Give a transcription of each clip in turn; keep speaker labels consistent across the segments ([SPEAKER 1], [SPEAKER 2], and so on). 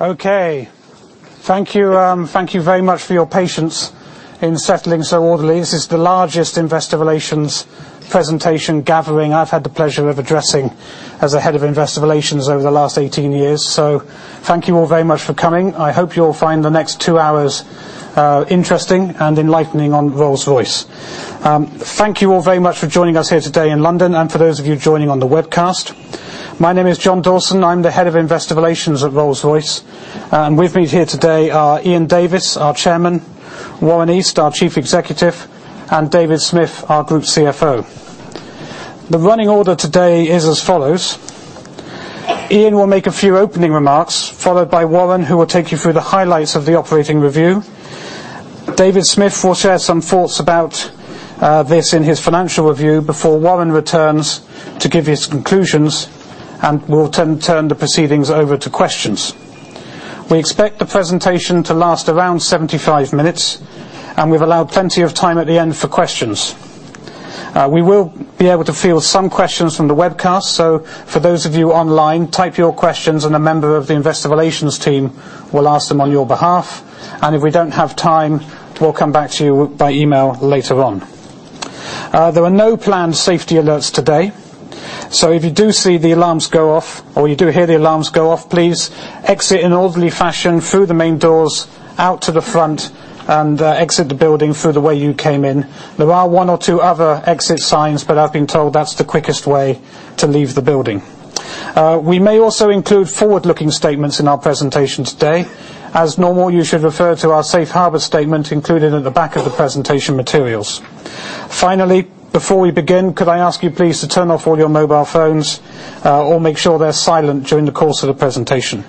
[SPEAKER 1] Okay. Thank you very much for your patience in settling so orderly. This is the largest investor relations presentation gathering I've had the pleasure of addressing as a head of investor relations over the last 18 years. Thank you all very much for coming. I hope you'll find the next 2 hours interesting and enlightening on Rolls-Royce. Thank you all very much for joining us here today in London and for those of you joining on the webcast. My name is John Dawson. I'm the head of investor relations at Rolls-Royce. With me here today are Ian Davis, our Chairman, Warren East, our Chief Executive, and David Smith, our Group CFO. The running order today is as follows. Ian will make a few opening remarks, followed by Warren, who will take you through the highlights of the operating review. David Smith will share some thoughts about this in his financial review before Warren returns to give his conclusions, and we'll then turn the proceedings over to questions. We expect the presentation to last around 75 minutes, and we've allowed plenty of time at the end for questions. We will be able to field some questions from the webcast. For those of you online, type your questions and a member of the investor relations team will ask them on your behalf. If we don't have time, we'll come back to you by email later on. There are no planned safety alerts today. If you do see the alarms go off or you do hear the alarms go off, please exit in an orderly fashion through the main doors out to the front, and exit the building through the way you came in. There are one or two other exit signs, but I've been told that's the quickest way to leave the building. We may also include forward-looking statements in our presentation today. As normal, you should refer to our safe harbor statement included at the back of the presentation materials. Finally, before we begin, could I ask you please to turn off all your mobile phones or make sure they're silent during the course of the presentation.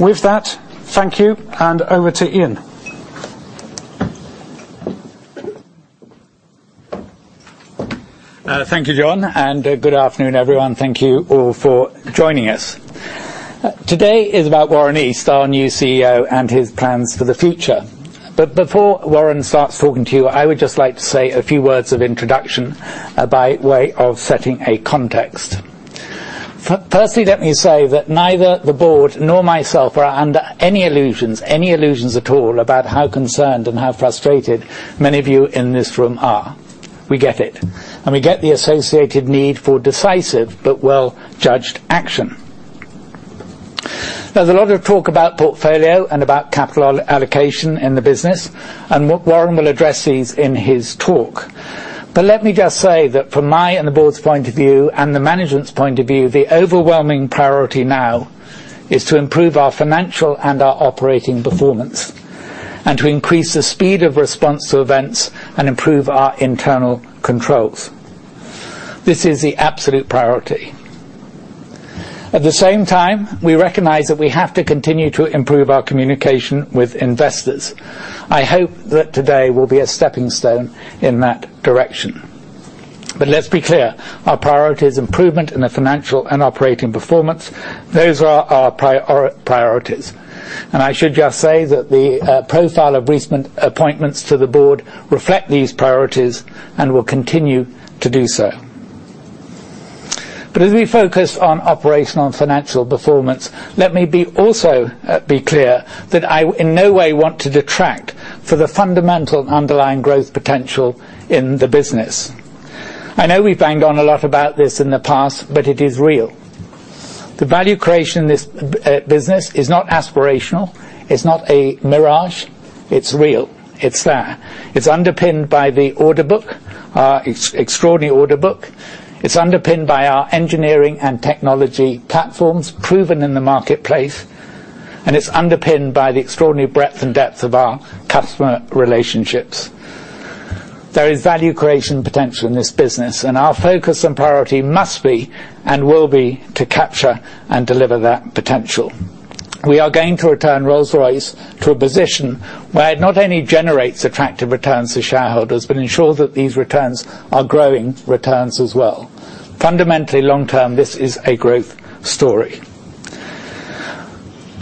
[SPEAKER 1] With that, thank you, and over to Ian.
[SPEAKER 2] Thank you, John. Good afternoon, everyone. Thank you all for joining us. Today is about Warren East, our new CEO, and his plans for the future. Before Warren starts talking to you, I would just like to say a few words of introduction by way of setting a context. Firstly, let me say that neither the board nor myself are under any illusions, any illusions at all, about how concerned and how frustrated many of you in this room are. We get it, and we get the associated need for decisive but well-judged action. There's a lot of talk about portfolio and about capital allocation in the business and Warren will address these in his talk. Let me just say that from my and the board's point of view and the management's point of view, the overwhelming priority now is to improve our financial and our operating performance and to increase the speed of response to events and improve our internal controls. This is the absolute priority. At the same time, we recognize that we have to continue to improve our communication with investors. I hope that today will be a stepping stone in that direction. Let's be clear. Our priority is improvement in the financial and operating performance. Those are our priorities. I should just say that the profile of recent appointments to the board reflect these priorities and will continue to do so. As we focus on operational and financial performance, let me also be clear that I, in no way, want to detract for the fundamental underlying growth potential in the business. I know we banged on a lot about this in the past, but it is real. The value creation in this business is not aspirational. It's not a mirage. It's real. It's there. It's underpinned by the order book, our extraordinary order book. It's underpinned by our engineering and technology platforms proven in the marketplace, and it's underpinned by the extraordinary breadth and depth of our customer relationships. There is value creation potential in this business, and our focus and priority must be and will be to capture and deliver that potential. We are going to return Rolls-Royce to a position where it not only generates attractive returns to shareholders, but ensure that these returns are growing returns as well. Fundamentally long-term, this is a growth story.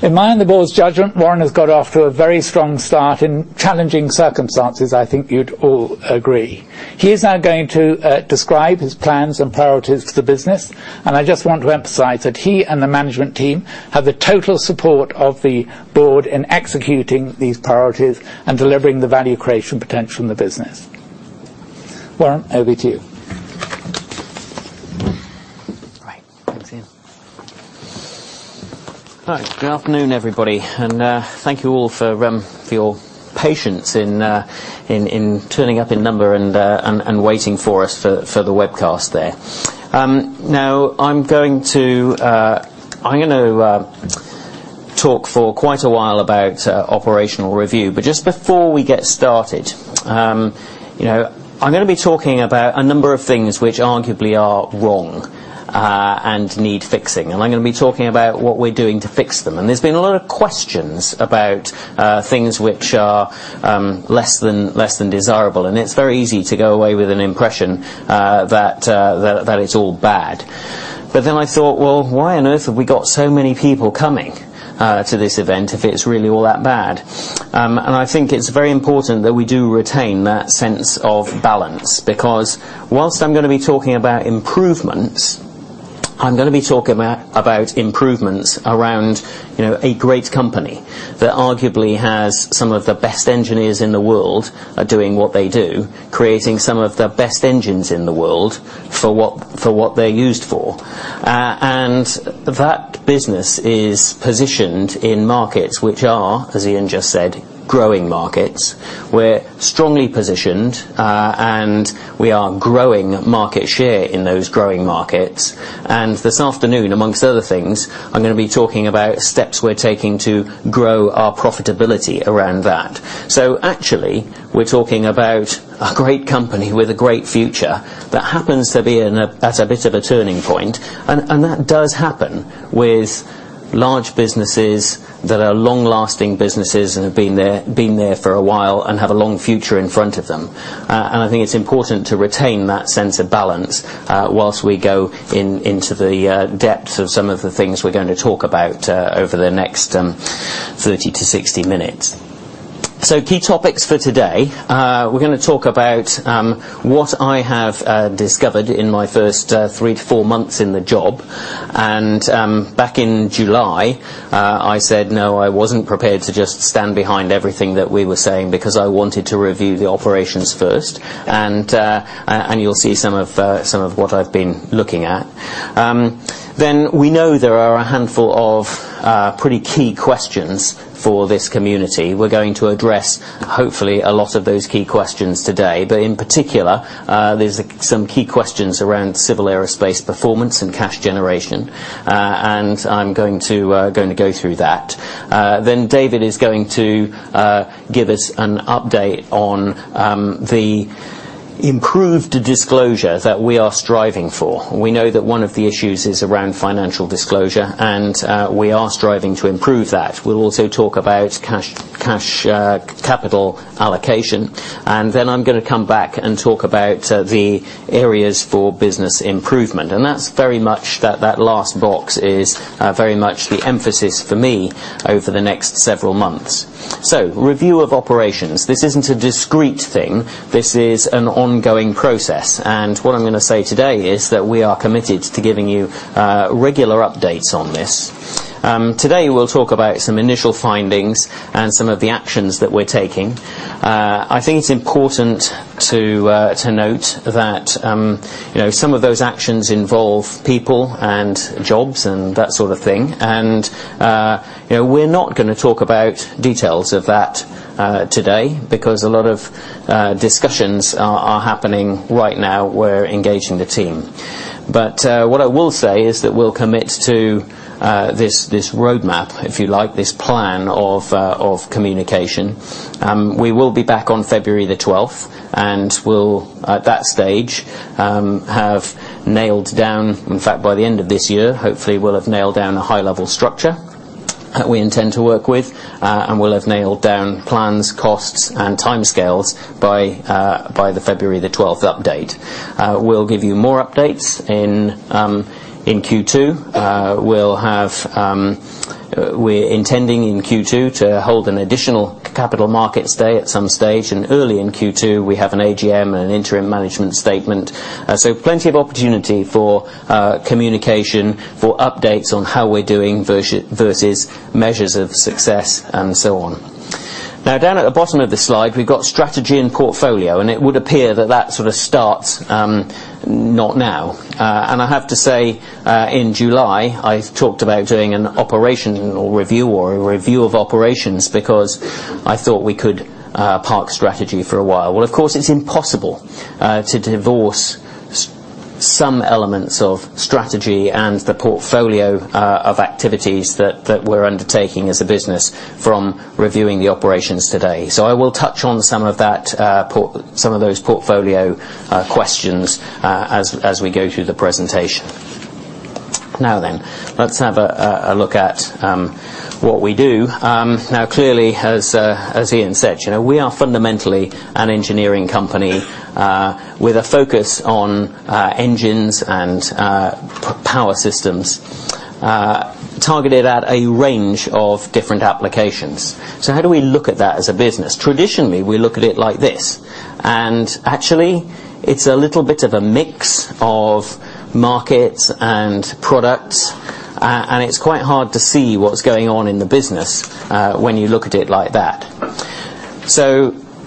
[SPEAKER 2] In my and the board's judgment, Warren has got off to a very strong start in challenging circumstances, I think you'd all agree. He is now going to describe his plans and priorities for the business. I just want to emphasize that he and the management team have the total support of the board in executing these priorities and delivering the value creation potential in the business. Warren, over to you.
[SPEAKER 3] Right. Thanks, Ian. All right. Good afternoon, everybody. Thank you all for your patience in turning up in number and waiting for us for the webcast there. Now I'm going to talk for quite a while about operational review. Just before we get started, I'm going to be talking about a number of things which arguably are wrong and need fixing, and I'm going to be talking about what we're doing to fix them. There's been a lot of questions about things which are less than desirable, and it's very easy to go away with an impression that it's all bad. I thought, well, why on earth have we got so many people coming to this event if it's really all that bad? I think it's very important that we do retain that sense of balance because whilst I'm going to be talking about improvements around a great company that arguably has some of the best engineers in the world doing what they do, creating some of the best engines in the world for what they're used for. That business is positioned in markets which are, as Ian just said, growing markets. We're strongly positioned, and we are growing market share in those growing markets. This afternoon, amongst other things, I'm going to be talking about steps we're taking to grow our profitability around that. Actually, we're talking about a great company with a great future that happens to be at a bit of a turning point, and that does happen with large businesses that are long-lasting businesses and have been there for a while and have a long future in front of them. I think it's important to retain that sense of balance whilst we go into the depths of some of the things we're going to talk about over the next 30 to 60 minutes. Key topics for today. We're going to talk about what I have discovered in my first three to four months in the job. Back in July, I said no, I wasn't prepared to just stand behind everything that we were saying because I wanted to review the operations first, and you'll see some of what I've been looking at. We know there are a handful of pretty key questions for this community. We're going to address, hopefully, a lot of those key questions today. In particular, there's some key questions around Civil Aerospace performance and cash generation. I'm going to go through that. David is going to give us an update on the improved disclosure that we are striving for. We know that one of the issues is around financial disclosure, and we are striving to improve that. We'll also talk about capital allocation. I'm going to come back and talk about the areas for business improvement. That last box is very much the emphasis for me over the next several months. Review of operations. This isn't a discrete thing. This is an ongoing process. What I'm going to say today is that we are committed to giving you regular updates on this. Today we'll talk about some initial findings and some of the actions that we're taking. I think it's important to note that some of those actions involve people and jobs and that sort of thing. We're not going to talk about details of that today because a lot of discussions are happening right now. We're engaging the team. What I will say is that we'll commit to this roadmap, if you like, this plan of communication. We will be back on February 12th, and we'll, at that stage, have nailed down, in fact, by the end of this year, hopefully, we'll have nailed down a high-level structure that we intend to work with, and we'll have nailed down plans, costs, and timescales by the February 12th update. We'll give you more updates in Q2. We're intending in Q2 to hold an additional capital markets day at some stage. Early in Q2, we have an AGM and an interim management statement. Plenty of opportunity for communication, for updates on how we're doing versus measures of success and so on. Down at the bottom of the slide, we've got strategy and portfolio, and it would appear that that sort of starts not now. I have to say, in July, I talked about doing an operational review or a review of operations because I thought we could park strategy for a while. Of course, it's impossible to divorce some elements of strategy and the portfolio of activities that we're undertaking as a business from reviewing the operations today. I will touch on some of those portfolio questions as we go through the presentation. Let's have a look at what we do. Clearly, as Ian said, we are fundamentally an engineering company with a focus on engines and power systems targeted at a range of different applications. How do we look at that as a business? Traditionally, we look at it like this, and actually, it's a little bit of a mix of markets and products, and it's quite hard to see what's going on in the business when you look at it like that.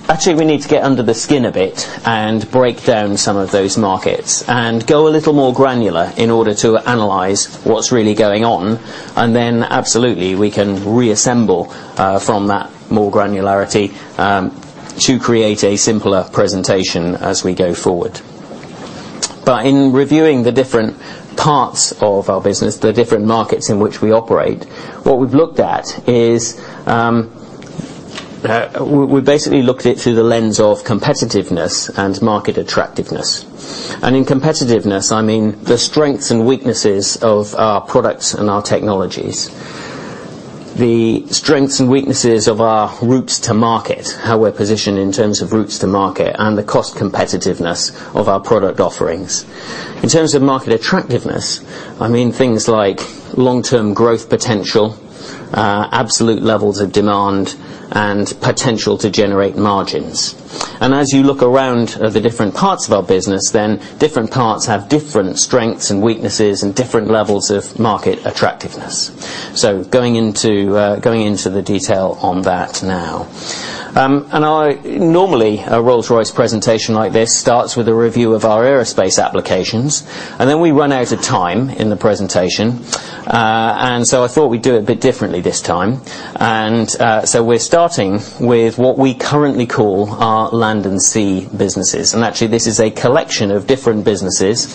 [SPEAKER 3] Actually, we need to get under the skin a bit and break down some of those markets and go a little more granular in order to analyze what's really going on. Absolutely, we can reassemble from that more granularity to create a simpler presentation as we go forward. In reviewing the different parts of our business, the different markets in which we operate, what we've looked at is we basically looked at it through the lens of competitiveness and market attractiveness. In competitiveness, I mean the strengths and weaknesses of our products and our technologies. The strengths and weaknesses of our routes to market, how we're positioned in terms of routes to market, and the cost competitiveness of our product offerings. In terms of market attractiveness, I mean things like long-term growth potential, absolute levels of demand, and potential to generate margins. As you look around the different parts of our business, then different parts have different strengths and weaknesses and different levels of market attractiveness. Going into the detail on that now. Normally, a Rolls-Royce presentation like this starts with a review of our aerospace applications, then we run out of time in the presentation. I thought we'd do it a bit differently this time. We're starting with what we currently call our land and sea businesses. Actually, this is a collection of different businesses.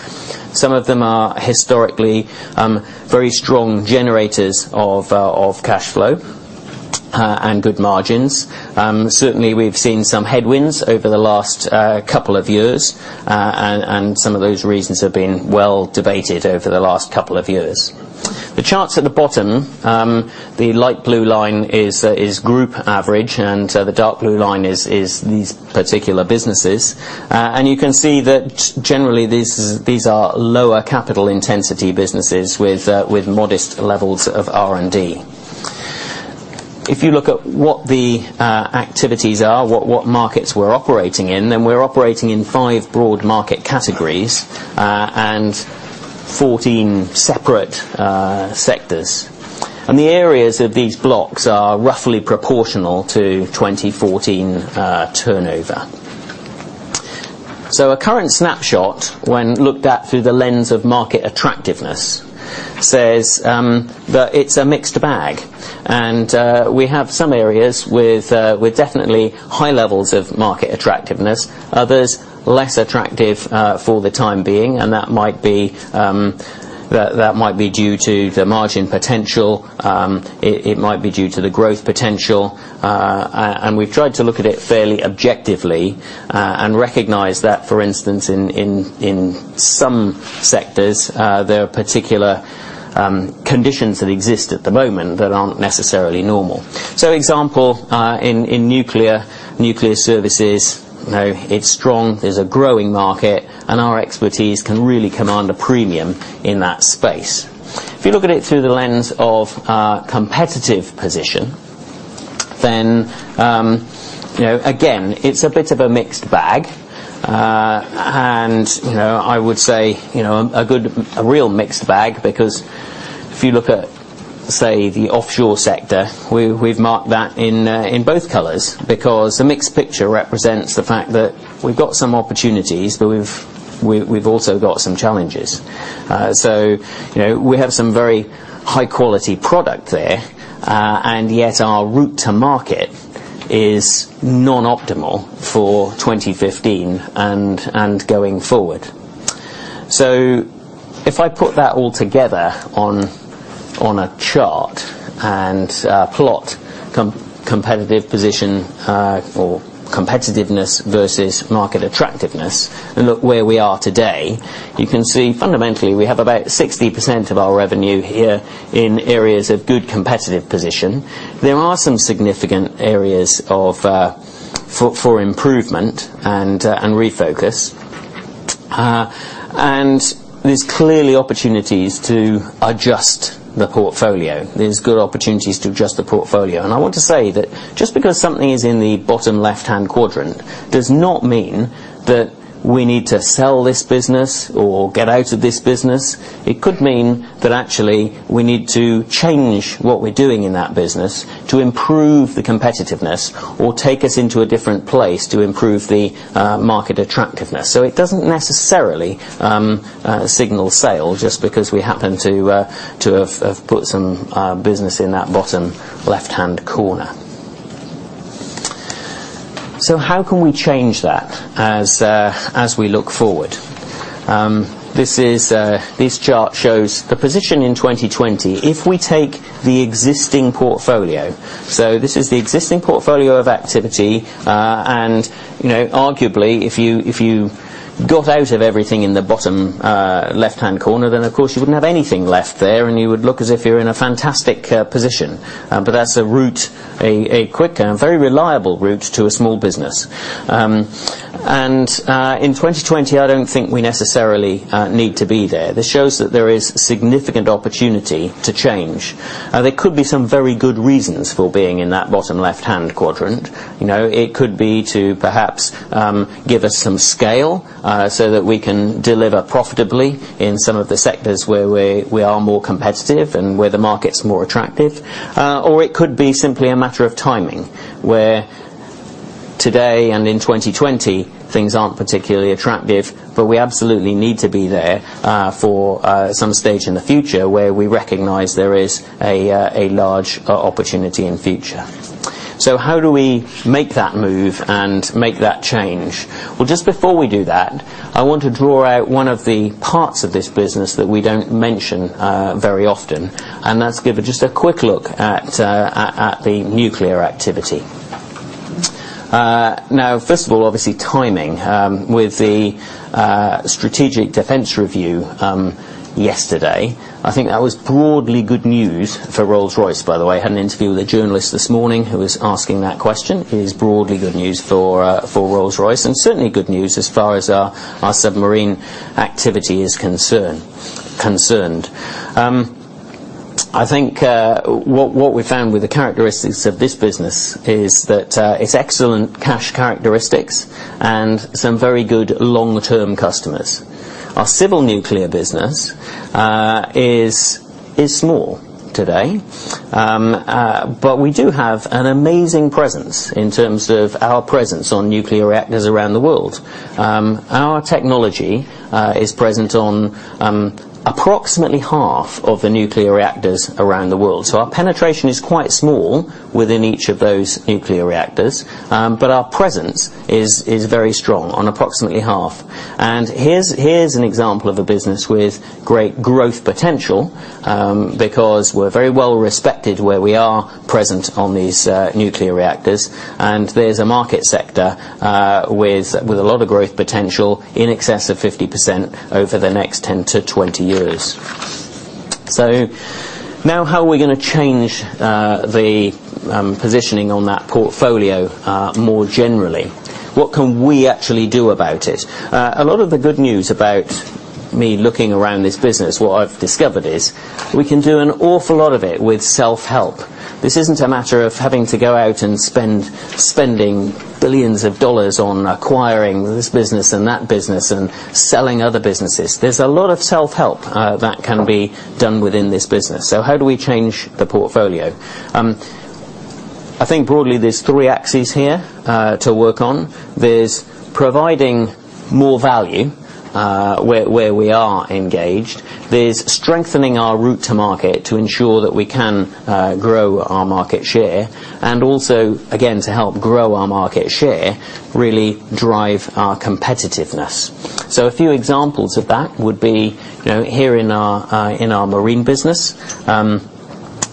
[SPEAKER 3] Some of them are historically very strong generators of cash flow and good margins. Certainly, we've seen some headwinds over the last couple of years, and some of those reasons have been well debated over the last couple of years. The charts at the bottom, the light blue line is group average, and the dark blue line is these particular businesses. You can see that generally, these are lower capital intensity businesses with modest levels of R&D. If you look at what the activities are, what markets we're operating in, we're operating in 5 broad market categories and 14 separate sectors. The areas of these blocks are roughly proportional to 2014 turnover. A current snapshot when looked at through the lens of market attractiveness says that it's a mixed bag. We have some areas with definitely high levels of market attractiveness, others less attractive for the time being, that might be due to the margin potential. It might be due to the growth potential. We've tried to look at it fairly objectively and recognize that, for instance, in some sectors, there are particular conditions that exist at the moment that aren't necessarily normal. Example, in nuclear services, it's strong, there's a growing market, and our expertise can really command a premium in that space. If you look at it through the lens of competitive position again, it's a bit of a mixed bag. I would say a real mixed bag because if you look at, say, the offshore sector, we've marked that in both colors because the mixed picture represents the fact that we've got some opportunities, but we've also got some challenges. We have some very high-quality product there, and yet our route to market is non-optimal for 2015 and going forward. If I put that all together on a chart and plot competitive position or competitiveness versus market attractiveness and look where we are today, you can see fundamentally we have about 60% of our revenue here in areas of good competitive position. There are some significant areas for improvement and refocus. There's clearly opportunities to adjust the portfolio. There's good opportunities to adjust the portfolio. I want to say that just because something is in the bottom left-hand quadrant does not mean that we need to sell this business or get out of this business. It could mean that actually we need to change what we're doing in that business to improve the competitiveness or take us into a different place to improve the market attractiveness. It doesn't necessarily signal sale just because we happen to have put some business in that bottom left-hand corner. How can we change that as we look forward? This chart shows the position in 2020 if we take the existing portfolio. This is the existing portfolio of activity, arguably, if you got out of everything in the bottom left-hand corner, of course you wouldn't have anything left there and you would look as if you're in a fantastic position. That's a route, a quick and very reliable route to a small business. In 2020, I don't think we necessarily need to be there. This shows that there is significant opportunity to change. There could be some very good reasons for being in that bottom left-hand quadrant. It could be to perhaps give us some scale so that we can deliver profitably in some of the sectors where we are more competitive and where the market's more attractive. It could be simply a matter of timing, where today and in 2020, things aren't particularly attractive, but we absolutely need to be there for some stage in the future where we recognize there is a large opportunity in future. How do we make that move and make that change? Just before we do that, I want to draw out one of the parts of this business that we don't mention very often, that's give just a quick look at the nuclear activity. First of all, obviously timing with the strategic defense review yesterday. I think that was broadly good news for Rolls-Royce, by the way. I had an interview with a journalist this morning who was asking that question, is broadly good news for Rolls-Royce and certainly good news as far as our submarine activity is concerned. I think what we found with the characteristics of this business is that it's excellent cash characteristics and some very good long-term customers. Our civil nuclear business is small today. We do have an amazing presence in terms of our presence on nuclear reactors around the world. Our technology is present on approximately half of the nuclear reactors around the world. Our penetration is quite small within each of those nuclear reactors, but our presence is very strong on approximately half. Here's an example of a business with great growth potential, because we're very well respected where we are present on these nuclear reactors, and there's a market sector with a lot of growth potential, in excess of 50% over the next 10 to 20 years. Now how are we going to change the positioning on that portfolio more generally? What can we actually do about it? A lot of the good news about me looking around this business, what I've discovered is, we can do an awful lot of it with self-help. This isn't a matter of having to go out and spending billions of GBP on acquiring this business and that business and selling other businesses. There's a lot of self-help that can be done within this business. How do we change the portfolio? I think broadly, there's three axes here to work on. There's providing more value where we are engaged. There's strengthening our route to market to ensure that we can grow our market share. Also, again, to help grow our market share, really drive our competitiveness. A few examples of that would be here in our marine business.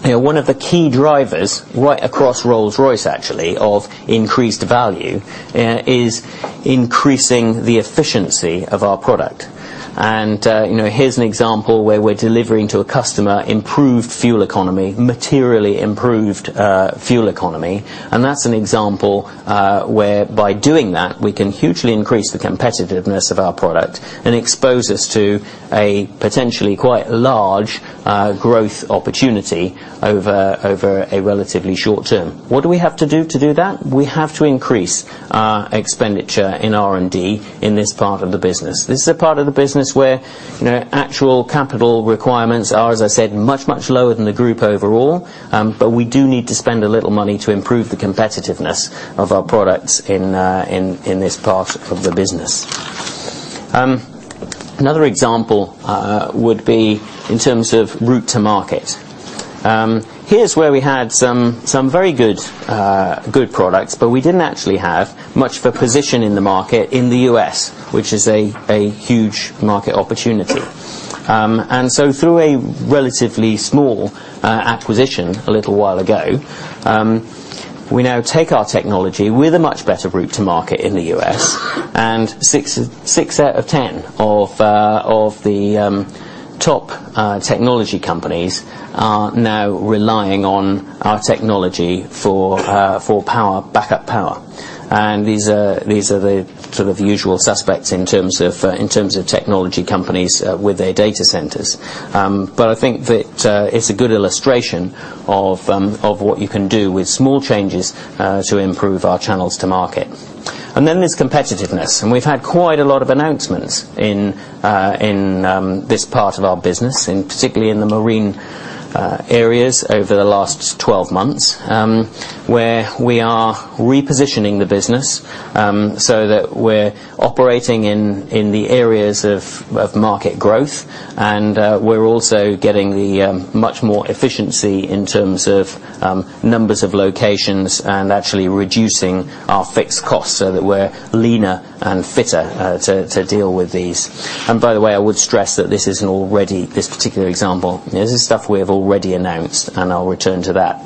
[SPEAKER 3] One of the key drivers right across Rolls-Royce actually, of increased value, is increasing the efficiency of our product. Here's an example where we're delivering to a customer improved fuel economy, materially improved fuel economy, and that's an example where by doing that, we can hugely increase the competitiveness of our product and expose us to a potentially quite large growth opportunity over a relatively short term. What do we have to do to do that? We have to increase our expenditure in R&D in this part of the business. This is a part of the business where actual capital requirements are, as I said, much, much lower than the group overall. We do need to spend a little money to improve the competitiveness of our products in this part of the business. Another example would be in terms of route to market. Here's where we had some very good products, but we didn't actually have much of a position in the market in the U.S., which is a huge market opportunity. Through a relatively small acquisition a little while ago, we now take our technology with a much better route to market in the U.S., and six out of 10 of the top technology companies are now relying on our technology for backup power. These are the usual suspects in terms of technology companies with their data centers. I think that it's a good illustration of what you can do with small changes to improve our channels to market. Then there's competitiveness. We've had quite a lot of announcements in this part of our business, particularly in the marine areas over the last 12 months, where we are repositioning the business so that we're operating in the areas of market growth and we're also getting much more efficiency in terms of numbers of locations and actually reducing our fixed costs so that we're leaner and fitter to deal with these. By the way, I would stress that this is an already, this particular example, this is stuff we have already announced, and I'll return to that.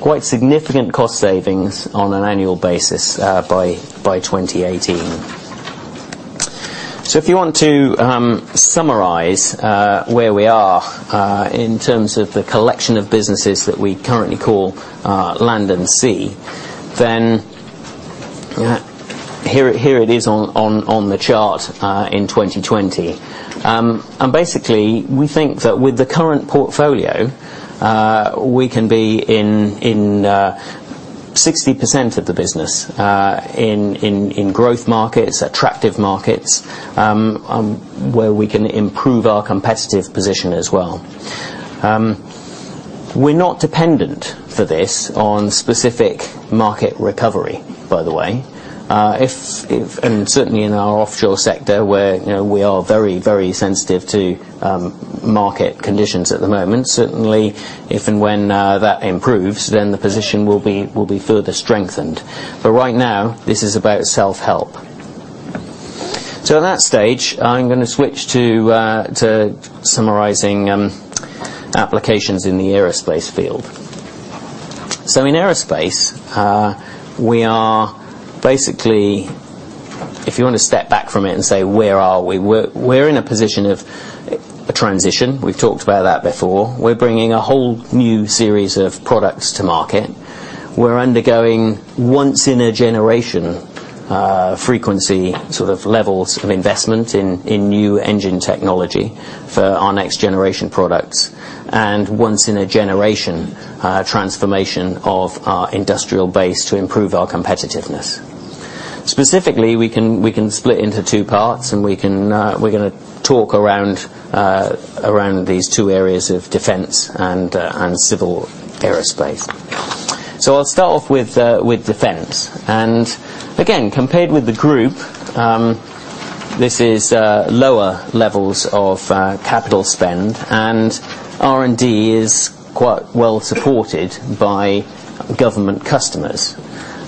[SPEAKER 3] Quite significant cost savings on an annual basis by 2018. If you want to summarize where we are in terms of the collection of businesses that we currently call Land and Sea, here it is on the chart in 2020. Basically, we think that with the current portfolio, we can be in 60% of the business in growth markets, attractive markets, where we can improve our competitive position as well. We're not dependent for this on specific market recovery, by the way. Certainly, in our offshore sector, where we are very, very sensitive to market conditions at the moment. Certainly, if and when that improves, then the position will be further strengthened. Right now, this is about self-help. At that stage, I'm going to switch to summarizing applications in the aerospace field. In aerospace, we are basically, if you want to step back from it and say, where are we? We're in a position of transition. We've talked about that before. We're bringing a whole new series of products to market. We're undergoing once-in-a-generation frequency levels of investment in new engine technology for our next-generation products, and once-in-a-generation transformation of our industrial base to improve our competitiveness. Specifically, we can split into two parts and we're going to talk around these two areas of defense and Civil Aerospace. I'll start off with defense. Again, compared with the group, this is lower levels of capital spend, and R&D is quite well-supported by government customers.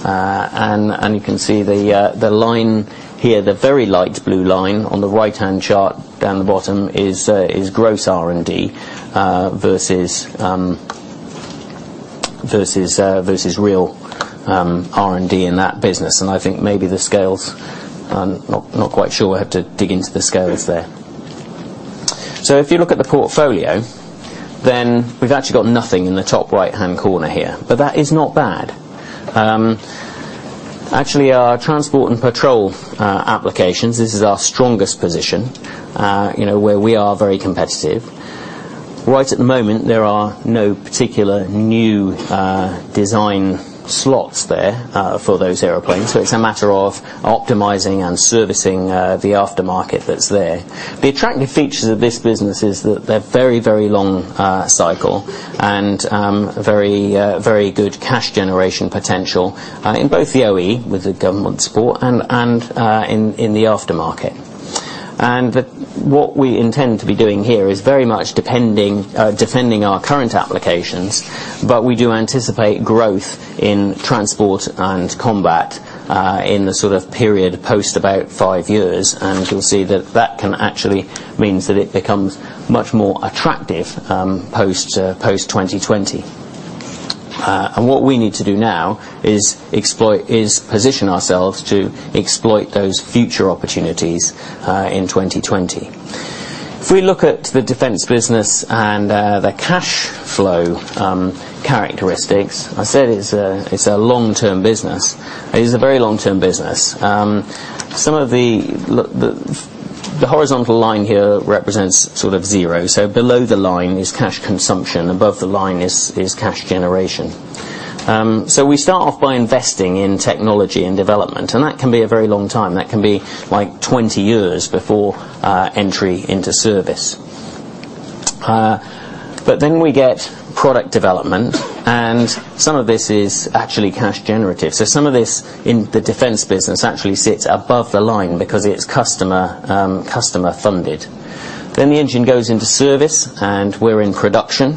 [SPEAKER 3] You can see the line here, the very light blue line on the right-hand chart down the bottom is gross R&D versus real R&D in that business, and I think maybe the scales, I'm not quite sure. I have to dig into the scales there. If you look at the portfolio, we've actually got nothing in the top right-hand corner here. That is not bad. Actually, our transport and patrol applications, this is our strongest position where we are very competitive. Right at the moment, there are no particular new design slots there for those airplanes. It's a matter of optimizing and servicing the aftermarket that's there. The attractive features of this business is that they're very, very long cycle and very good cash generation potential in both the OE, with the government support, and in the aftermarket. What we intend to be doing here is very much defending our current applications, but we do anticipate growth in transport and combat in the sort of period post about five years. You'll see that that actually means that it becomes much more attractive post 2020. What we need to do now is position ourselves to exploit those future opportunities in 2020. If we look at the defense business and the cash flow characteristics, I said it's a long-term business. It is a very long-term business. The horizontal line here represents sort of zero. Below the line is cash consumption, above the line is cash generation. We start off by investing in technology and development, and that can be a very long time. That can be like 20 years before entry into service. We get product development and some of this is actually cash generative. Some of this in the defense business actually sits above the line because it's customer-funded. The engine goes into service and we're in production.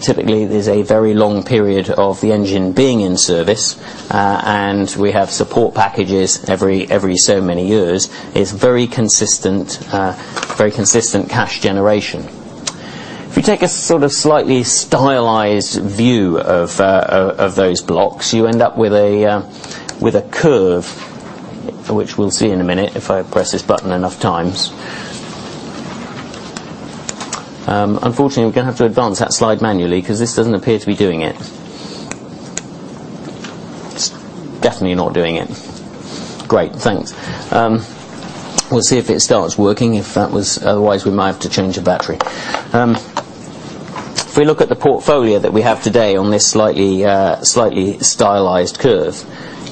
[SPEAKER 3] Typically, there's a very long period of the engine being in service. We have support packages every so many years. It's very consistent cash generation. If you take a sort of slightly stylized view of those blocks, you end up with a curve, which we'll see in a minute if I press this button enough times. Unfortunately, we're going to have to advance that slide manually because this doesn't appear to be doing it. It's definitely not doing it. Great. Thanks. We'll see if it starts working. Otherwise, we might have to change the battery. If we look at the portfolio that we have today on this slightly stylized curve,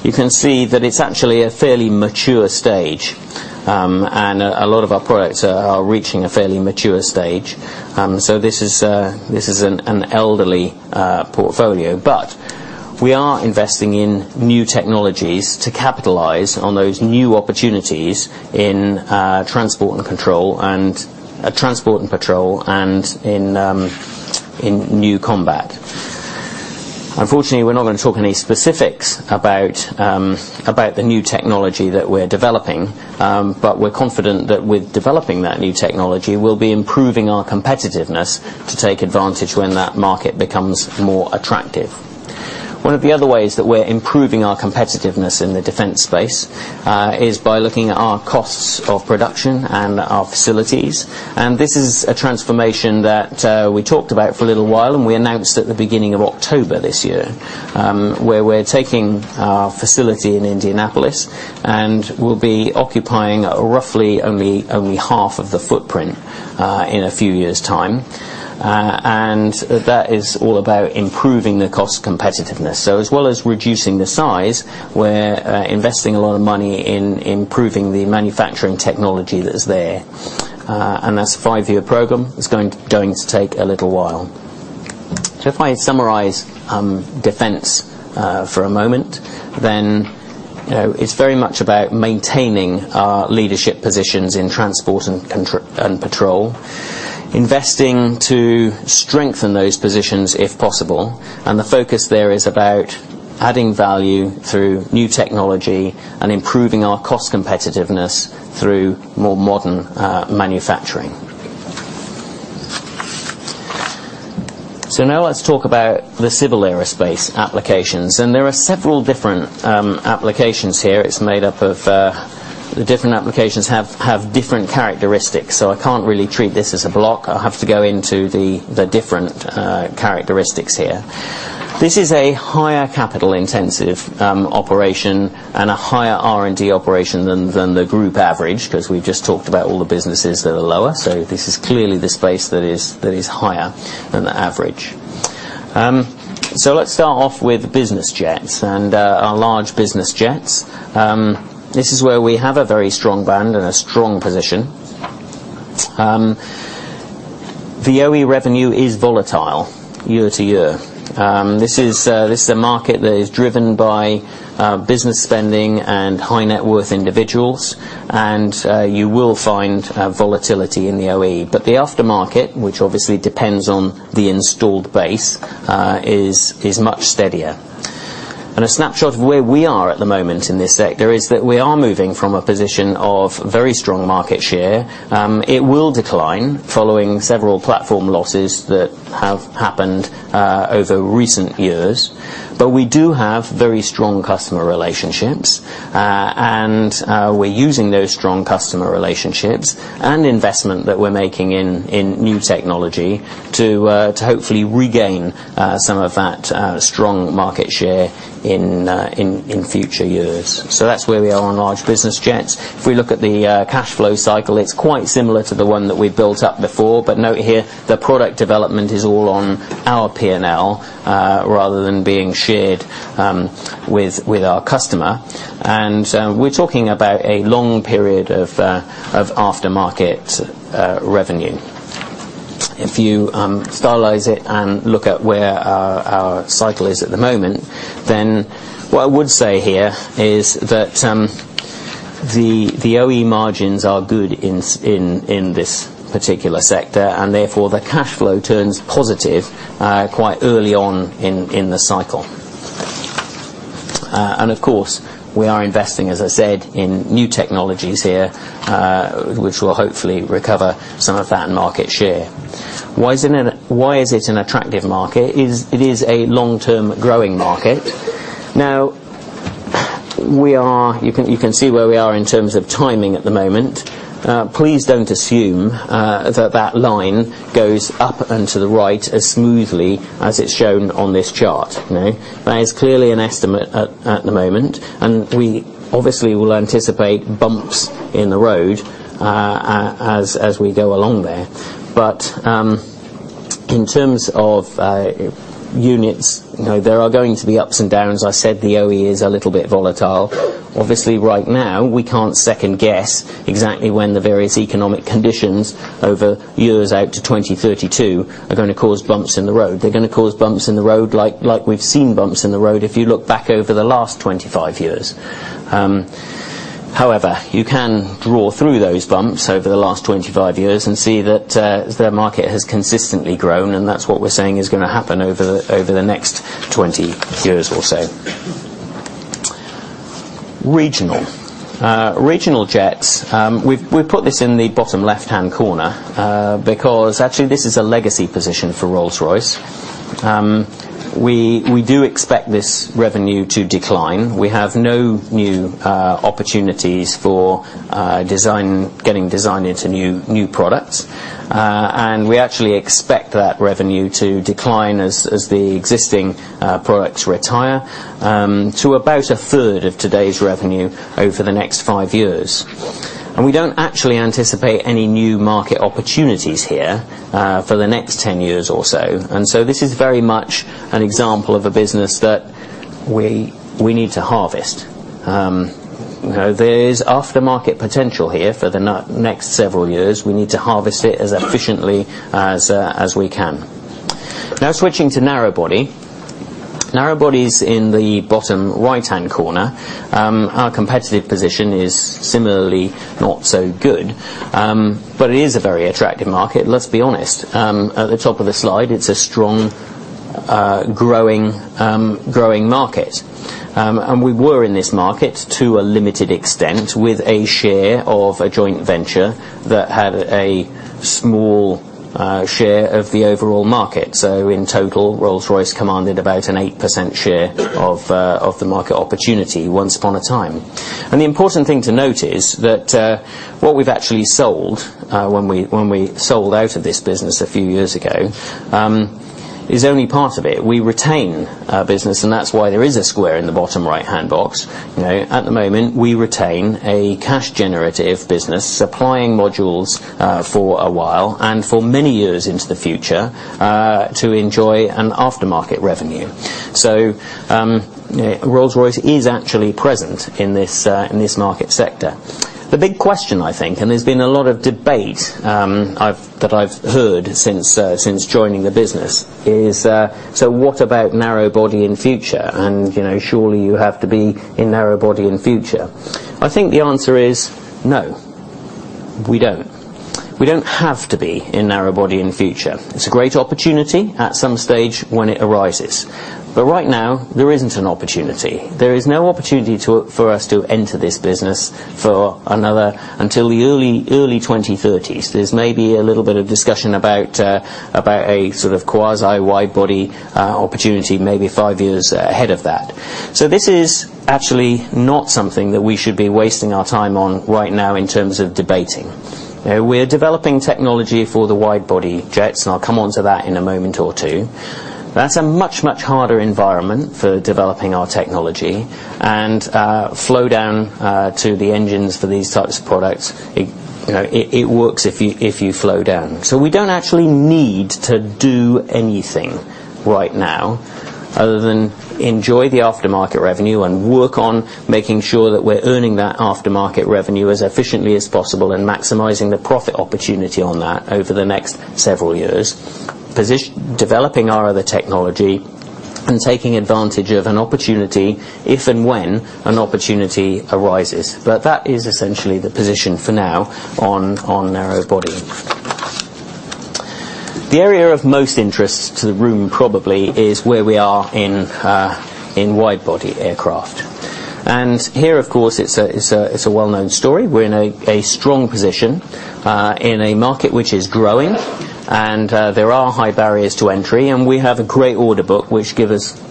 [SPEAKER 3] you can see that it's actually a fairly mature stage. A lot of our products are reaching a fairly mature stage. This is an elderly portfolio, but we are investing in new technologies to capitalize on those new opportunities in transport and patrol, and in new combat. Unfortunately, we're not going to talk any specifics about the new technology that we're developing. We're confident that with developing that new technology, we'll be improving our competitiveness to take advantage when that market becomes more attractive. One of the other ways that we're improving our competitiveness in the defense space is by looking at our costs of production and our facilities. This is a transformation that we talked about for a little while, and we announced at the beginning of October this year, where we're taking our facility in Indianapolis and we'll be occupying roughly only half of the footprint in a few years' time. That is all about improving the cost competitiveness. As well as reducing the size, we're investing a lot of money in improving the manufacturing technology that's there. That's a five-year program. It's going to take a little while. If I summarize defense for a moment, it's very much about maintaining our leadership positions in transport and patrol, investing to strengthen those positions if possible, and the focus there is about adding value through new technology and improving our cost competitiveness through more modern manufacturing. Now let's talk about the Civil Aerospace applications. There are several different applications here. The different applications have different characteristics, so I can't really treat this as a block. I have to go into the different characteristics here. This is a higher capital-intensive operation and a higher R&D operation than the group average, because we've just talked about all the businesses that are lower. This is clearly the space that is higher than the average. Let's start off with business jets and our large business jets. This is where we have a very strong brand and a strong position. The OE revenue is volatile year to year. This is a market that is driven by business spending and high net worth individuals, and you will find volatility in the OE. The aftermarket, which obviously depends on the installed base, is much steadier. A snapshot of where we are at the moment in this sector is that we are moving from a position of very strong market share. It will decline following several platform losses that have happened over recent years, but we do have very strong customer relationships, and we're using those strong customer relationships and investment that we're making in new technology to hopefully regain some of that strong market share in future years. That's where we are on large business jets. If we look at the cash flow cycle, it's quite similar to the one that we built up before, but note here the product development is all on our P&L rather than being shared with our customer. We're talking about a long period of aftermarket revenue. If you stylize it and look at where our cycle is at the moment, what I would say here is that the OE margins are good in this particular sector, and therefore, the cash flow turns positive quite early on in the cycle. Of course, we are investing, as I said, in new technologies here, which will hopefully recover some of that market share. Why is it an attractive market? It is a long-term growing market. You can see where we are in terms of timing at the moment. Please don't assume that that line goes up and to the right as smoothly as it's shown on this chart. That is clearly an estimate at the moment, and we obviously will anticipate bumps in the road as we go along there. In terms of units, there are going to be ups and downs. I said the OE is a little bit volatile. Obviously, right now, we can't second guess exactly when the various economic conditions over years out to 2032 are going to cause bumps in the road. They're going to cause bumps in the road like we've seen bumps in the road if you look back over the last 25 years. However, you can draw through those bumps over the last 25 years and see that the market has consistently grown, and that's what we're saying is going to happen over the next 20 years or so. Regional. Regional jets, we've put this in the bottom left-hand corner because actually this is a legacy position for Rolls-Royce. We do expect this revenue to decline. We have no new opportunities for getting design into new products. We actually expect that revenue to decline as the existing products retire to about a third of today's revenue over the next five years. We don't actually anticipate any new market opportunities here for the next 10 years or so. This is very much an example of a business that we need to harvest. There is aftermarket potential here for the next several years. We need to harvest it as efficiently as we can. Now, switching to narrow body. Narrow body is in the bottom right-hand corner. Our competitive position is similarly not so good. It is a very attractive market, let's be honest. At the top of the slide, it's a strong growing market. We were in this market to a limited extent with a share of a joint venture that had a small share of the overall market. In total, Rolls-Royce commanded about an 8% share of the market opportunity once upon a time. The important thing to note is that what we've actually sold when we sold out of this business a few years ago is only part of it. We retain a business, and that's why there is a square in the bottom right-hand box. At the moment, we retain a cash generative business supplying modules for a while and for many years into the future to enjoy an aftermarket revenue. Rolls-Royce is actually present in this market sector. The big question, I think, and there's been a lot of debate that I've heard since joining the business is, what about narrow body in future? Surely you have to be in narrow body in future. I think the answer is no. We don't. We don't have to be in narrow body in the future. It's a great opportunity at some stage when it arises. Right now, there isn't an opportunity. There is no opportunity for us to enter this business until the early 2030s. There's maybe a little bit of discussion about a sort of quasi-wide body opportunity maybe five years ahead of that. This is actually not something that we should be wasting our time on right now in terms of debating. We're developing technology for the wide body jets, and I'll come onto that in a moment or two. That's a much, much harder environment for developing our technology and flow down to the engines for these types of products. It works if you flow down. We don't actually need to do anything right now other than enjoy the aftermarket revenue and work on making sure that we're earning that aftermarket revenue as efficiently as possible and maximizing the profit opportunity on that over the next several years. Developing our other technology and taking advantage of an opportunity if and when an opportunity arises. That is essentially the position for now on narrow body. The area of most interest to the room probably is where we are in wide body aircraft. Here, of course, it's a well-known story. We're in a strong position in a market which is growing, there are high barriers to entry, we have a great order book, which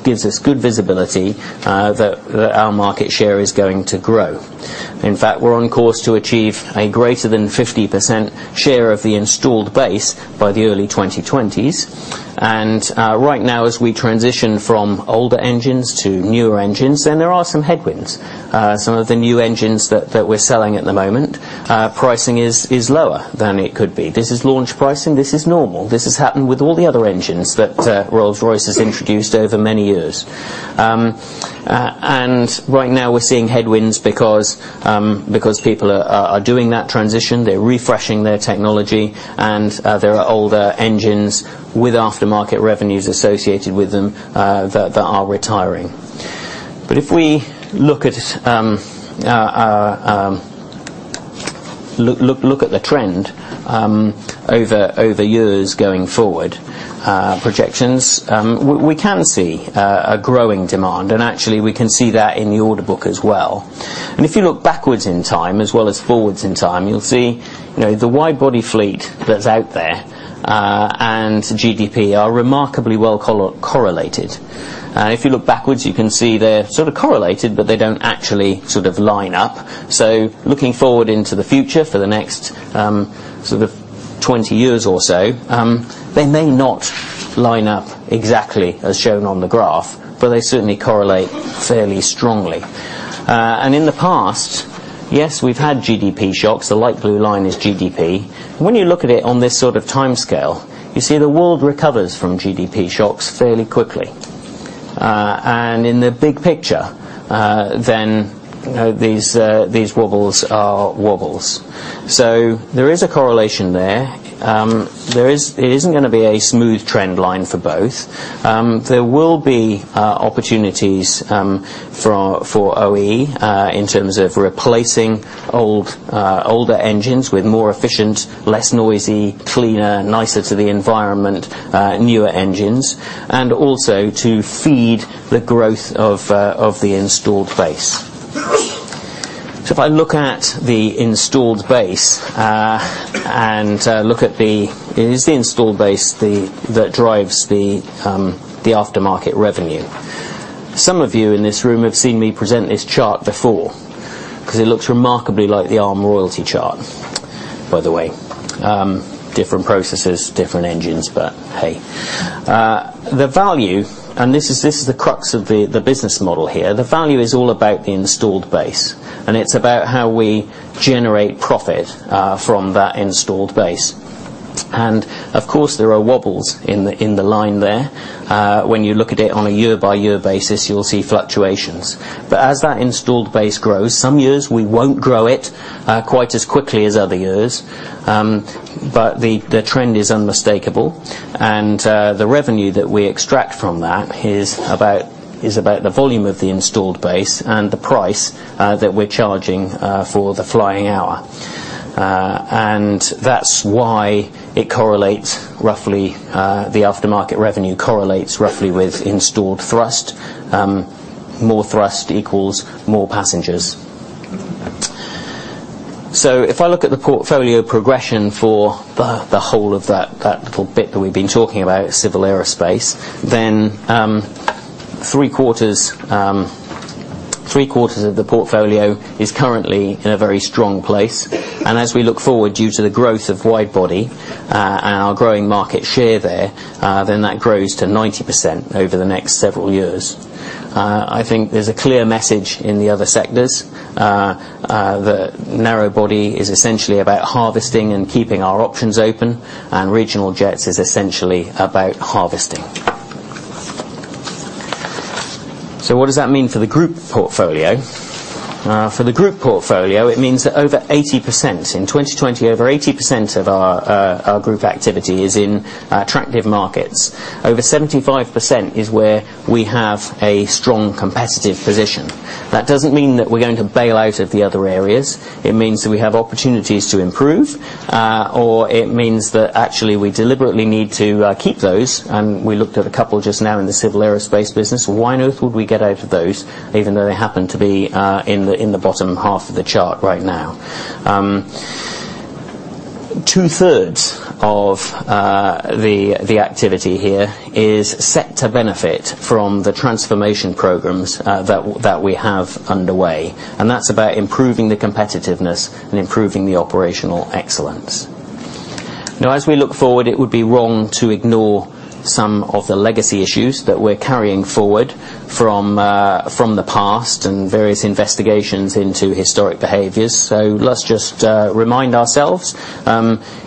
[SPEAKER 3] gives us good visibility that our market share is going to grow. In fact, we're on course to achieve a greater than 50% share of the installed base by the early 2020s. Right now, as we transition from older engines to newer engines, there are some headwinds. Some of the new engines that we're selling at the moment, pricing is lower than it could be. This is launch pricing. This is normal. This has happened with all the other engines that Rolls-Royce has introduced over many years. Right now, we're seeing headwinds because people are doing that transition. They're refreshing their technology, there are older engines with aftermarket revenues associated with them that are retiring. If we look at the trend over years going forward, projections, we can see a growing demand, actually, we can see that in the order book as well. If you look backwards in time as well as forwards in time, you'll see the wide body fleet that's out there and GDP are remarkably well correlated. If you look backwards, you can see they're sort of correlated, but they don't actually line up. Looking forward into the future for the next 20 years or so, they may not line up exactly as shown on the graph, but they certainly correlate fairly strongly. In the past, yes, we've had GDP shocks. The light blue line is GDP. When you look at it on this sort of timescale, you see the world recovers from GDP shocks fairly quickly. In the big picture these wobbles are wobbles. There is a correlation there. It isn't going to be a smooth trend line for both. There will be opportunities for OE in terms of replacing older engines with more efficient, less noisy, cleaner, nicer to the environment, newer engines, also to feed the growth of the installed base. If I look at the installed base and look at the It is the installed base that drives the aftermarket revenue. Some of you in this room have seen me present this chart before because it looks remarkably like the Arm royalty chart, by the way. Different processes, different engines, but hey. The value, this is the crux of the business model here. The value is all about the installed base, it's about how we generate profit from that installed base. Of course, there are wobbles in the line there. When you look at it on a year-by-year basis, you'll see fluctuations. As that installed base grows, some years we won't grow it quite as quickly as other years. The trend is unmistakable, the revenue that we extract from that is about the volume of the installed base and the price that we're charging for the flying hour. That's why it correlates roughly, the aftermarket revenue correlates roughly with installed thrust. More thrust equals more passengers. If I look at the portfolio progression for the whole of that little bit that we've been talking about, Civil Aerospace, three-quarters of the portfolio is currently in a very strong place. As we look forward, due to the growth of wide body and our growing market share there, that grows to 90% over the next several years. I think there's a clear message in the other sectors. The narrow body is essentially about harvesting and keeping our options open, and regional jets is essentially about harvesting. What does that mean for the group portfolio? For the group portfolio, it means that over 80%, in 2020, over 80% of our group activity is in attractive markets. Over 75% is where we have a strong competitive position. That doesn't mean that we're going to bail out of the other areas. It means that we have opportunities to improve, or it means that actually we deliberately need to keep those. We looked at a couple just now in the Civil Aerospace business. Why on earth would we get out of those, even though they happen to be in the bottom half of the chart right now? Two-thirds of the activity here is set to benefit from the transformation programs that we have underway, and that's about improving the competitiveness and improving the operational excellence. As we look forward, it would be wrong to ignore some of the legacy issues that we're carrying forward from the past and various investigations into historic behaviors. Let's just remind ourselves,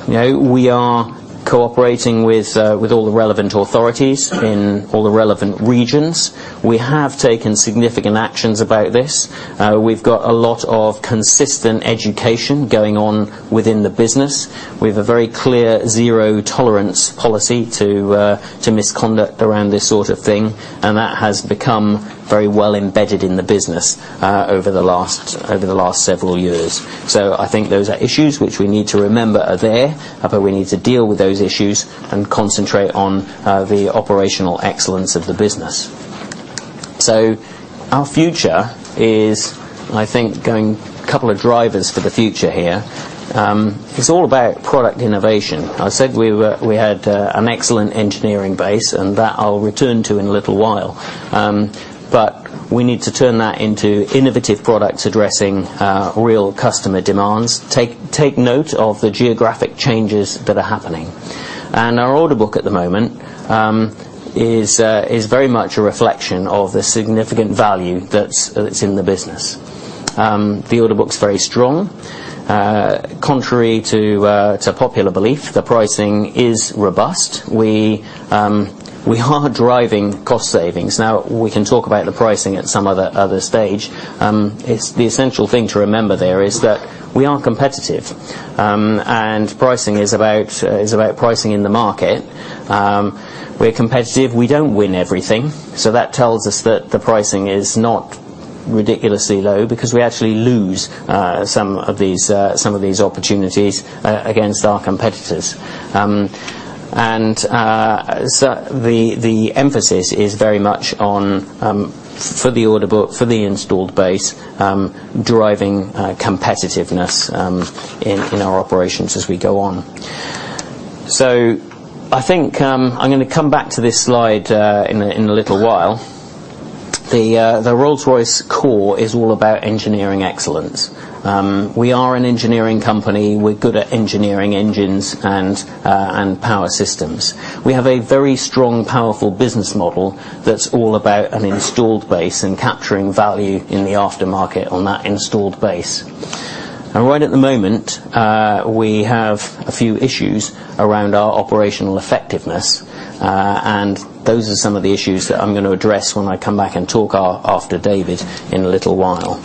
[SPEAKER 3] we are cooperating with all the relevant authorities in all the relevant regions. We have taken significant actions about this. We've got a lot of consistent education going on within the business. We've a very clear zero tolerance policy to misconduct around this sort of thing, and that has become very well embedded in the business, over the last several years. I think those are issues which we need to remember are there, but we need to deal with those issues and concentrate on the operational excellence of the business. Our future is, I think, going a couple of drivers for the future here. It's all about product innovation. I said we had an excellent engineering base, and that I'll return to in a little while. We need to turn that into innovative products addressing real customer demands. Take note of the geographic changes that are happening. Our order book at the moment is very much a reflection of the significant value that's in the business. The order book's very strong. Contrary to popular belief, the pricing is robust. We are driving cost savings. We can talk about the pricing at some other stage. The essential thing to remember there is that we are competitive, and pricing is about pricing in the market. We're competitive. We don't win everything, so that tells us that the pricing is not ridiculously low because we actually lose some of these opportunities against our competitors. The emphasis is very much on, for the order book, for the installed base, driving competitiveness in our operations as we go on. I think, I'm going to come back to this slide in a little while. The Rolls-Royce core is all about engineering excellence. We are an engineering company. We're good at engineering engines and power systems. We have a very strong, powerful business model that's all about an installed base and capturing value in the aftermarket on that installed base. Right at the moment, we have a few issues around our operational effectiveness. Those are some of the issues that I'm going to address when I come back and talk after David in a little while.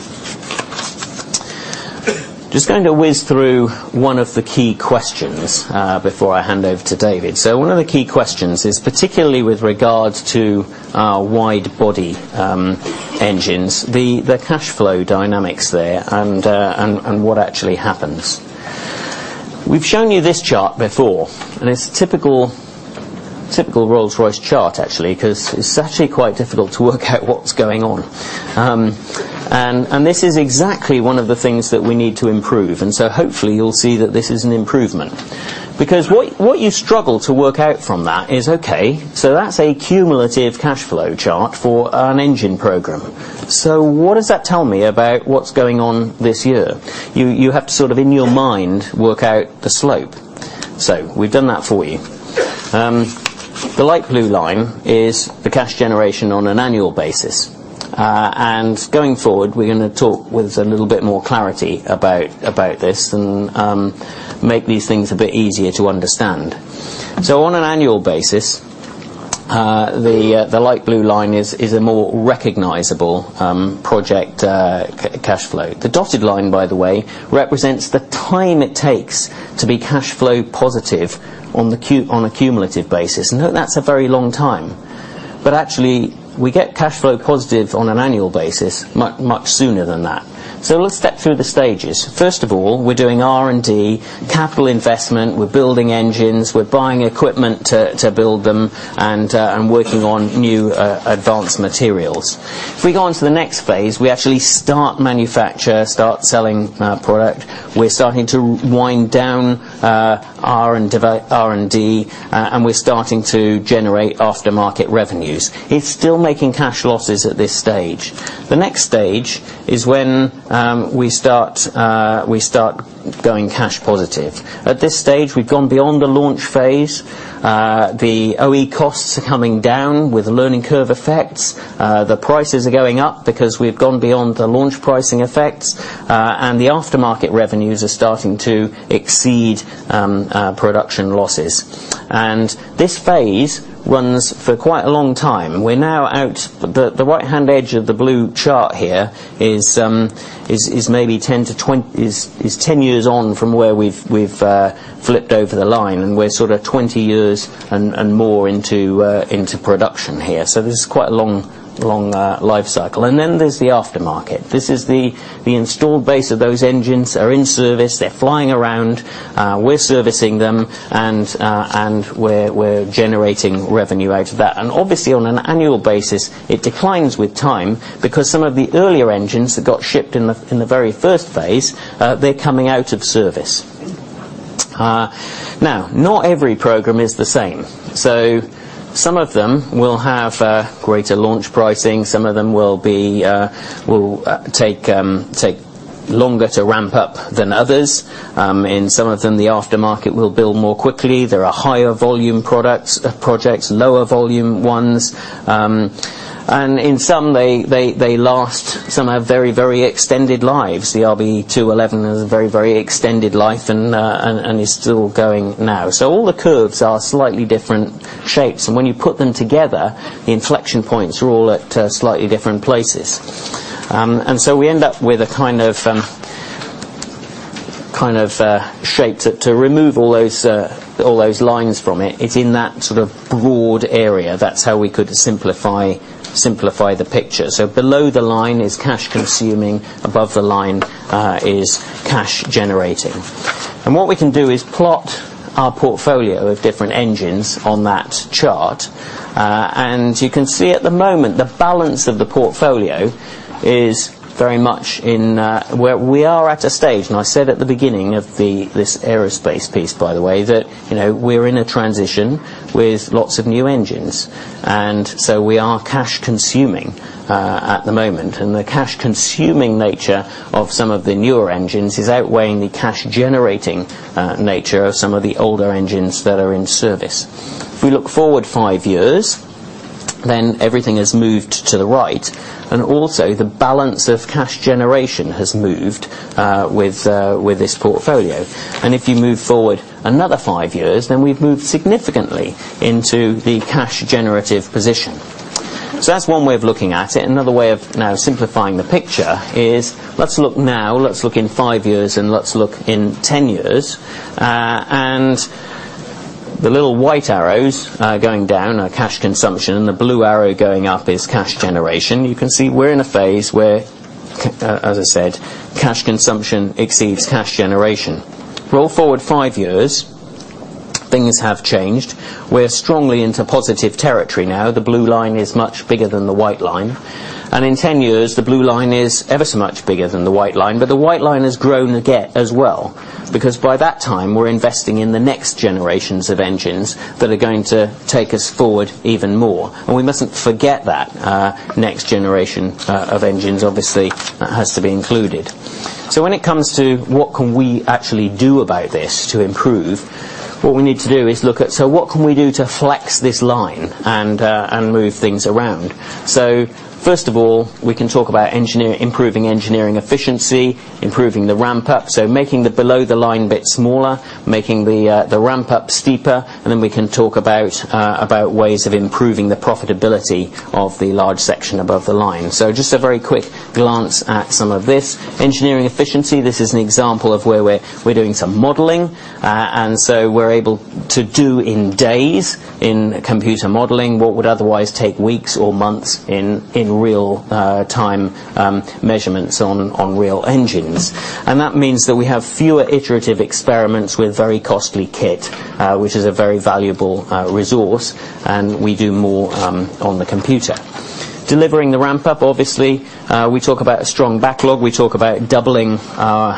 [SPEAKER 3] Just going to whiz through one of the key questions, before I hand over to David. One of the key questions is particularly with regards to our wide body engines, the cash flow dynamics there and what actually happens. We've shown you this chart before, and it's a typical Rolls-Royce chart actually, because it's actually quite difficult to work out what's going on. This is exactly one of the things that we need to improve. Hopefully you'll see that this is an improvement because what you struggle to work out from that is, okay, that's a cumulative cash flow chart for an engine program. What does that tell me about what's going on this year? You have to sort of, in your mind, work out the slope. We've done that for you. The light blue line is the cash generation on an annual basis. Going forward, we're going to talk with a little bit more clarity about this and make these things a bit easier to understand. On an annual basis, the light blue line is a more recognizable project cash flow. The dotted line, by the way, represents the time it takes to be cash flow positive on a cumulative basis and that's a very long time. Actually, we get cash flow positive on an annual basis much sooner than that. Let's step through the stages. First of all, we're doing R&D, capital investment, we're building engines, we're buying equipment to build them, and working on new advanced materials. If we go on to the next phase, we actually start manufacture, start selling product. We're starting to wind down R&D, and we're starting to generate aftermarket revenues. It's still making cash losses at this stage. The next stage is when we start going cash positive. At this stage, we've gone beyond the launch phase. The OE costs are coming down with learning curve effects. The prices are going up because we've gone beyond the launch pricing effects, and the aftermarket revenues are starting to exceed production losses. This phase runs for quite a long time. The right-hand edge of the blue chart here is 10 years on from where we've flipped over the line, and we're sort of 20 years and more into production here. This is quite a long lifecycle. Then there's the aftermarket. This is the installed base of those engines are in service. They're flying around. We're servicing them and we're generating revenue out of that. Obviously, on an annual basis, it declines with time because some of the earlier engines that got shipped in the very first phase, they're coming out of service. Not every program is the same. Some of them will have greater launch pricing. Some of them will take longer to ramp up than others. In some of them, the aftermarket will build more quickly. There are higher volume projects, lower volume ones. In some, they last. Some have very extended lives. The RB211 has a very, very extended life and is still going now. All the curves are slightly different shapes, and when you put them together, the inflection points are all at slightly different places. We end up with a kind of shape that to remove all those lines from it's in that sort of broad area. That's how we could simplify the picture. Below the line is cash consuming, above the line is cash generating. What we can do is plot our portfolio of different engines on that chart. You can see at the moment, the balance of the portfolio is very much in where we are at a stage, and I said at the beginning of this aerospace piece, by the way, that we're in a transition with lots of new engines. We are cash consuming at the moment. The cash consuming nature of some of the newer engines is outweighing the cash generating nature of some of the older engines that are in service. If we look forward five years, then everything has moved to the right, and also the balance of cash generation has moved with this portfolio. If you move forward another five years, then we've moved significantly into the cash generative position. That's one way of looking at it. Another way of now simplifying the picture is let's look now, let's look in five years, and let's look in 10 years. The little white arrows going down are cash consumption, and the blue arrow going up is cash generation. You can see we're in a phase where, as I said, cash consumption exceeds cash generation. Roll forward five years, things have changed. We're strongly into positive territory now. The blue line is much bigger than the white line. In 10 years, the blue line is ever so much bigger than the white line, but the white line has grown again as well. Because by that time, we're investing in the next generations of engines that are going to take us forward even more. We mustn't forget that next generation of engines obviously has to be included. When it comes to what can we actually do about this to improve, what we need to do is look at, so what can we do to flex this line and move things around? First of all, we can talk about improving engineering efficiency, improving the ramp up, so making the below the line bit smaller, making the ramp up steeper, and then we can talk about ways of improving the profitability of the large section above the line. Just a very quick glance at some of this. Engineering efficiency, this is an example of where we're doing some modeling. We're able to do in days in computer modeling what would otherwise take weeks or months in real time measurements on real engines. That means that we have fewer iterative experiments with very costly kit, which is a very valuable resource, and we do more on the computer. Delivering the ramp up, obviously, we talk about a strong backlog. We talk about doubling our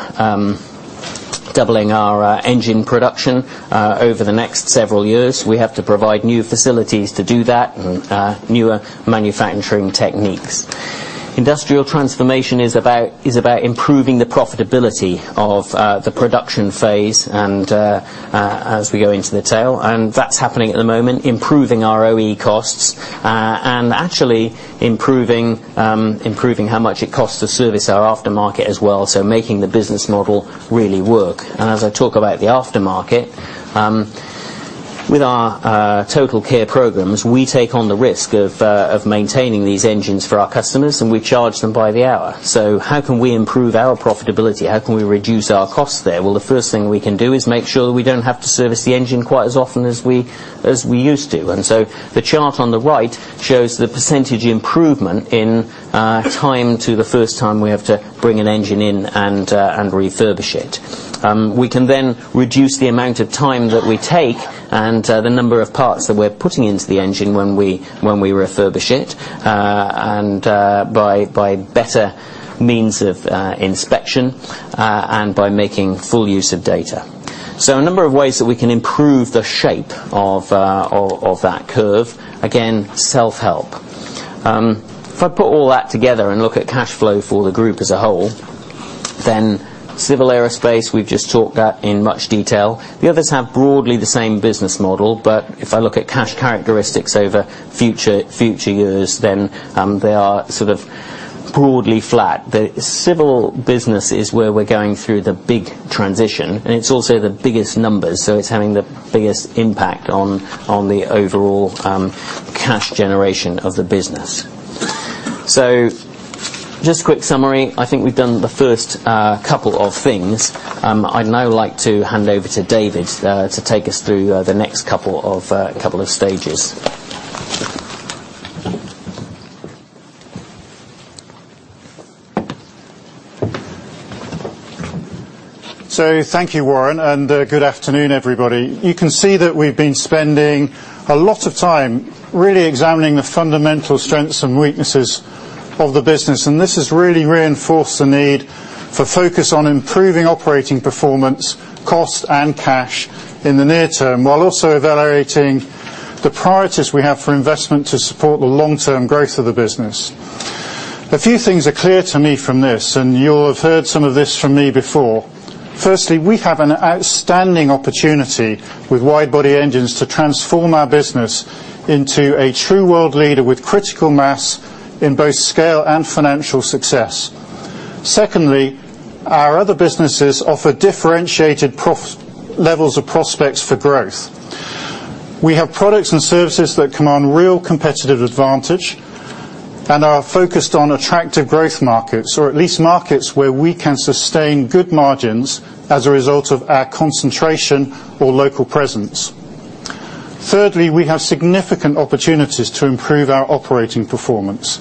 [SPEAKER 3] engine production over the next several years. We have to provide new facilities to do that and newer manufacturing techniques. Industrial transformation is about improving the profitability of the production phase and as we go into the tail, and that's happening at the moment, improving our OE costs. Actually improving how much it costs to service our aftermarket as well, making the business model really work. As I talk about the aftermarket, with our TotalCare programs, we take on the risk of maintaining these engines for our customers, and we charge them by the hour. How can we improve our profitability? How can we reduce our costs there? Well, the first thing we can do is make sure that we don't have to service the engine quite as often as we used to. The chart on the right shows the % improvement in time to the first time we have to bring an engine in and refurbish it. We can reduce the amount of time that we take and the number of parts that we're putting into the engine when we refurbish it, and by better means of inspection, and by making full use of data. A number of ways that we can improve the shape of that curve. Again, self-help. If I put all that together and look at cash flow for the group as a whole, then Civil Aerospace, we've just talked that in much detail. The others have broadly the same business model, but if I look at cash characteristics over future years, then they are sort of broadly flat. The Civil business is where we're going through the big transition, and it's also the biggest numbers, so it's having the biggest impact on the overall cash generation of the business. Just a quick summary. I think we've done the first couple of things. I'd now like to hand over to David to take us through the next 2 stages.
[SPEAKER 4] Thank you, Warren, and good afternoon, everybody. You can see that we've been spending a lot of time really examining the fundamental strengths and weaknesses of the business. This has really reinforced the need for focus on improving operating performance, cost, and cash in the near term, while also evaluating the priorities we have for investment to support the long-term growth of the business. A few things are clear to me from this, and you'll have heard some of this from me before. Firstly, we have an outstanding opportunity with widebody engines to transform our business into a true world leader with critical mass in both scale and financial success. Secondly, our other businesses offer differentiated levels of prospects for growth. We have products and services that command real competitive advantage and are focused on attractive growth markets, or at least markets where we can sustain good margins as a result of our concentration or local presence. Thirdly, we have significant opportunities to improve our operating performance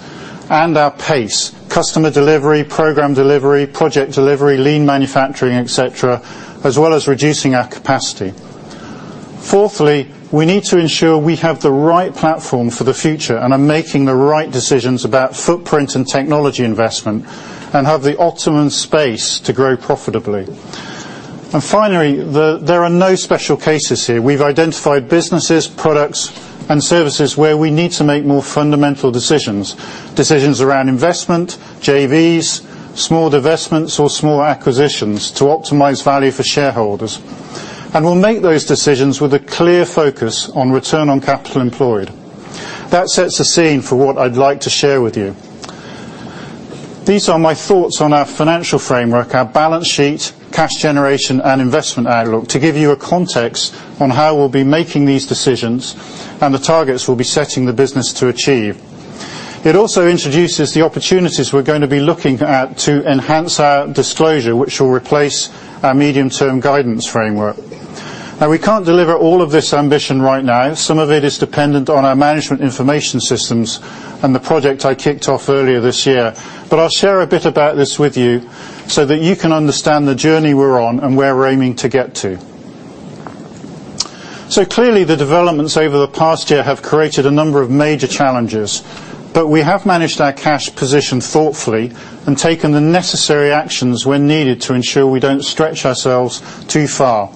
[SPEAKER 4] and our pace, customer delivery, program delivery, project delivery, lean manufacturing, et cetera, as well as reducing our capacity. Fourthly, we need to ensure we have the right platform for the future and are making the right decisions about footprint and technology investment, and have the optimum space to grow profitably. Finally, there are no special cases here. We've identified businesses, products, and services where we need to make more fundamental decisions around investment, JVs, small divestments, or small acquisitions to optimize value for shareholders. We'll make those decisions with a clear focus on return on capital employed. That sets the scene for what I'd like to share with you. These are my thoughts on our financial framework, our balance sheet, cash generation, and investment outlook to give you a context on how we'll be making these decisions and the targets we'll be setting the business to achieve. It also introduces the opportunities we're going to be looking at to enhance our disclosure, which will replace our medium-term guidance framework. We can't deliver all of this ambition right now. Some of it is dependent on our management information systems and the project I kicked off earlier this year. I'll share a bit about this with you so that you can understand the journey we're on and where we're aiming to get to. Clearly, the developments over the past year have created a number of major challenges, but we have managed our cash position thoughtfully and taken the necessary actions when needed to ensure we don't stretch ourselves too far.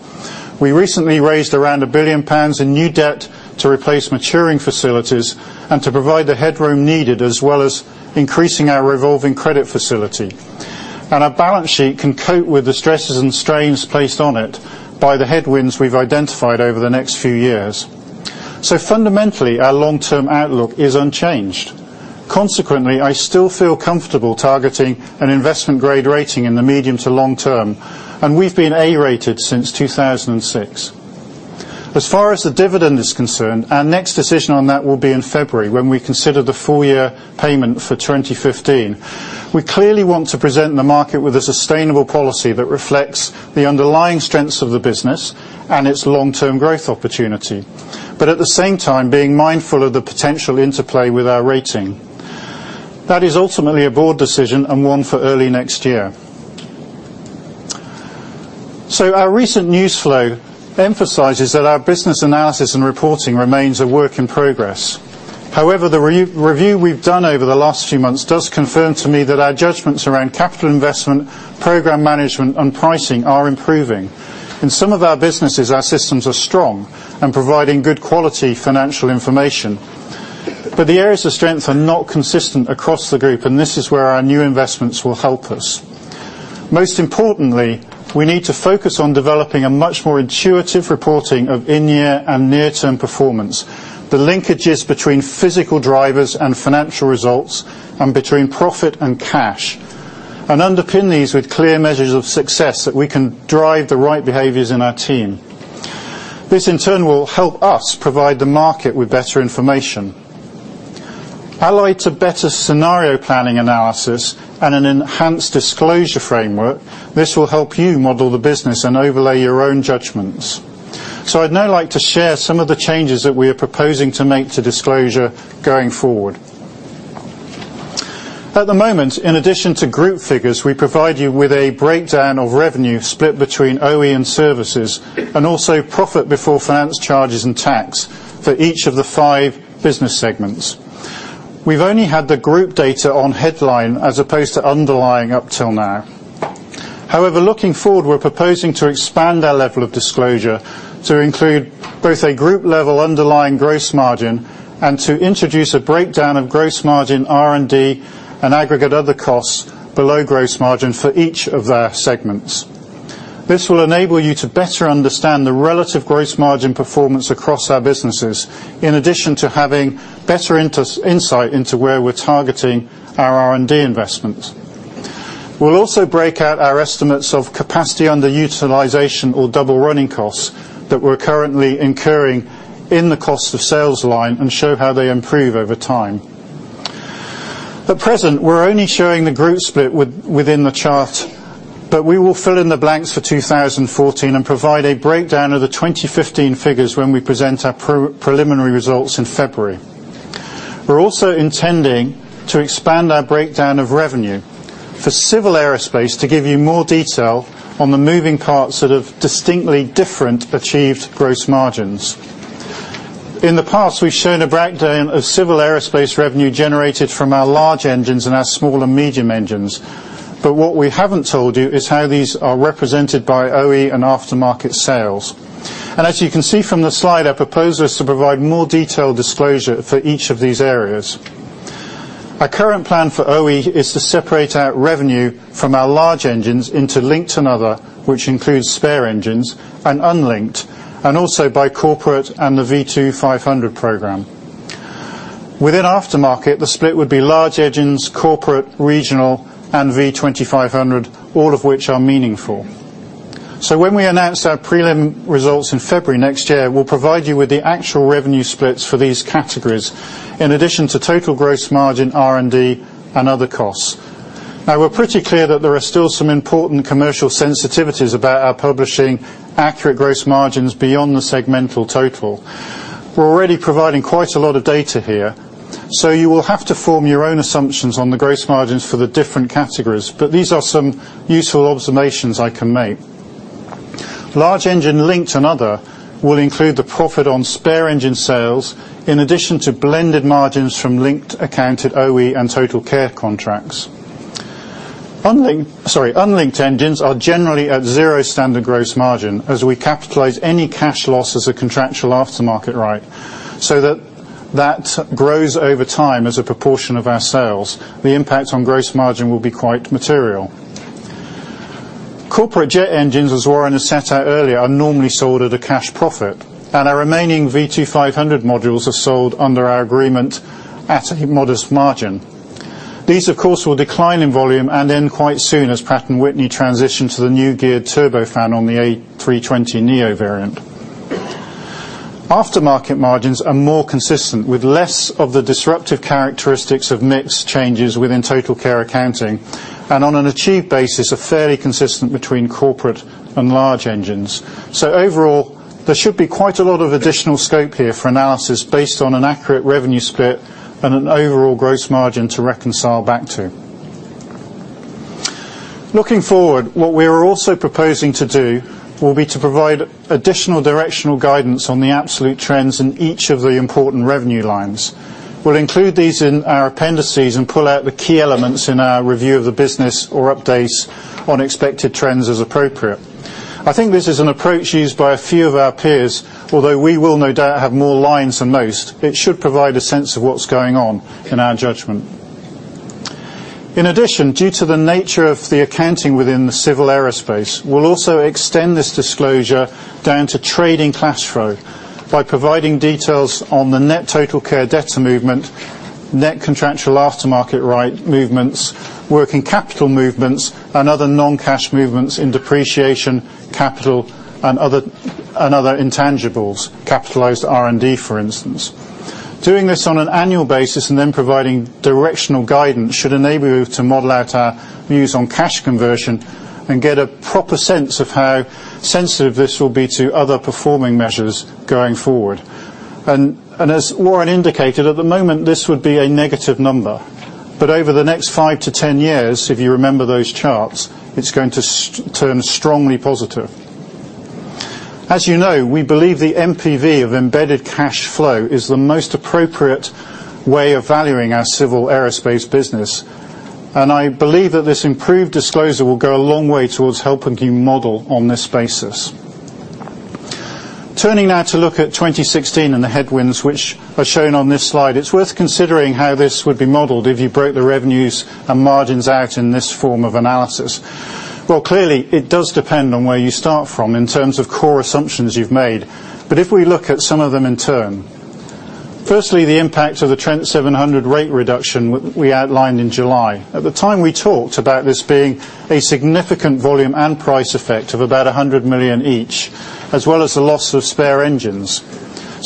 [SPEAKER 4] We recently raised around 1 billion pounds in new debt to replace maturing facilities and to provide the headroom needed, as well as increasing our revolving credit facility. Our balance sheet can cope with the stresses and strains placed on it by the headwinds we've identified over the next few years. Fundamentally, our long-term outlook is unchanged. Consequently, I still feel comfortable targeting an investment-grade rating in the medium to long term, and we've been A-rated since 2006. As far as the dividend is concerned, our next decision on that will be in February when we consider the full-year payment for 2015. We clearly want to present the market with a sustainable policy that reflects the underlying strengths of the business and its long-term growth opportunity. At the same time, being mindful of the potential interplay with our rating. That is ultimately a board decision and one for early next year. Our recent news flow emphasizes that our business analysis and reporting remains a work in progress. However, the review we've done over the last few months does confirm to me that our judgments around capital investment, program management, and pricing are improving. In some of our businesses, our systems are strong and providing good quality financial information. The areas of strength are not consistent across the group, and this is where our new investments will help us. Most importantly, we need to focus on developing a much more intuitive reporting of in-year and near-term performance, the linkages between physical drivers and financial results, and between profit and cash. Underpin these with clear measures of success that we can drive the right behaviors in our team. This, in turn, will help us provide the market with better information. Allied to better scenario planning analysis and an enhanced disclosure framework, this will help you model the business and overlay your own judgments. I'd now like to share some of the changes that we are proposing to make to disclosure going forward. At the moment, in addition to group figures, we provide you with a breakdown of revenue split between OE and services, and also profit before finance charges and tax for each of the five business segments. We've only had the group data on headline as opposed to underlying up till now. However, looking forward, we're proposing to expand our level of disclosure to include both a group-level underlying gross margin and to introduce a breakdown of gross margin, R&D, and aggregate other costs below gross margin for each of their segments. This will enable you to better understand the relative gross margin performance across our businesses, in addition to having better insight into where we're targeting our R&D investment. We'll also break out our estimates of capacity underutilization or double running costs that we're currently incurring in the cost of sales line and show how they improve over time. At present, we're only showing the group split within the chart, but we will fill in the blanks for 2014 and provide a breakdown of the 2015 figures when we present our preliminary results in February. We're also intending to expand our breakdown of revenue for Civil Aerospace to give you more detail on the moving parts that have distinctly different achieved gross margins. In the past, we've shown a breakdown of Civil Aerospace revenue generated from our large engines and our small and medium engines. What we haven't told you is how these are represented by OE and aftermarket sales. As you can see from the slide, our propose is to provide more detailed disclosure for each of these areas. Our current plan for OE is to separate out revenue from our large engines into linked and other, which includes spare engines and unlinked, and also by corporate and the V2500 program. Within aftermarket, the split would be large engines, corporate, regional and V2500, all of which are meaningful. When we announce our prelim results in February next year, we'll provide you with the actual revenue splits for these categories, in addition to total gross margin, R&D and other costs. We're pretty clear that there are still some important commercial sensitivities about our publishing accurate gross margins beyond the segmental total. We're already providing quite a lot of data here, you will have to form your own assumptions on the gross margins for the different categories. These are some useful observations I can make. Large engine linked and other will include the profit on spare engine sales, in addition to blended margins from linked accounted OE and TotalCare contracts. Unlinked engines are generally at zero standard gross margin as we capitalize any cash loss as a contractual aftermarket right, that that grows over time as a proportion of our sales. The impact on gross margin will be quite material. Corporate jet engines, as Warren has set out earlier, are normally sold at a cash profit, and our remaining V2500 modules are sold under our agreement at a modest margin. These, of course, will decline in volume and end quite soon as Pratt & Whitney transition to the new Geared Turbofan on the A320neo variant. Aftermarket margins are more consistent, with less of the disruptive characteristics of mix changes within TotalCare accounting, and on an achieved basis, are fairly consistent between corporate and large engines. Overall, there should be quite a lot of additional scope here for analysis based on an accurate revenue split and an overall gross margin to reconcile back to. Looking forward, what we are also proposing to do will be to provide additional directional guidance on the absolute trends in each of the important revenue lines. We'll include these in our appendices and pull out the key elements in our review of the business or updates on expected trends as appropriate. I think this is an approach used by a few of our peers. Although we will no doubt have more lines than most, it should provide a sense of what's going on in our judgment. In addition, due to the nature of the accounting within the Civil Aerospace, we'll also extend this disclosure down to trading cash flow by providing details on the net TotalCare debtor movement, net contractual aftermarket right movements, working capital movements and other non-cash movements in depreciation, capital and other intangibles, capitalized R&D for instance. Doing this on an annual basis and then providing directional guidance should enable you to model out our views on cash conversion and get a proper sense of how sensitive this will be to other performing measures going forward. As Warren indicated, at the moment, this would be a negative number, but over the next five to 10 years, if you remember those charts, it's going to turn strongly positive. As you know, we believe the NPV of embedded cash flow is the most appropriate way of valuing our Civil Aerospace business, and I believe that this improved disclosure will go a long way towards helping you model on this basis. Turning now to look at 2016 and the headwinds which are shown on this slide, it's worth considering how this would be modeled if you broke the revenues and margins out in this form of analysis. Clearly it does depend on where you start from in terms of core assumptions you've made. If we look at some of them in turn, firstly, the impact of the Trent 700 rate reduction we outlined in July. At the time, we talked about this being a significant volume and price effect of about 100 million each, as well as the loss of spare engines.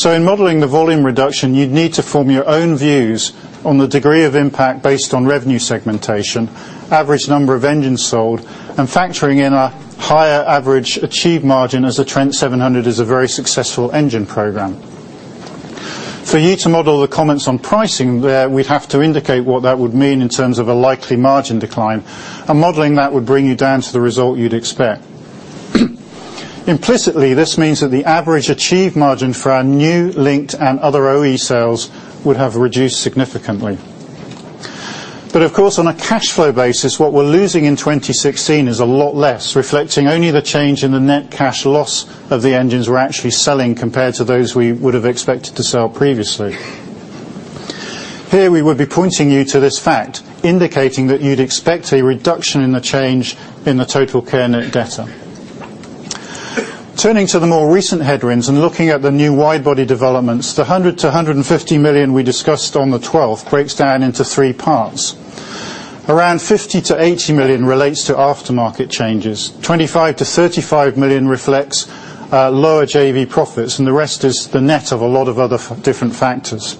[SPEAKER 4] In modeling the volume reduction, you'd need to form your own views on the degree of impact based on revenue segmentation, average number of engines sold, and factoring in a higher average achieved margin as the Trent 700 is a very successful engine program. For you to model the comments on pricing there, we'd have to indicate what that would mean in terms of a likely margin decline. Modeling that would bring you down to the result you'd expect. Implicitly, this means that the average achieved margin for our new linked and other OE sales would have reduced significantly. Of course, on a cash flow basis, what we're losing in 2016 is a lot less, reflecting only the change in the net cash loss of the engines we're actually selling compared to those we would have expected to sell previously. Here we would be pointing you to this fact, indicating that you'd expect a reduction in the change in the TotalCare debtor. Turning to the more recent headwinds and looking at the new wide body developments, the 100 million-150 million we discussed on the 12th breaks down into three parts. Around 50 million-80 million relates to aftermarket changes, 25 million-35 million reflects lower JV profits, and the rest is the net of a lot of other different factors.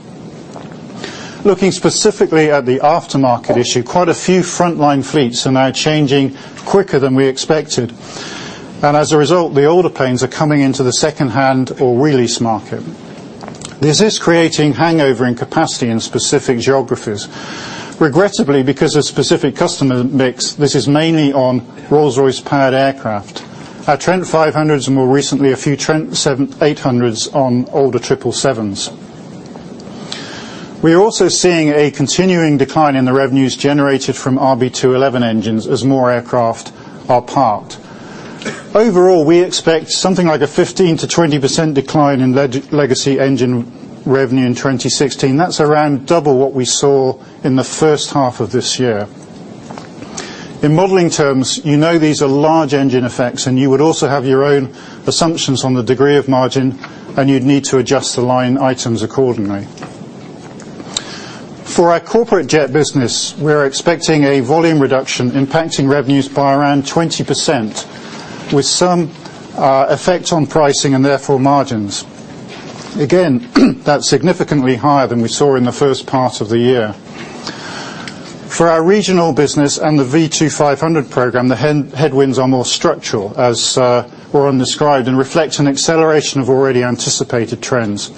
[SPEAKER 4] Looking specifically at the aftermarket issue, quite a few frontline fleets are now changing quicker than we expected. As a result, the older planes are coming into the second-hand or re-lease market. This is creating hangover in capacity in specific geographies. Regrettably, because of specific customer mix, this is mainly on Rolls-Royce powered aircraft. Our Trent 500s, and more recently, a few Trent 800s on older 777s. We are also seeing a continuing decline in the revenues generated from RB211 engines as more aircraft are parked. Overall, we expect something like a 15%-20% decline in legacy engine revenue in 2016. That's around double what we saw in the first half of this year. In modeling terms, you know these are large engine effects, and you would also have your own assumptions on the degree of margin, and you'd need to adjust the line items accordingly. For our corporate jet business, we are expecting a volume reduction impacting revenues by around 20%, with some effect on pricing, and therefore margins. Again, that's significantly higher than we saw in the first part of the year. For our regional business and the V2500 program, the headwinds are more structural, as Warren described, reflect an acceleration of already anticipated trends.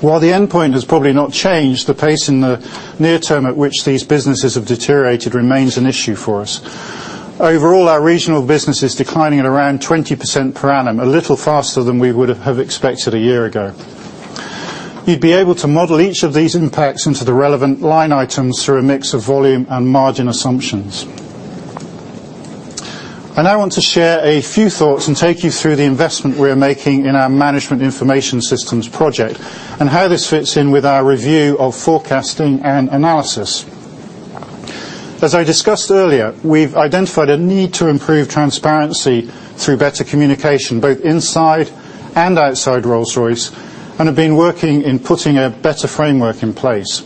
[SPEAKER 4] While the endpoint has probably not changed, the pace in the near term at which these businesses have deteriorated remains an issue for us. Overall, our regional business is declining at around 20% per annum, a little faster than we would have expected a year ago. You'd be able to model each of these impacts into the relevant line items through a mix of volume and margin assumptions. I now want to share a few thoughts and take you through the investment we are making in our management information systems project and how this fits in with our review of forecasting and analysis. As I discussed earlier, we've identified a need to improve transparency through better communication, both inside and outside Rolls-Royce, have been working in putting a better framework in place.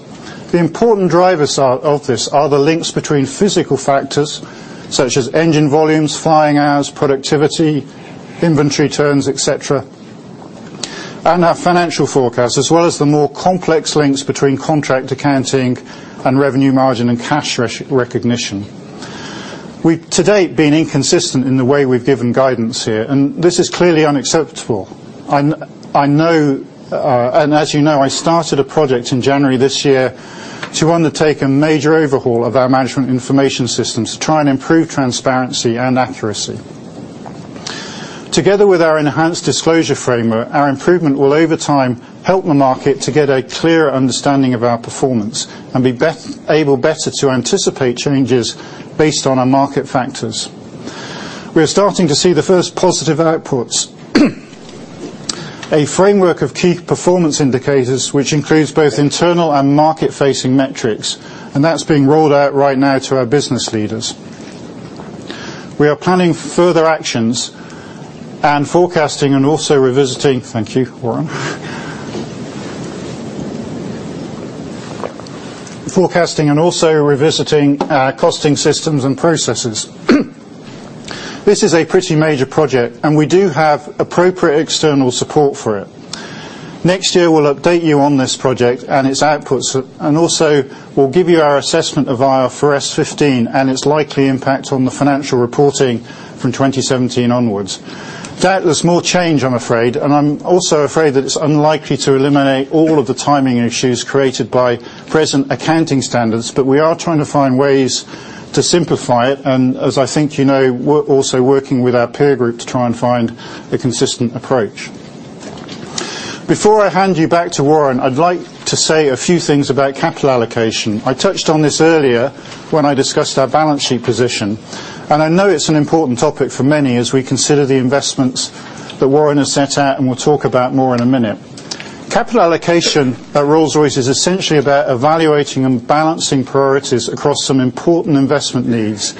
[SPEAKER 4] The important drivers of this are the links between physical factors such as engine volumes, flying hours, productivity, inventory turns, et cetera, our financial forecast, as well as the more complex links between contract accounting and revenue margin and cash recognition. We've, to date, been inconsistent in the way we've given guidance here. This is clearly unacceptable. As you know, I started a project in January this year to undertake a major overhaul of our management information systems to try and improve transparency and accuracy. Together with our enhanced disclosure framework, our improvement will, over time, help the market to get a clearer understanding of our performance and be able better to anticipate changes based on our market factors. We are starting to see the first positive outputs. A framework of key performance indicators, which includes both internal and market-facing metrics, and that's being rolled out right now to our business leaders. We are planning further actions. Thank you, Warren. Forecasting and also revisiting our costing systems and processes. This is a pretty major project, and we do have appropriate external support for it. Next year, we'll update you on this project and its outputs, and also, we'll give you our assessment of IFRS 15 and its likely impact on the financial reporting from 2017 onwards. Doubtless more change, I'm afraid, and I'm also afraid that it's unlikely to eliminate all of the timing issues created by present accounting standards, but we are trying to find ways to simplify it and, as I think you know, we're also working with our peer group to try and find a consistent approach. Before I hand you back to Warren, I'd like to say a few things about capital allocation. I touched on this earlier when I discussed our balance sheet position, and I know it's an important topic for many as we consider the investments that Warren has set out, and we'll talk about more in a minute. Capital allocation at Rolls-Royce is essentially about evaluating and balancing priorities across some important investment needs,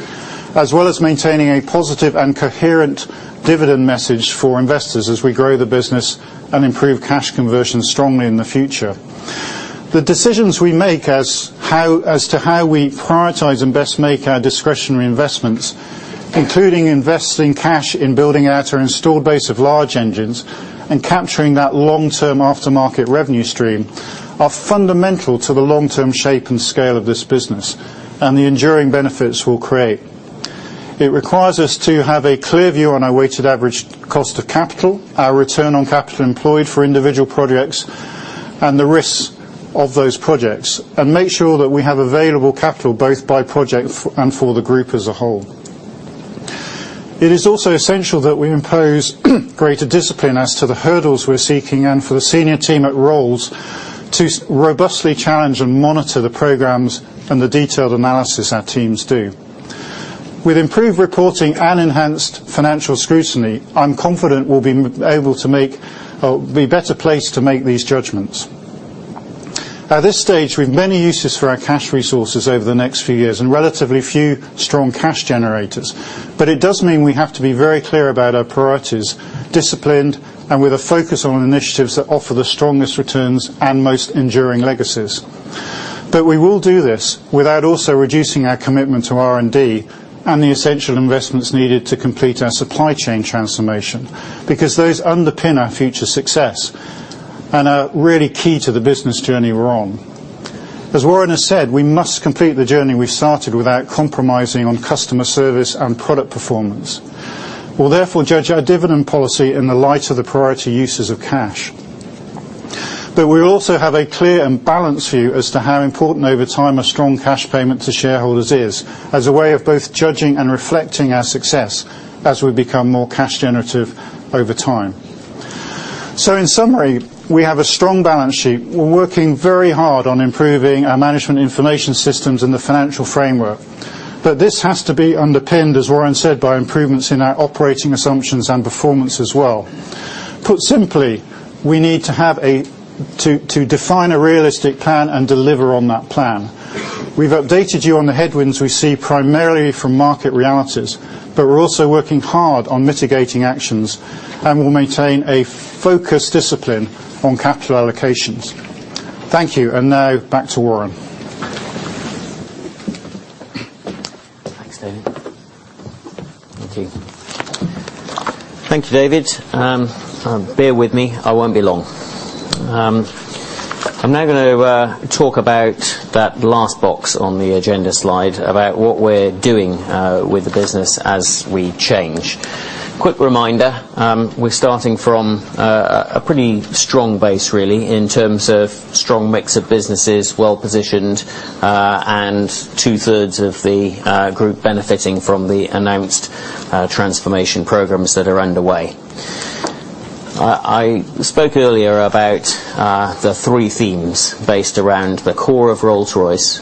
[SPEAKER 4] as well as maintaining a positive and coherent dividend message for investors as we grow the business and improve cash conversion strongly in the future. The decisions we make as to how we prioritize and best make our discretionary investments, including investing cash in building out our installed base of large engines and capturing that long-term aftermarket revenue stream, are fundamental to the long-term shape and scale of this business and the enduring benefits we'll create. It requires us to have a clear view on our weighted average cost of capital, our return on capital employed for individual projects, and the risks of those projects, and make sure that we have available capital both by project and for the group as a whole. It is also essential that we impose greater discipline as to the hurdles we're seeking and for the senior team at Rolls to robustly challenge and monitor the programs and the detailed analysis our teams do. With improved reporting and enhanced financial scrutiny, I'm confident we'll be able to make or be better placed to make these judgments. At this stage, we have many uses for our cash resources over the next few years and relatively few strong cash generators. It does mean we have to be very clear about our priorities, disciplined, and with a focus on initiatives that offer the strongest returns and most enduring legacies. We will do this without also reducing our commitment to R&D and the essential investments needed to complete our supply chain transformation because those underpin our future success and are really key to the business journey we're on. As Warren has said, we must complete the journey we started without compromising on customer service and product performance. We'll therefore judge our dividend policy in the light of the priority uses of cash. We also have a clear and balanced view as to how important over time a strong cash payment to shareholders is, as a way of both judging and reflecting our success as we become more cash generative over time. In summary, we have a strong balance sheet. We're working very hard on improving our management information systems and the financial framework. This has to be underpinned, as Warren said, by improvements in our operating assumptions and performance as well. Put simply, we need to define a realistic plan and deliver on that plan. We've updated you on the headwinds we see primarily from market realities, but we're also working hard on mitigating actions, and we'll maintain a focused discipline on capital allocations. Thank you, and now back to Warren.
[SPEAKER 3] Thanks, David. Thank you. Thank you, David. Bear with me. I won't be long. I'm now going to talk about that last box on the agenda slide about what we're doing with the business as we change. Quick reminder, we're starting from a pretty strong base, really, in terms of strong mix of businesses, well-positioned, and two-thirds of the group benefiting from the announced transformation programs that are underway. I spoke earlier about the three themes based around the core of Rolls-Royce,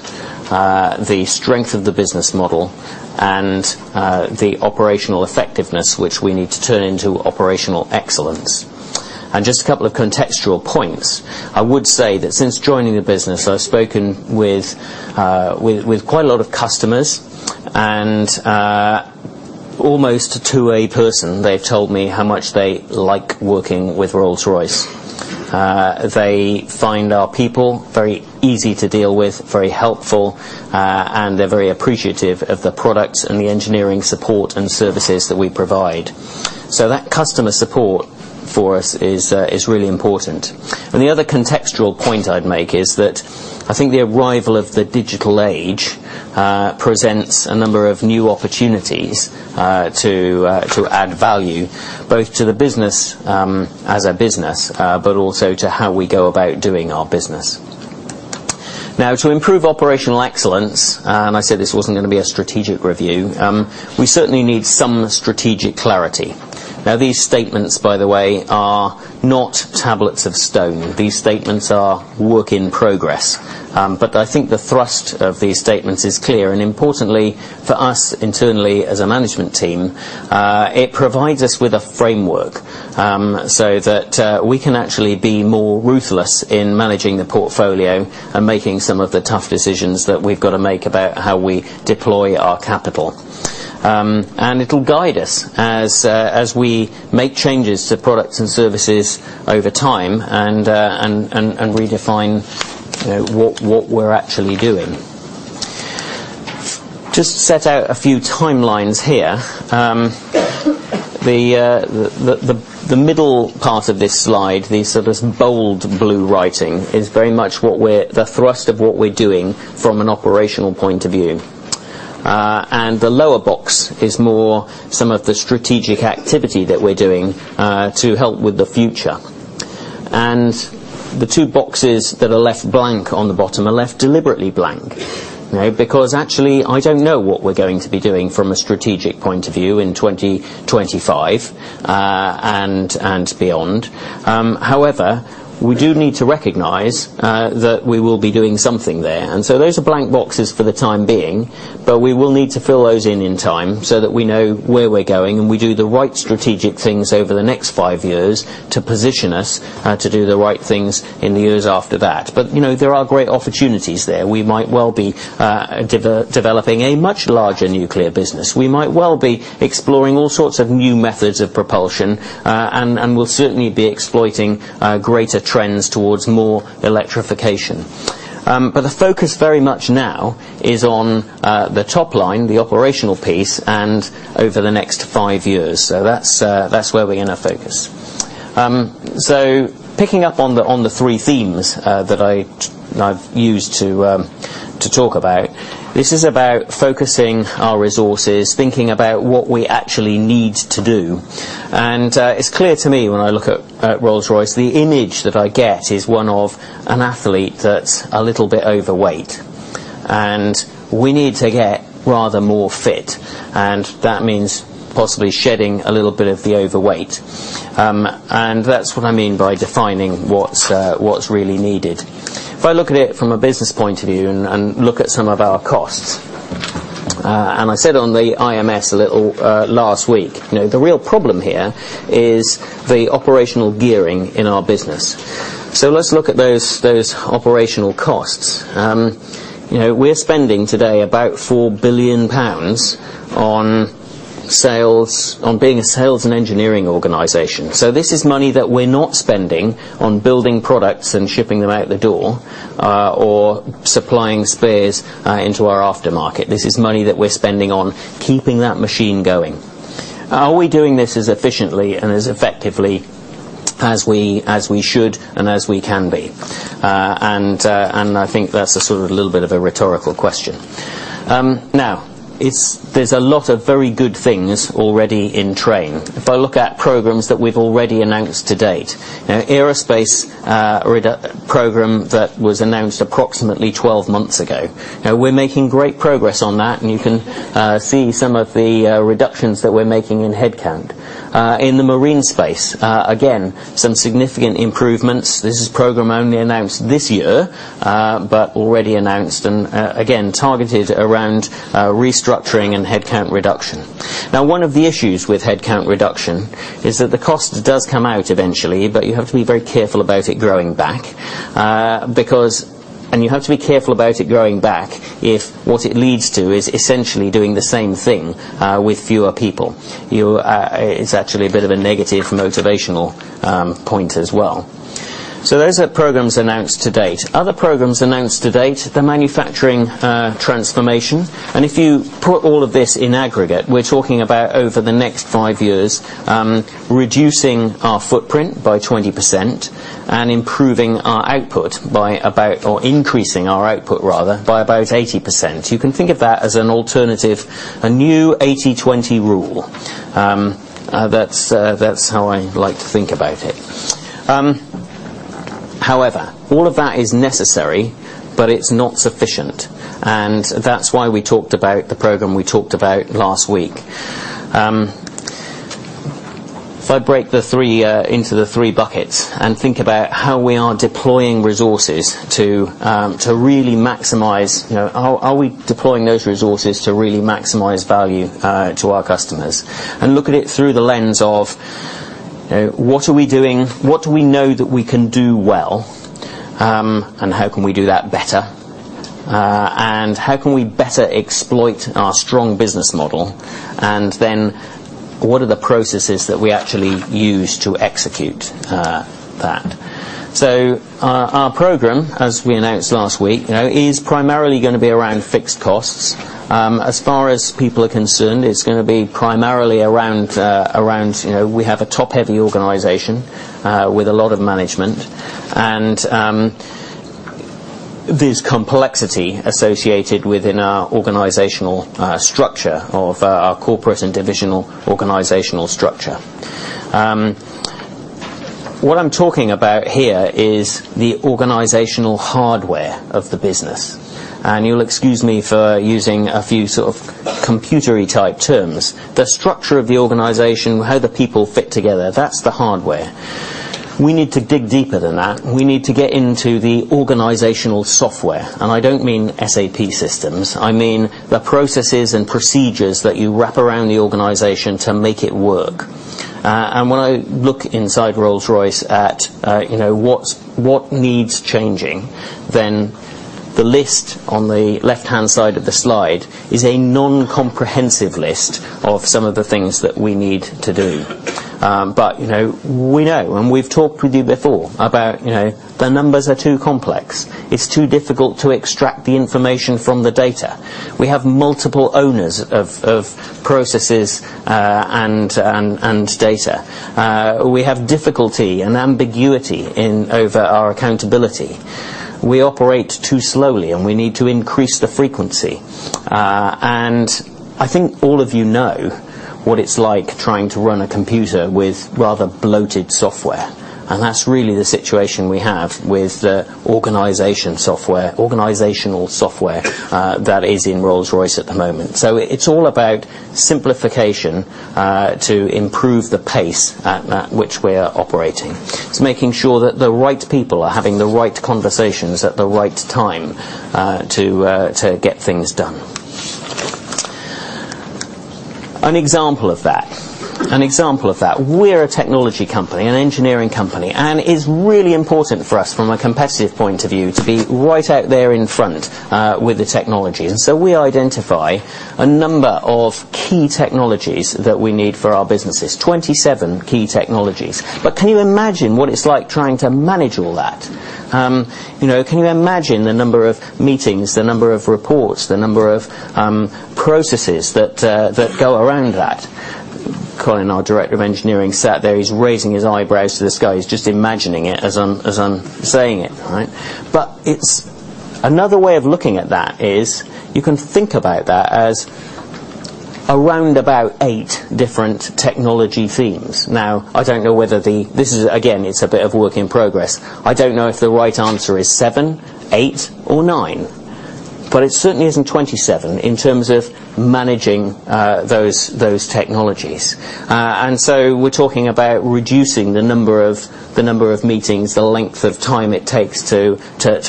[SPEAKER 3] the strength of the business model, and the operational effectiveness, which we need to turn into operational excellence. Just a couple of contextual points. I would say that since joining the business, I've spoken with quite a lot of customers, and almost to a person, they've told me how much they like working with Rolls-Royce. They find our people very easy to deal with, very helpful, and they're very appreciative of the products and the engineering support and services that we provide. That customer support for us is really important. The other contextual point I'd make is that I think the arrival of the digital age presents a number of new opportunities to add value, both to the business as a business, but also to how we go about doing our business. To improve operational excellence, I said this wasn't going to be a strategic review, we certainly need some strategic clarity. These statements, by the way, are not tablets of stone. These statements are work in progress. I think the thrust of these statements is clear, importantly for us internally as a management team, it provides us with a framework so that we can actually be more ruthless in managing the portfolio and making some of the tough decisions that we've got to make about how we deploy our capital. It'll guide us as we make changes to products and services over time and redefine what we're actually doing. Just set out a few timelines here. The middle part of this slide, this bold blue writing, is very much the thrust of what we're doing from an operational point of view. The lower box is more some of the strategic activity that we're doing to help with the future. The two boxes that are left blank on the bottom are left deliberately blank. Actually, I don't know what we're going to be doing from a strategic point of view in 2025 and beyond. However, we do need to recognize that we will be doing something there. So those are blank boxes for the time being, but we will need to fill those in in time so that we know where we're going and we do the right strategic things over the next five years to position us to do the right things in the years after that. There are great opportunities there. We might well be developing a much larger nuclear business. We might well be exploring all sorts of new methods of propulsion, and we'll certainly be exploiting greater trends towards more electrification. The focus very much now is on the top line, the operational piece, and over the next five years. That's where we're going to focus. Picking up on the three themes that I've used to talk about, this is about focusing our resources, thinking about what we actually need to do. It's clear to me when I look at Rolls-Royce, the image that I get is one of an athlete that's a little bit overweight. We need to get rather more fit, and that means possibly shedding a little bit of the overweight. That's what I mean by defining what's really needed. If I look at it from a business point of view and look at some of our costs, and I said on the IMS a little last week, the real problem here is the operational gearing in our business. Let's look at those operational costs. We're spending today about 4 billion pounds on being a sales and engineering organization. This is money that we're not spending on building products and shipping them out the door or supplying spares into our aftermarket. This is money that we're spending on keeping that machine going. Are we doing this as efficiently and as effectively as we should and as we can be? I think that's a little bit of a rhetorical question. Now, there's a lot of very good things already in train. If I look at programs that we've already announced to date. Aerospace program that was announced approximately 12 months ago. We're making great progress on that, and you can see some of the reductions that we're making in headcount. In the marine space, again, some significant improvements. This is a program only announced this year, but already announced and, again, targeted around restructuring and headcount reduction. One of the issues with headcount reduction is that the cost does come out eventually, you have to be very careful about it growing back. You have to be careful about it growing back if what it leads to is essentially doing the same thing with fewer people. It's actually a bit of a negative motivational point as well. Those are programs announced to date. Other programs announced to date, the manufacturing transformation. If you put all of this in aggregate, we're talking about over the next five years, reducing our footprint by 20% and improving our output by about, or increasing our output rather, by about 80%. You can think of that as an alternative, a new 80/20 rule. That's how I like to think about it. All of that is necessary, but it's not sufficient, that's why we talked about the program we talked about last week. If I break into the three buckets and think about how we are deploying resources to really maximize value to our customers? Look at it through the lens of, what are we doing? What do we know that we can do well? How can we do that better? How can we better exploit our strong business model? What are the processes that we actually use to execute that? Our program, as we announced last week, is primarily going to be around fixed costs. As far as people are concerned, it's going to be primarily around, we have a top-heavy organization with a lot of management and there's complexity associated within our organizational structure of our corporate and divisional organizational structure. What I'm talking about here is the organizational hardware of the business, you'll excuse me for using a few sort of computery type terms. The structure of the organization, how the people fit together, that's the hardware. We need to dig deeper than that. We need to get into the organizational software. I don't mean SAP systems. I mean the processes and procedures that you wrap around the organization to make it work. When I look inside Rolls-Royce at what needs changing, the list on the left-hand side of the slide is a non-comprehensive list of some of the things that we need to do. We know, we've talked with you before about the numbers are too complex. It's too difficult to extract the information from the data. We have multiple owners of processes and data. We have difficulty and ambiguity over our accountability. We operate too slowly, we need to increase the frequency. I think all of you know what it's like trying to run a computer with rather bloated software, that's really the situation we have with the organizational software that is in Rolls-Royce at the moment. It's all about simplification to improve the pace at which we are operating. It's making sure that the right people are having the right conversations at the right time to get things done. An example of that. We're a technology company, an engineering company, it's really important for us from a competitive point of view to be right out there in front with the technology. We identify a number of key technologies that we need for our businesses, 27 key technologies. Can you imagine what it's like trying to manage all that? Can you imagine the number of meetings, the number of reports, the number of processes that go around that? Colin, our Director of Engineering, sat there. He's raising his eyebrows to the sky. He's just imagining it as I'm saying it. Another way of looking at that is you can think about that as around about eight different technology themes. I don't know whether This is, again, it's a bit of a work in progress. I don't know if the right answer is seven, eight, or nine. It certainly isn't 27 in terms of managing those technologies. We're talking about reducing the number of meetings, the length of time it takes to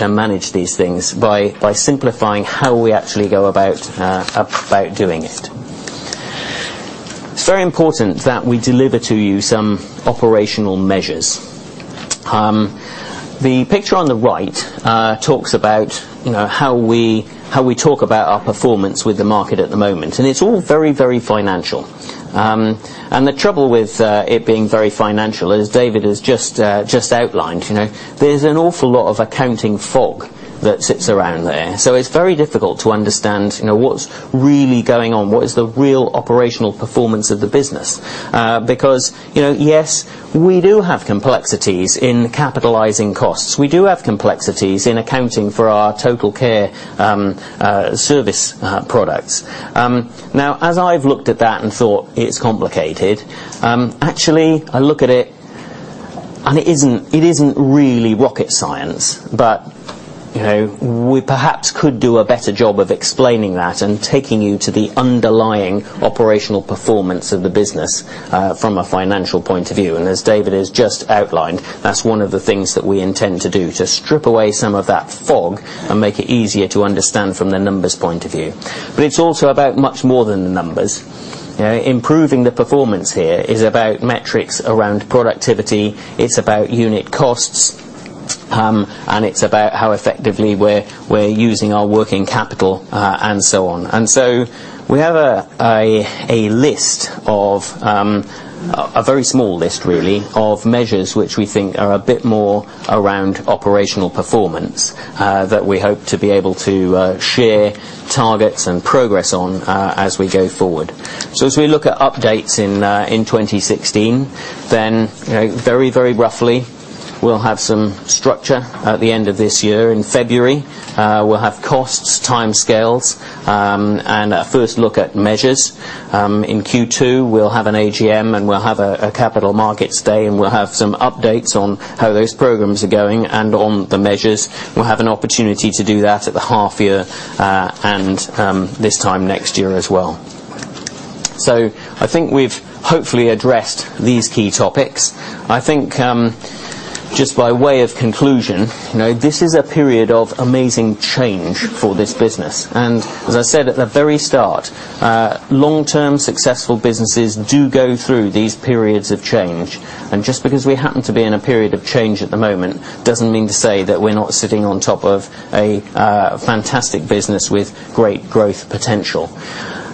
[SPEAKER 3] manage these things by simplifying how we actually go about doing it. It's very important that we deliver to you some operational measures. The picture on the right talks about how we talk about our performance with the market at the moment, it's all very financial. The trouble with it being very financial is, David has just outlined, there's an awful lot of accounting fog that sits around there. It's very difficult to understand what's really going on, what is the real operational performance of the business. Because, yes, we do have complexities in capitalizing costs. We do have complexities in accounting for our TotalCare service products. As I've looked at that and thought it's complicated, actually, I look at it isn't really rocket science, but we perhaps could do a better job of explaining that and taking you to the underlying operational performance of the business from a financial point of view. As David has just outlined, that's one of the things that we intend to do, to strip away some of that fog and make it easier to understand from the numbers point of view. It's also about much more than the numbers. Improving the performance here is about metrics around productivity, it's about unit costs, it's about how effectively we're using our working capital, and so on. We have a very small list, really, of measures which we think are a bit more around operational performance that we hope to be able to share targets and progress on as we go forward. As we look at updates in 2016, very roughly, we'll have some structure at the end of this year. In February, we'll have costs, timescales, and a first look at measures. In Q2, we'll have an AGM, we'll have a capital markets day, we'll have some updates on how those programs are going and on the measures. We'll have an opportunity to do that at the half year and this time next year as well. I think we've hopefully addressed these key topics. I think, just by way of conclusion, this is a period of amazing change for this business. As I said at the very start, long-term successful businesses do go through these periods of change. Just because we happen to be in a period of change at the moment, doesn't mean to say that we're not sitting on top of a fantastic business with great growth potential.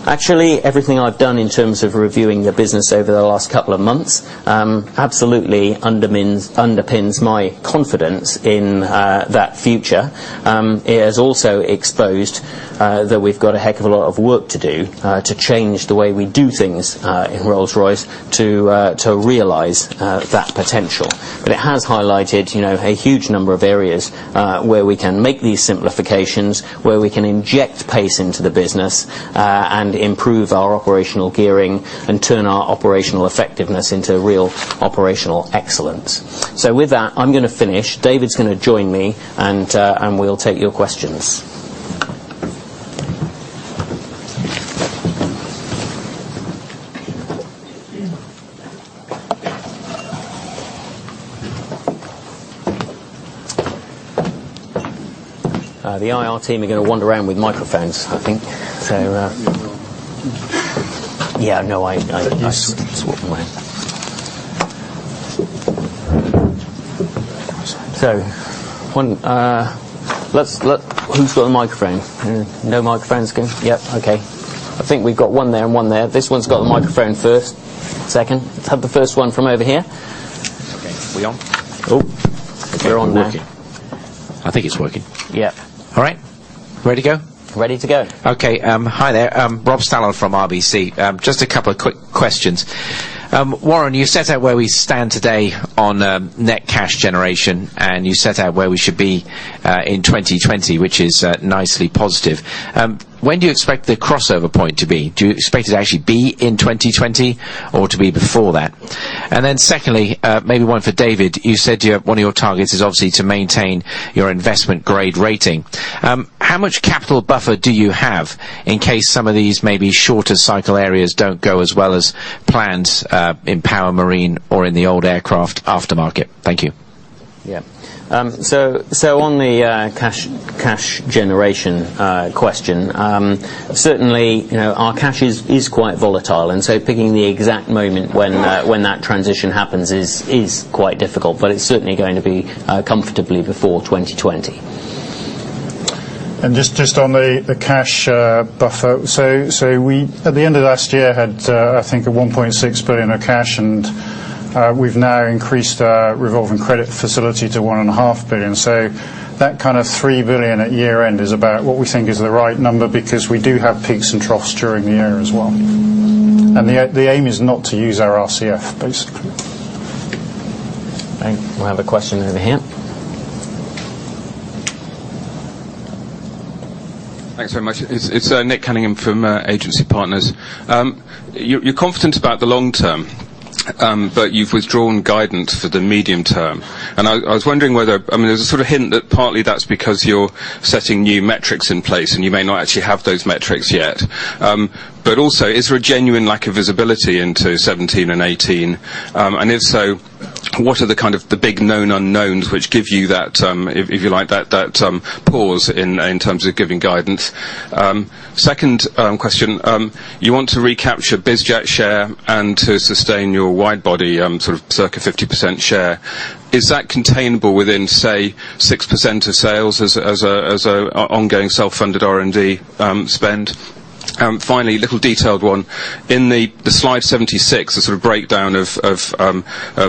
[SPEAKER 3] Actually, everything I've done in terms of reviewing the business over the last couple of months absolutely underpins my confidence in that future. It has also exposed that we've got a heck of a lot of work to do to change the way we do things in Rolls-Royce to realize that potential. It has highlighted a huge number of areas where we can make these simplifications, where we can inject pace into the business and improve our operational gearing and turn our operational effectiveness into real operational excellence. With that, I'm going to finish. David's going to join me, and we'll take your questions. The IR team are going to wander around with microphones, I think.
[SPEAKER 5] Let me swap with you.
[SPEAKER 3] Swap with you. Who's got a microphone? No microphones? Yep, okay. I think we've got one there and one there. This one's got the microphone first. Second. Let's have the first one from over here.
[SPEAKER 5] Okay. We on?
[SPEAKER 3] Oh. You're on now.
[SPEAKER 5] I think we're working. I think it's working.
[SPEAKER 3] Yep.
[SPEAKER 5] All right. Ready to go?
[SPEAKER 3] Ready to go.
[SPEAKER 5] Okay. Hi there. Rob Stallard from RBC. Just a couple of quick questions. Warren, you set out where we stand today on net cash generation, you set out where we should be in 2020, which is nicely positive. When do you expect the crossover point to be? Do you expect it to actually be in 2020 or to be before that? Secondly, maybe one for David. You said one of your targets is obviously to maintain your investment grade rating. How much capital buffer do you have in case some of these maybe shorter cycle areas don't go as well as planned in Power and Marine or in the old aircraft aftermarket? Thank you.
[SPEAKER 3] Yeah. On the cash generation question, certainly our cash is quite volatile, and so picking the exact moment when that transition happens is quite difficult, but it's certainly going to be comfortably before 2020.
[SPEAKER 4] Just on the cash buffer, so we, at the end of last year, had, I think, 1.6 billion of cash, and we've now increased our revolving credit facility to 1.5 billion. That kind of 3 billion at year end is about what we think is the right number because we do have peaks and troughs during the year as well. The aim is not to use our RCF, basically.
[SPEAKER 3] Okay. We'll have a question over here.
[SPEAKER 6] Thanks very much. It's Nick Cunningham from Agency Partners. You're confident about the long term, but you've withdrawn guidance for the medium term. I was wondering whether, there's a sort of hint that partly that's because you're setting new metrics in place and you may not actually have those metrics yet. Also, is there a genuine lack of visibility into 2017 and 2018? If so, what are the kind of the big known unknowns which give you that, if you like, that pause in terms of giving guidance? Second question. You want to recapture biz jet share and to sustain your wide body sort of circa 50% share. Is that containable within, say, 6% of sales as an ongoing self-funded R&D spend? Finally, a little detailed one. In the slide 76, the sort of breakdown of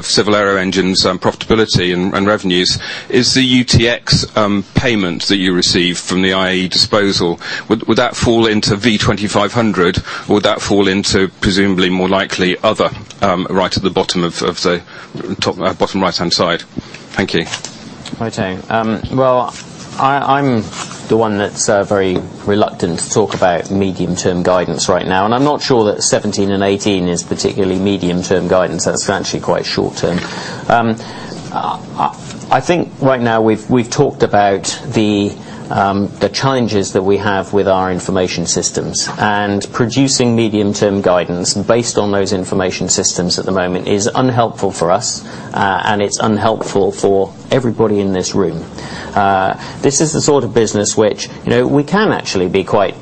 [SPEAKER 6] civil aero engines profitability and revenues, is the UTX payment that you receive from the IAE disposal, would that fall into V2500, or would that fall into presumably more likely other right at the bottom right-hand side? Thank you.
[SPEAKER 3] Right. Well, I'm the one that's very reluctant to talk about medium-term guidance right now. I'm not sure that 2017 and 2018 is particularly medium-term guidance. That's actually quite short-term. I think right now we've talked about the challenges that we have with our information systems. Producing medium-term guidance based on those information systems at the moment is unhelpful for us, and it's unhelpful for everybody in this room. This is the sort of business which we can actually be quite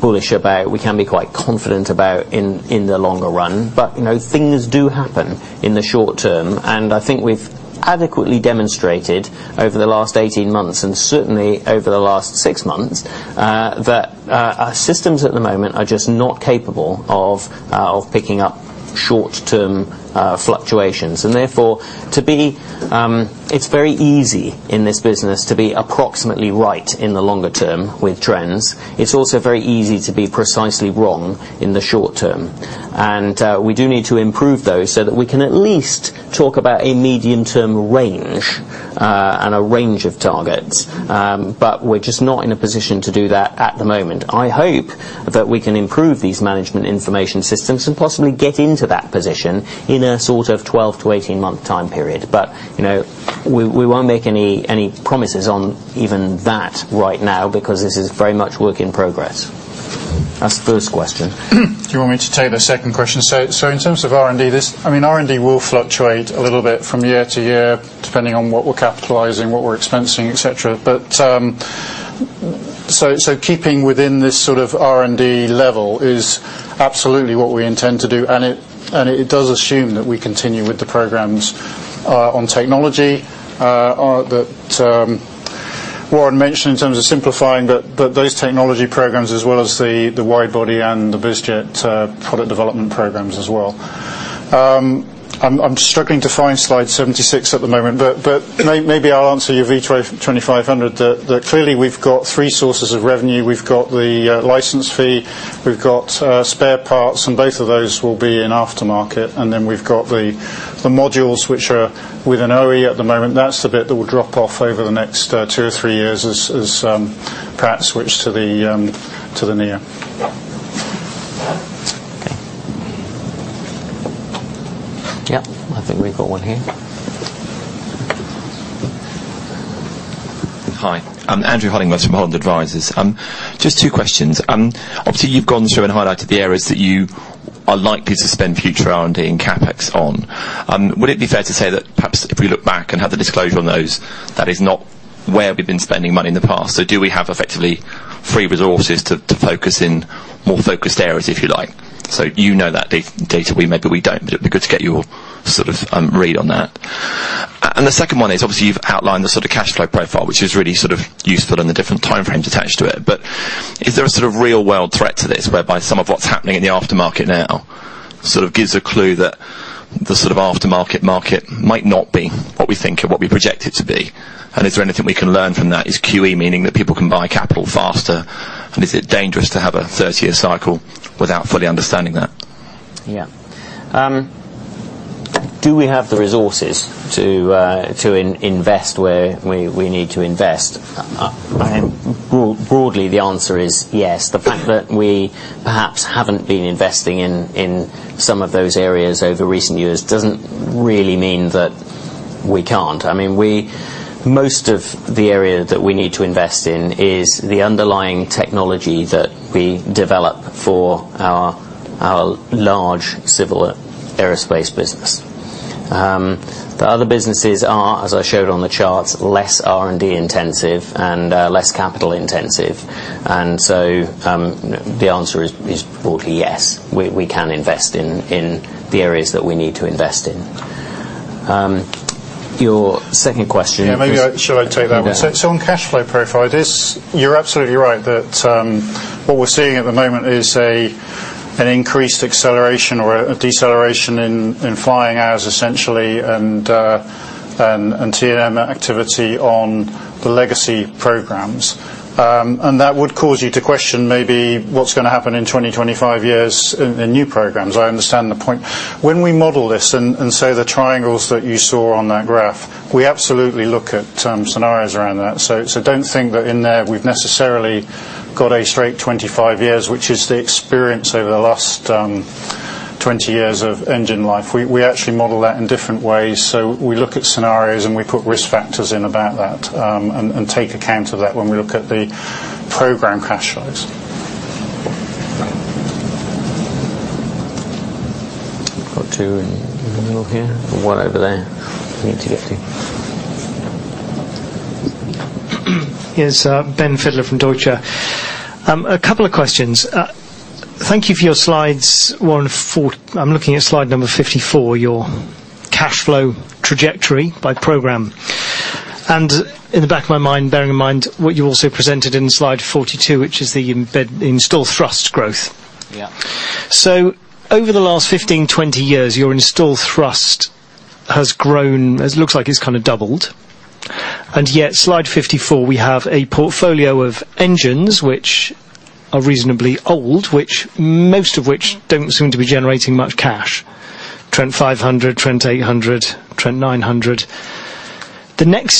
[SPEAKER 3] bullish about, we can be quite confident about in the longer run. Things do happen in the short term, and I think we've adequately demonstrated over the last 18 months, and certainly over the last six months, that our systems at the moment are just not capable of picking up short-term fluctuations. Therefore, it's very easy in this business to be approximately right in the longer term with trends. It's also very easy to be precisely wrong in the short term. We do need to improve those so that we can at least talk about a medium-term range and a range of targets. We're just not in a position to do that at the moment. I hope that we can improve these management information systems and possibly get into that position in a sort of 12 to 18-month time period. We won't make any promises on even that right now because this is very much work in progress. That's the first question.
[SPEAKER 4] Do you want me to take the second question? In terms of R&D, R&D will fluctuate a little bit from year to year, depending on what we're capitalizing, what we're expensing, et cetera. Keeping within this sort of R&D level is absolutely what we intend to do, and it does assume that we continue with the programs on technology that Warren mentioned in terms of simplifying, but those technology programs as well as the wide body and the biz jet product development programs as well. I'm struggling to find slide 76 at the moment, but maybe I'll answer your V2500, that clearly we've got three sources of revenue. We've got the license fee, we've got spare parts, and both of those will be in aftermarket. Then we've got the modules which are with an OE at the moment. That's the bit that will drop off over the next two or three years as Pratt & Whitney switch to the A320neo.
[SPEAKER 3] Okay. Yep. I think we've got one here.
[SPEAKER 7] Hi. Andrew Hollingworth from Holland Advisors. Just two questions. Obviously, you've gone through and highlighted the areas that you are likely to spend future R&D and CapEx on. Would it be fair to say that perhaps if we look back and have the disclosure on those, that is not where we've been spending money in the past? Do we have effectively free resources to focus in more focused areas, if you like? You know that data, we maybe we don't, but it would be good to get your read on that. The second one is, obviously, you've outlined the sort of cash flow profile, which is really sort of useful and the different time frames attached to it. Is there a sort of real-world threat to this, whereby some of what's happening in the aftermarket now sort of gives a clue that the sort of aftermarket market might not be what we think or what we project it to be? Is there anything we can learn from that? Is QE meaning that people can buy capital faster? Is it dangerous to have a 30-year cycle without fully understanding that?
[SPEAKER 3] Yeah. Do we have the resources to invest where we need to invest? Broadly, the answer is yes. The fact that we perhaps haven't been investing in some of those areas over recent years doesn't really mean that we can't. Most of the area that we need to invest in is the underlying technology that we develop for our large Civil Aerospace business. The other businesses are, as I showed on the charts, less R&D intensive and less capital intensive. The answer is broadly yes, we can invest in the areas that we need to invest in. Your second question-
[SPEAKER 4] Yeah, maybe I Shall I take that one?
[SPEAKER 3] Yeah.
[SPEAKER 4] On cash flow profile, you're absolutely right that what we're seeing at the moment is an increased acceleration or a deceleration in flying hours, essentially, T&M activity on the legacy programs. That would cause you to question maybe what's going to happen in 20, 25 years in new programs. I understand the point. When we model this and say the triangles that you saw on that graph, we absolutely look at scenarios around that. Don't think that in there we've necessarily got a straight 25 years, which is the experience over the last 20 years of engine life. We actually model that in different ways. We look at scenarios, and we put risk factors in about that and take account of that when we look at the program cash flows.
[SPEAKER 3] Got two in the middle here and one over there we need to get to.
[SPEAKER 8] Here's Ben Fidler from Deutsche. A couple of questions. Thank you for your slides, Warren. I'm looking at slide number 54, your cash flow trajectory by program. In the back of my mind, bearing in mind what you also presented in slide 42, which is the installed thrust growth.
[SPEAKER 3] Yeah.
[SPEAKER 8] Over the last 15, 20 years, your installed thrust has grown. It looks like it's kind of doubled. Yet slide 54, we have a portfolio of engines which are reasonably old, most of which don't seem to be generating much cash. Trent 500, Trent 800, Trent 900. Back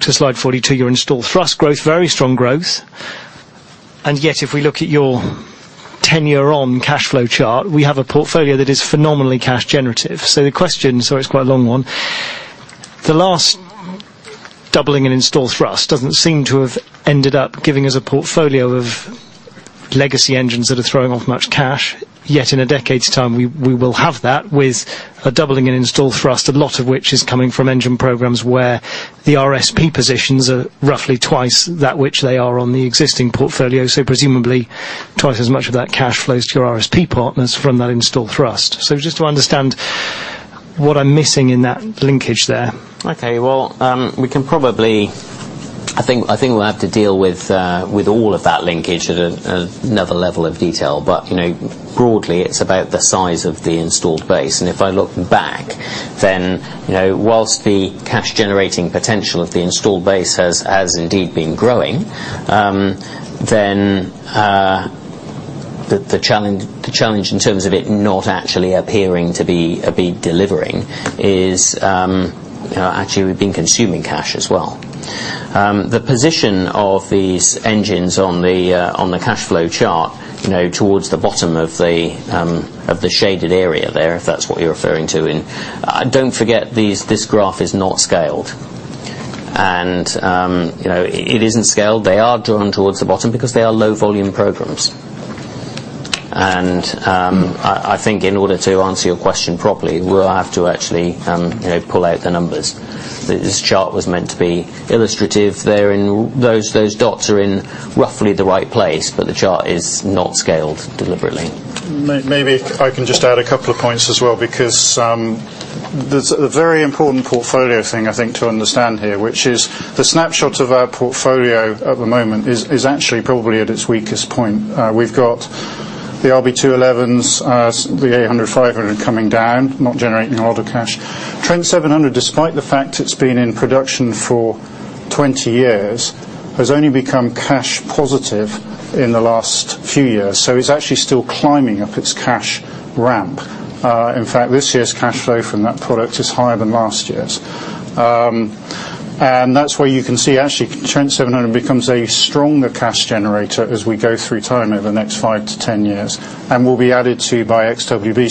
[SPEAKER 8] to slide 42, your installed thrust growth, very strong growth, yet if we look at your 10-year on cash flow chart, we have a portfolio that is phenomenally cash generative. The question, sorry, it's quite a long one, the last doubling in installed thrust doesn't seem to have ended up giving us a portfolio of legacy engines that are throwing off much cash. In a decade's time, we will have that with a doubling in installed thrust, a lot of which is coming from engine programs where the RSP positions are roughly twice that which they are on the existing portfolio. Presumably, twice as much of that cash flows to your RSP partners from that installed thrust. Just to understand what I'm missing in that linkage there.
[SPEAKER 3] Okay. I think we'll have to deal with all of that linkage at another level of detail, but broadly, it's about the size of the installed base. If I look back, then whilst the cash-generating potential of the installed base has indeed been growing, the challenge in terms of it not actually appearing to be delivering is actually we've been consuming cash as well. The position of these engines on the cash flow chart towards the bottom of the shaded area there, if that's what you're referring to, don't forget, this graph is not scaled. It isn't scaled. They are drawn towards the bottom because they are low-volume programs. I think in order to answer your question properly, we'll have to actually pull out the numbers. This chart was meant to be illustrative. Those dots are in roughly the right place, the chart is not scaled deliberately.
[SPEAKER 4] Maybe if I can just add a couple of points as well because there's a very important portfolio thing, I think, to understand here, which is the snapshot of our portfolio at the moment is actually probably at its weakest point. We've got the RB211s, the 800, 500 coming down, not generating a lot of cash. Trent 700, despite the fact it's been in production for 20 years, has only become cash positive in the last few years. It's actually still climbing up its cash ramp. In fact, this year's cash flow from that product is higher than last year's. That's where you can see actually Trent 700 becomes a stronger cash generator as we go through time over the next 5-10 years and will be added to by XWB.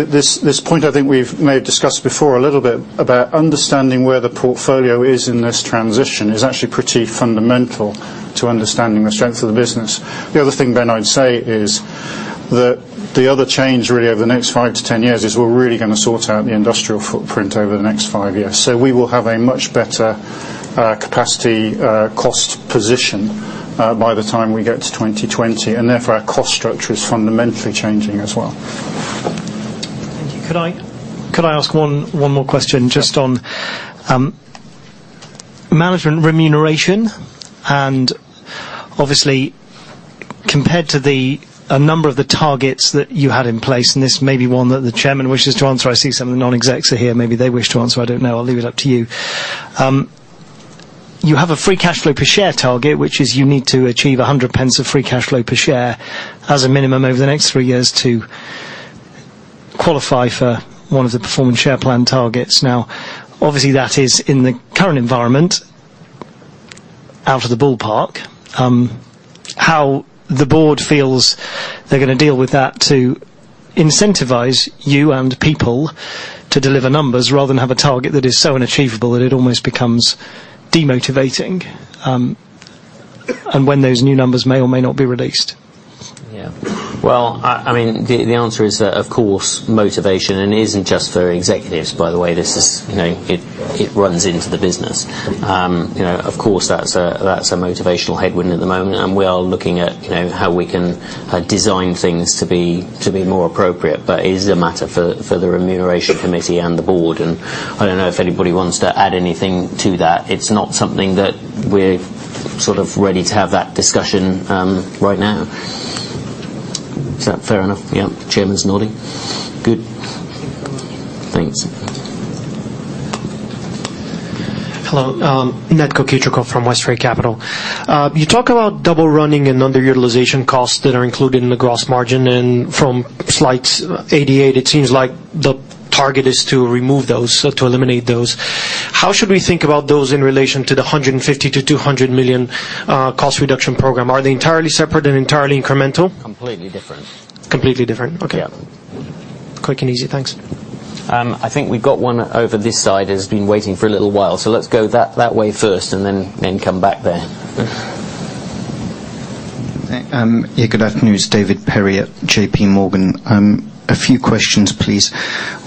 [SPEAKER 4] This point I think we've may have discussed before a little bit about understanding where the portfolio is in this transition is actually pretty fundamental to understanding the strength of the business. The other thing, Ben, I'd say is that the other change really over the next five to 10 years is we're really going to sort out the industrial footprint over the next five years. Therefore, we will have a much better capacity cost position by the time we get to 2020, and our cost structure is fundamentally changing as well.
[SPEAKER 8] Thank you. Could I ask one more question just on management remuneration and obviously, compared to a number of the targets that you had in place, and this may be one that the chairman wishes to answer. I see some of the non-execs are here. Maybe they wish to answer. I don't know. I'll leave it up to you. You have a free cash flow per share target, which is you need to achieve 1.00 of free cash flow per share as a minimum over the next three years to qualify for one of the performance share plan targets. Obviously, that is, in the current environment, out of the ballpark. How the board feels they're going to deal with that to incentivize you and people to deliver numbers rather than have a target that is so unachievable that it almost becomes demotivating? When those new numbers may or may not be released.
[SPEAKER 3] Yeah. The answer is, of course, motivation. It isn't just for executives, by the way. It runs into the business. Of course, that's a motivational headwind at the moment. We are looking at how we can design things to be more appropriate. It is a matter for the remuneration committee and the board. I don't know if anybody wants to add anything to that. It's not something that we're ready to have that discussion right now. Is that fair enough? Yeah. The chairman's nodding. Good. Thanks.
[SPEAKER 9] Hello. Ned Kukic from Westray Capital. You talk about double running and underutilization costs that are included in the gross margin, and from slides 88, it seems like the target is to remove those, so to eliminate those. How should we think about those in relation to the 150 million to 200 million cost reduction program? Are they entirely separate and entirely incremental?
[SPEAKER 3] Completely different.
[SPEAKER 9] Completely different? Okay.
[SPEAKER 3] Yeah.
[SPEAKER 9] Quick and easy. Thanks.
[SPEAKER 3] I think we've got one over this side who's been waiting for a little while, so let's go that way first and then come back there.
[SPEAKER 10] Good afternoon. It's David Perry at J.P. Morgan. A few questions, please.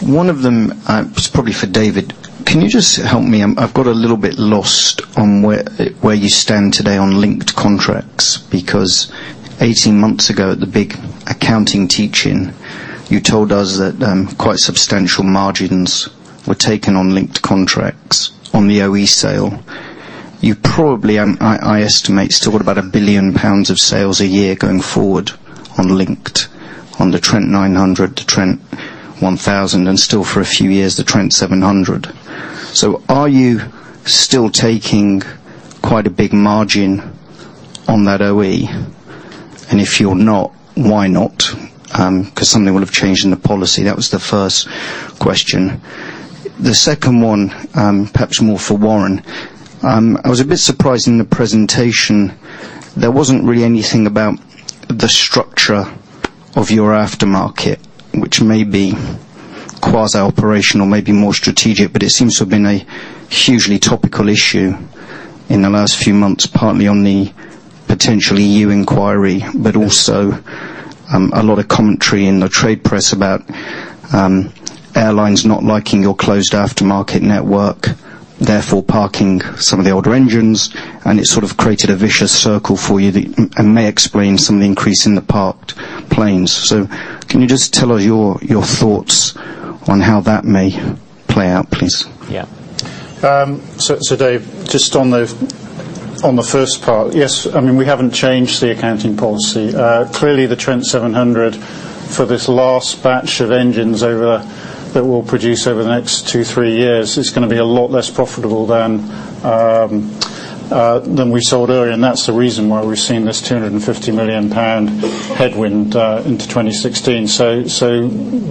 [SPEAKER 10] One of them is probably for David. Can you just help me? I've got a little bit lost on where you stand today on linked contracts, because 18 months ago at the big accounting teach-in, you told us that quite substantial margins were taken on linked contracts on the OE sale. You probably, I estimate, still got about 1 billion pounds of sales a year going forward on linked. On the Trent 900 to Trent 1000, and still for a few years, the Trent 700. Are you still taking quite a big margin on that OE? If you're not, why not? Something will have changed in the policy. That was the first question. The second one, perhaps more for Warren. I was a bit surprised in the presentation there wasn't really anything about the structure of your aftermarket, which may be quasi-operational or maybe more strategic, but it seems to have been a hugely topical issue in the last few months, partly on the potential EU inquiry, but also a lot of commentary in the trade press about airlines not liking your closed aftermarket network, therefore parking some of the older engines, and it sort of created a vicious circle for you that may explain some of the increase in the parked planes. Can you just tell us your thoughts on how that may play out, please?
[SPEAKER 3] Yeah.
[SPEAKER 4] Dave, just on the first part, yes, we haven't changed the accounting policy. Clearly, the Trent 700 for this last batch of engines that we'll produce over the next two, three years is going to be a lot less profitable than we sold earlier, and that's the reason why we're seeing this 250 million pound headwind into 2016.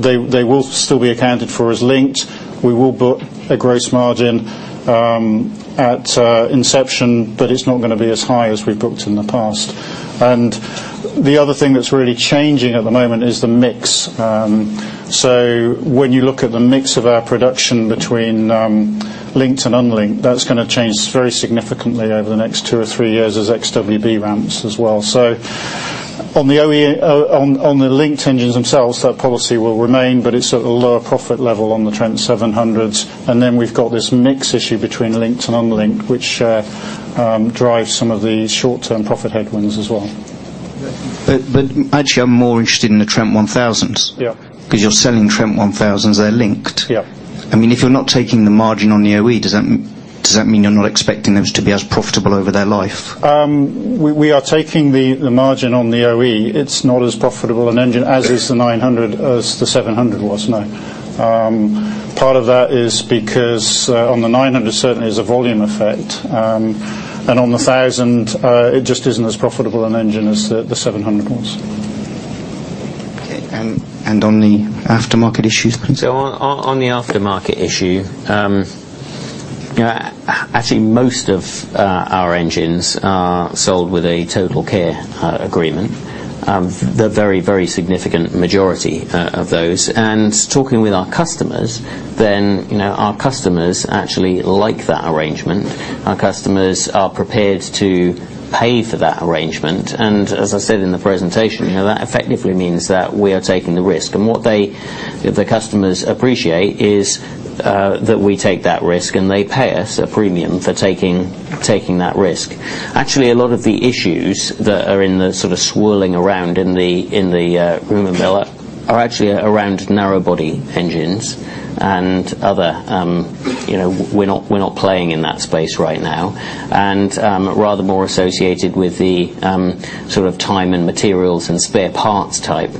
[SPEAKER 4] They will still be accounted for as linked. We will book a gross margin at inception, but it's not going to be as high as we've booked in the past. The other thing that's really changing at the moment is the mix. When you look at the mix of our production between linked and unlinked, that's going to change very significantly over the next two or three years as XWB ramps as well. on the linked engines themselves, that policy will remain, but it's at a lower profit level on the Trent 700s. We've got this mix issue between linked and unlinked, which drives some of these short-term profit headwinds as well.
[SPEAKER 10] I'm more interested in the Trent 1000s.
[SPEAKER 4] Yeah.
[SPEAKER 10] You're selling Trent 1000s, they're linked.
[SPEAKER 4] Yeah.
[SPEAKER 10] If you're not taking the margin on the OE, does that mean you're not expecting those to be as profitable over their life?
[SPEAKER 4] We are taking the margin on the OE. It's not as profitable an engine as is the 900, as the 700 was, no. Part of that is because on the 900 certainly is a volume effect. On the 1000, it just isn't as profitable an engine as the 700 was.
[SPEAKER 10] Okay, on the aftermarket issues, please?
[SPEAKER 3] On the aftermarket issue, actually most of our engines are sold with a TotalCare agreement. The very, very significant majority of those. Talking with our customers then, our customers actually like that arrangement. Our customers are prepared to pay for that arrangement. As I said in the presentation, that effectively means that we are taking the risk. What the customers appreciate is that we take that risk, and they pay us a premium for taking that risk. Actually, a lot of the issues that are sort of swirling around in the rumor mill are actually around narrow body engines and other, we're not playing in that space right now. Rather more associated with the sort of time and materials and spare parts type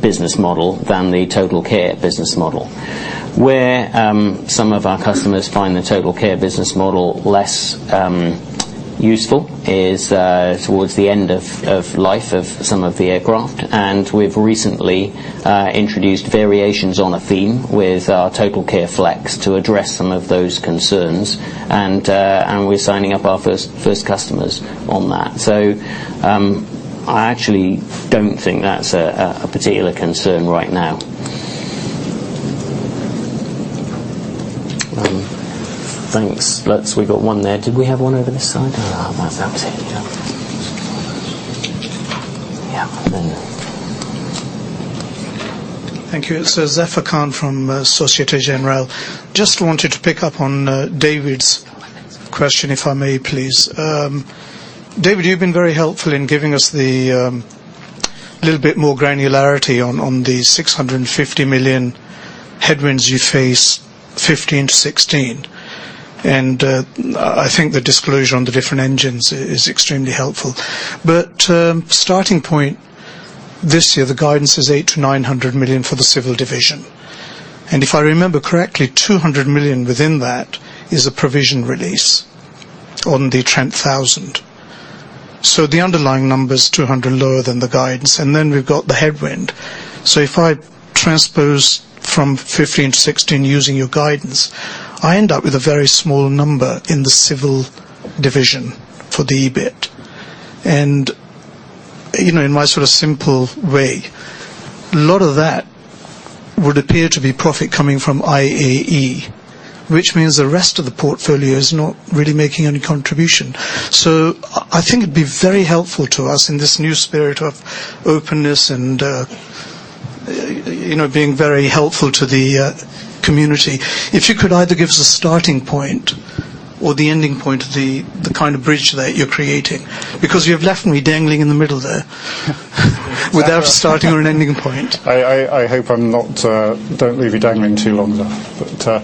[SPEAKER 3] business model than the TotalCare business model. Where some of our customers find the TotalCare business model less useful is towards the end of life of some of the aircraft. We've recently introduced variations on a theme with our TotalCare Flex to address some of those concerns. We're signing up our first customers on that. I actually don't think that's a particular concern right now. Thanks. Looks we got one there. Did we have one over this side? No, that was it. Yeah. Yeah.
[SPEAKER 11] Thank you. Zafar Khan from Societe Generale. Just wanted to pick up on David's question, if I may please. David, you've been very helpful in giving us the little bit more granularity on the 650 million headwinds you face 2015 to 2016. I think the disclosure on the different engines is extremely helpful. Starting point this year, the guidance is 800 million to 900 million for the Civil Aerospace division. If I remember correctly, 200 million within that is a provision release on the Trent 1000. The underlying number is 200 lower than the guidance, and then we've got the headwind. If I transpose from 2015 to 2016 using your guidance, I end up with a very small number in the Civil Aerospace division for the EBIT. In my sort of simple way, a lot of that would appear to be profit coming from IAE, which means the rest of the portfolio is not really making any contribution. I think it'd be very helpful to us in this new spirit of openness and being very helpful to the community, if you could either give us a starting point or the ending point of the kind of bridge that you're creating, because you have left me dangling in the middle there without a starting or an ending point.
[SPEAKER 4] I hope I don't leave you dangling too long, Zafar.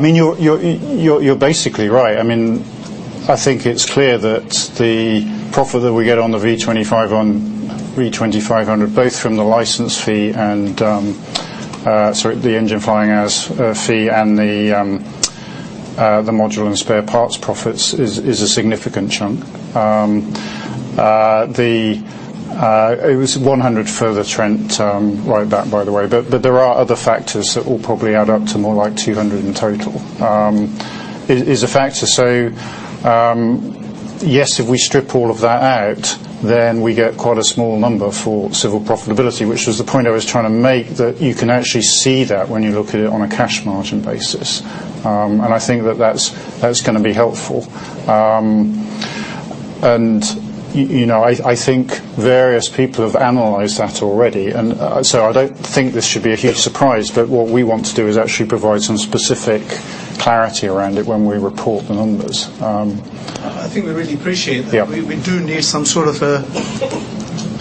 [SPEAKER 4] You're basically right. I think it's clear that the profit that we get on the V2500, both from the engine flying hours fee and the module and spare parts profits, is a significant chunk. It was 100 for the Trent write-back, by the way, but there are other factors that will probably add up to more like 200 in total. Is a factor. Yes, if we strip all of that out, we get quite a small number for Civil Aerospace profitability, which was the point I was trying to make, that you can actually see that when you look at it on a cash margin basis. I think that's going to be helpful. I think various people have analyzed that already, I don't think this should be a huge surprise, what we want to do is actually provide some specific clarity around it when we report the numbers.
[SPEAKER 11] I think we really appreciate that.
[SPEAKER 4] Yeah.
[SPEAKER 11] We do need some sort of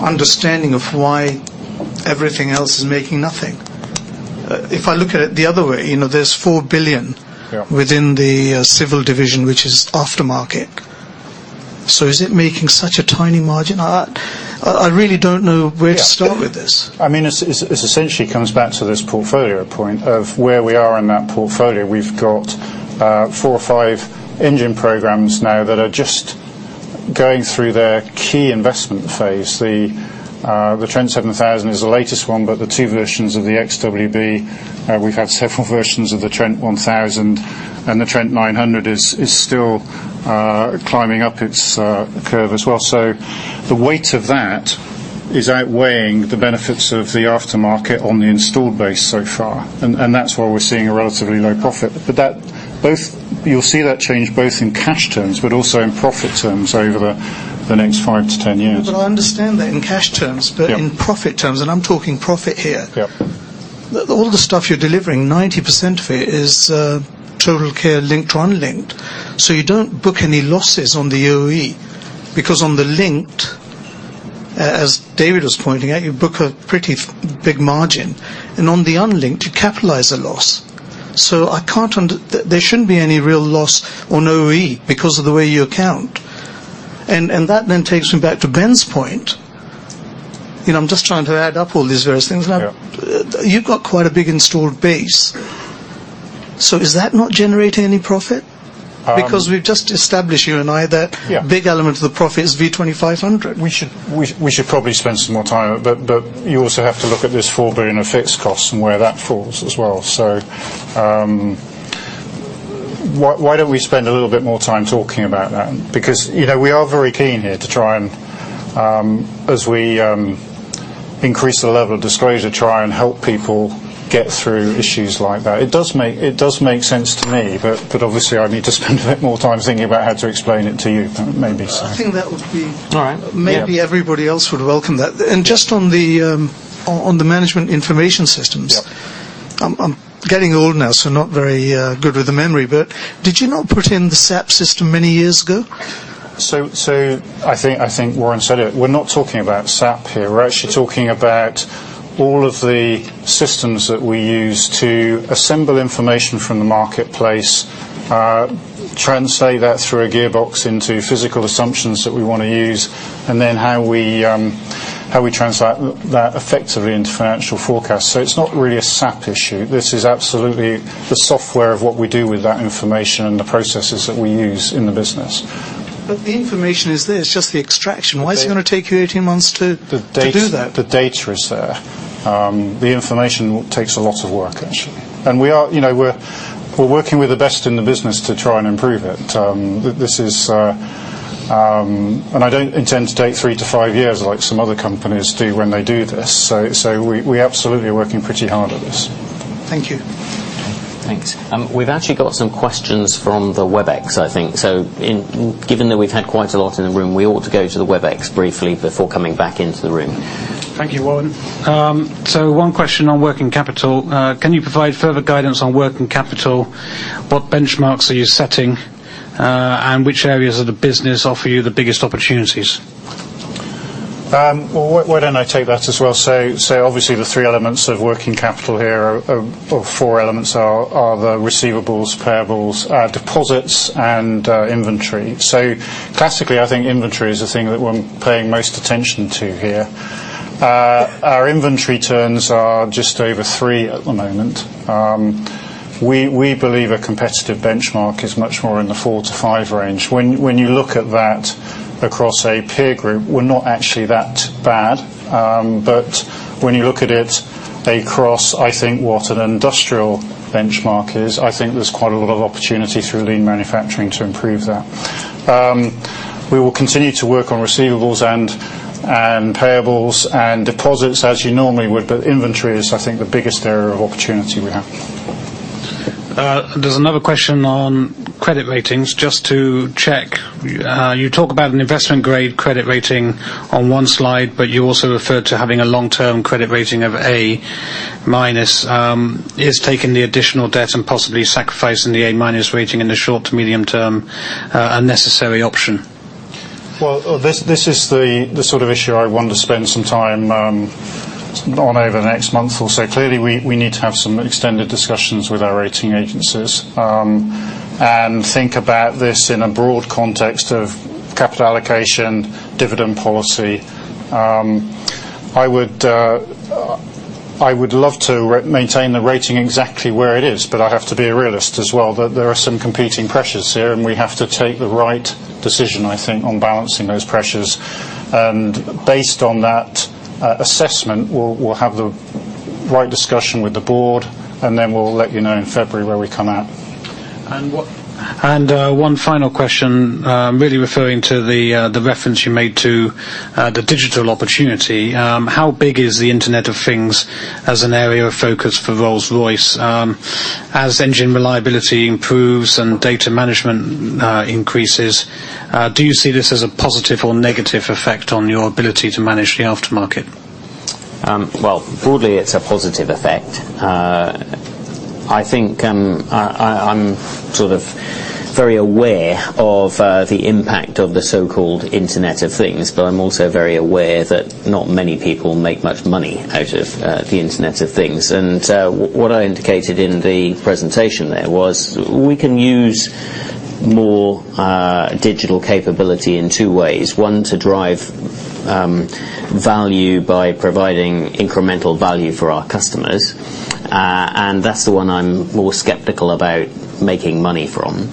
[SPEAKER 11] understanding of why everything else is making nothing. If I look at it the other way, there's 4 billion-
[SPEAKER 4] Yeah
[SPEAKER 11] within the Civil Aerospace, which is aftermarket. Is it making such a tiny margin? I really don't know where to start with this.
[SPEAKER 4] Yeah. It essentially comes back to this portfolio point of where we are in that portfolio. We've got four or five engine programs now that are just going through their key investment phase. The Trent 7000 is the latest one, but the two versions of the XWB, we've had several versions of the Trent 1000, and the Trent 900 is still climbing up its curve as well. The weight of that is outweighing the benefits of the aftermarket on the installed base so far, and that's why we're seeing a relatively low profit. You'll see that change both in cash terms, but also in profit terms over the next five to 10 years.
[SPEAKER 11] I understand that in cash terms-
[SPEAKER 4] Yeah
[SPEAKER 11] In profit terms, and I'm talking profit here-
[SPEAKER 4] Yeah
[SPEAKER 11] All the stuff you're delivering, 90% of it is TotalCare linked or unlinked. You don't book any losses on the OE, because on the linked, as David was pointing out, you book a pretty big margin. On the unlinked, you capitalize the loss. There shouldn't be any real loss on OE because of the way you account. That then takes me back to Ben's point. I'm just trying to add up all these various things.
[SPEAKER 4] Yeah.
[SPEAKER 11] You've got quite a big installed base. Is that not generating any profit? Because we've just established, you and I, that-
[SPEAKER 4] Yeah
[SPEAKER 11] A big element of the profit is V2500.
[SPEAKER 4] We should probably spend some more time. You also have to look at this 4 billion of fixed costs and where that falls as well. Why don't we spend a little bit more time talking about that? We are very keen here to try and, as we increase the level of disclosure, try and help people get through issues like that. It does make sense to me. Obviously I need to spend a bit more time thinking about how to explain it to you, maybe.
[SPEAKER 11] I think that would be.
[SPEAKER 4] All right. Yeah
[SPEAKER 11] maybe everybody else would welcome that. Just on the management information systems.
[SPEAKER 4] Yeah.
[SPEAKER 11] I'm getting old now, so not very good with the memory, but did you not put in the SAP system many years ago?
[SPEAKER 4] I think Warren said it. We're not talking about SAP here. We're actually talking about all of the systems that we use to assemble information from the marketplace, translate that through a gearbox into physical assumptions that we want to use, and then how we translate that effectively into financial forecasts. It's not really a SAP issue. This is absolutely the software of what we do with that information and the processes that we use in the business.
[SPEAKER 11] The information is there, it's just the extraction. Why is it going to take you 18 months to do that?
[SPEAKER 4] The data is there. The information takes a lot of work, actually. We're working with the best in the business to try and improve it. I don't intend to take three to five years like some other companies do when they do this. We're absolutely working pretty hard at this.
[SPEAKER 11] Thank you.
[SPEAKER 3] Thanks. We've actually got some questions from the Webex, I think. Given that we've had quite a lot in the room, we ought to go to the Webex briefly before coming back into the room.
[SPEAKER 1] Thank you, Warren. One question on working capital. Can you provide further guidance on working capital? What benchmarks are you setting? Which areas of the business offer you the biggest opportunities?
[SPEAKER 4] Why don't I take that as well? Obviously the three elements of working capital here, or four elements are the receivables, payables, deposits, and inventory. Classically, I think inventory is the thing that we're paying most attention to here. Our inventory turns are just over three at the moment. We believe a competitive benchmark is much more in the four to five range. When you look at that across a peer group, we're not actually that bad. When you look at it across, I think, what an industrial benchmark is, I think there's quite a lot of opportunity through lean manufacturing to improve that. We will continue to work on receivables and payables and deposits as you normally would, but inventory is, I think, the biggest area of opportunity we have.
[SPEAKER 1] There's another question on credit ratings, just to check. You talk about an investment-grade credit rating on one slide, but you also refer to having a long-term credit rating of A-minus. Is taking the additional debt and possibly sacrificing the A-minus rating in the short to medium term a necessary option?
[SPEAKER 4] This is the sort of issue I want to spend some time on over the next month or so. Clearly, we need to have some extended discussions with our rating agencies, and think about this in a broad context of capital allocation, dividend policy. I would love to maintain the rating exactly where it is, I have to be a realist as well. There are some competing pressures here, we have to take the right decision, I think, on balancing those pressures. Based on that assessment, we'll have the right discussion with the board, we'll let you know in February where we come out.
[SPEAKER 1] One final question, really referring to the reference you made to the digital opportunity. How big is the Internet of Things as an area of focus for Rolls-Royce? As engine reliability improves and data management increases, do you see this as a positive or negative effect on your ability to manage the aftermarket?
[SPEAKER 3] Well, broadly, it's a positive effect. I think I'm sort of very aware of the impact of the so-called Internet of Things, but I'm also very aware that not many people make much money out of the Internet of Things. What I indicated in the presentation there was we can use more digital capability in two ways. One, to drive value by providing incremental value for our customers, and that's the one I'm more skeptical about making money from.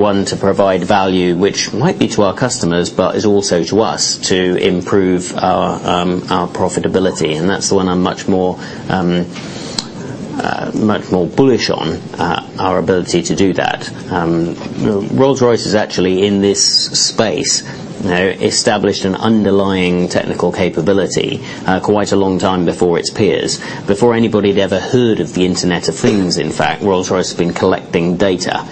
[SPEAKER 3] One, to provide value, which might be to our customers, but is also to us to improve our profitability, and that's the one I'm much more bullish on, our ability to do that. Rolls-Royce is actually in this space, established an underlying technical capability quite a long time before its peers. Before anybody had ever heard of the Internet of Things, in fact, Rolls-Royce had been collecting data.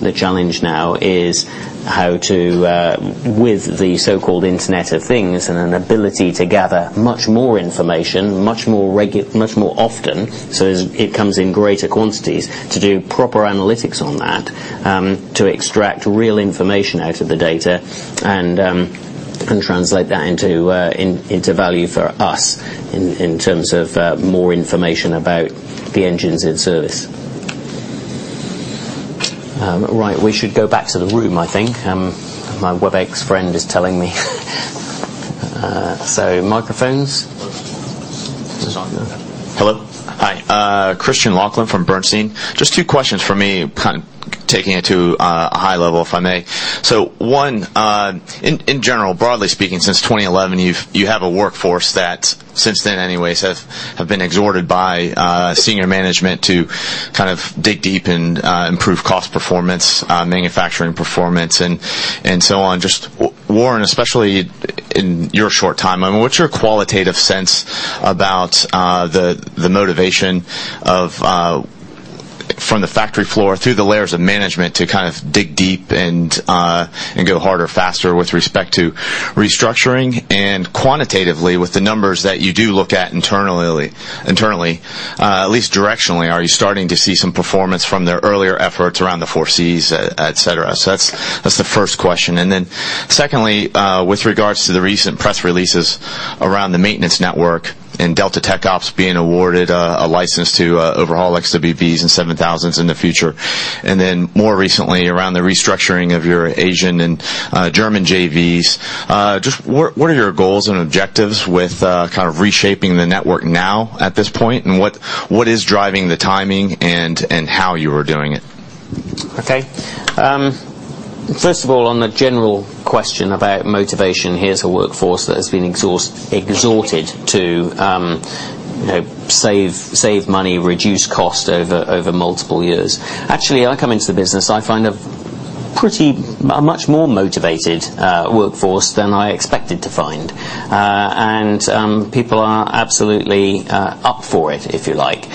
[SPEAKER 3] The challenge now is how to, with the so-called Internet of Things and an ability to gather much more information, much more often, so it comes in greater quantities to do proper analytics on that, to extract real information out of the data, and translate that into value for us in terms of more information about the engines in service. Right, we should go back to the room, I think. My Webex friend is telling me. Microphones.
[SPEAKER 4] Is this on?
[SPEAKER 12] Hello? Hi. Christian Laughlin from Bernstein. Just two questions from me, kind of taking it to a high level, if I may. One, in general, broadly speaking, since 2011, you have a workforce that, since then anyway, have been exhorted by senior management to kind of dig deep and improve cost performance, manufacturing performance, and so on. Just, Warren, especially in your short time, what's your qualitative sense about the motivation from the factory floor through the layers of management to kind of dig deep and go harder, faster with respect to restructuring? Quantitatively, with the numbers that you do look at internally, at least directionally, are you starting to see some performance from their earlier efforts around the four Cs, et cetera? That's the first question. Secondly, with regards to the recent press releases around the maintenance network and Delta TechOps being awarded a license to overhaul XWBs and 7000s in the future, more recently around the restructuring of your Asian and German JVs, just what are your goals and objectives with kind of reshaping the network now at this point? What is driving the timing and how you are doing it?
[SPEAKER 3] Okay. First of all, on the general question about motivation, here's a workforce that has been exhorted to save money, reduce cost over multiple years. Actually, I come into the business, I find a much more motivated workforce than I expected to find. People are absolutely up for it, if you like.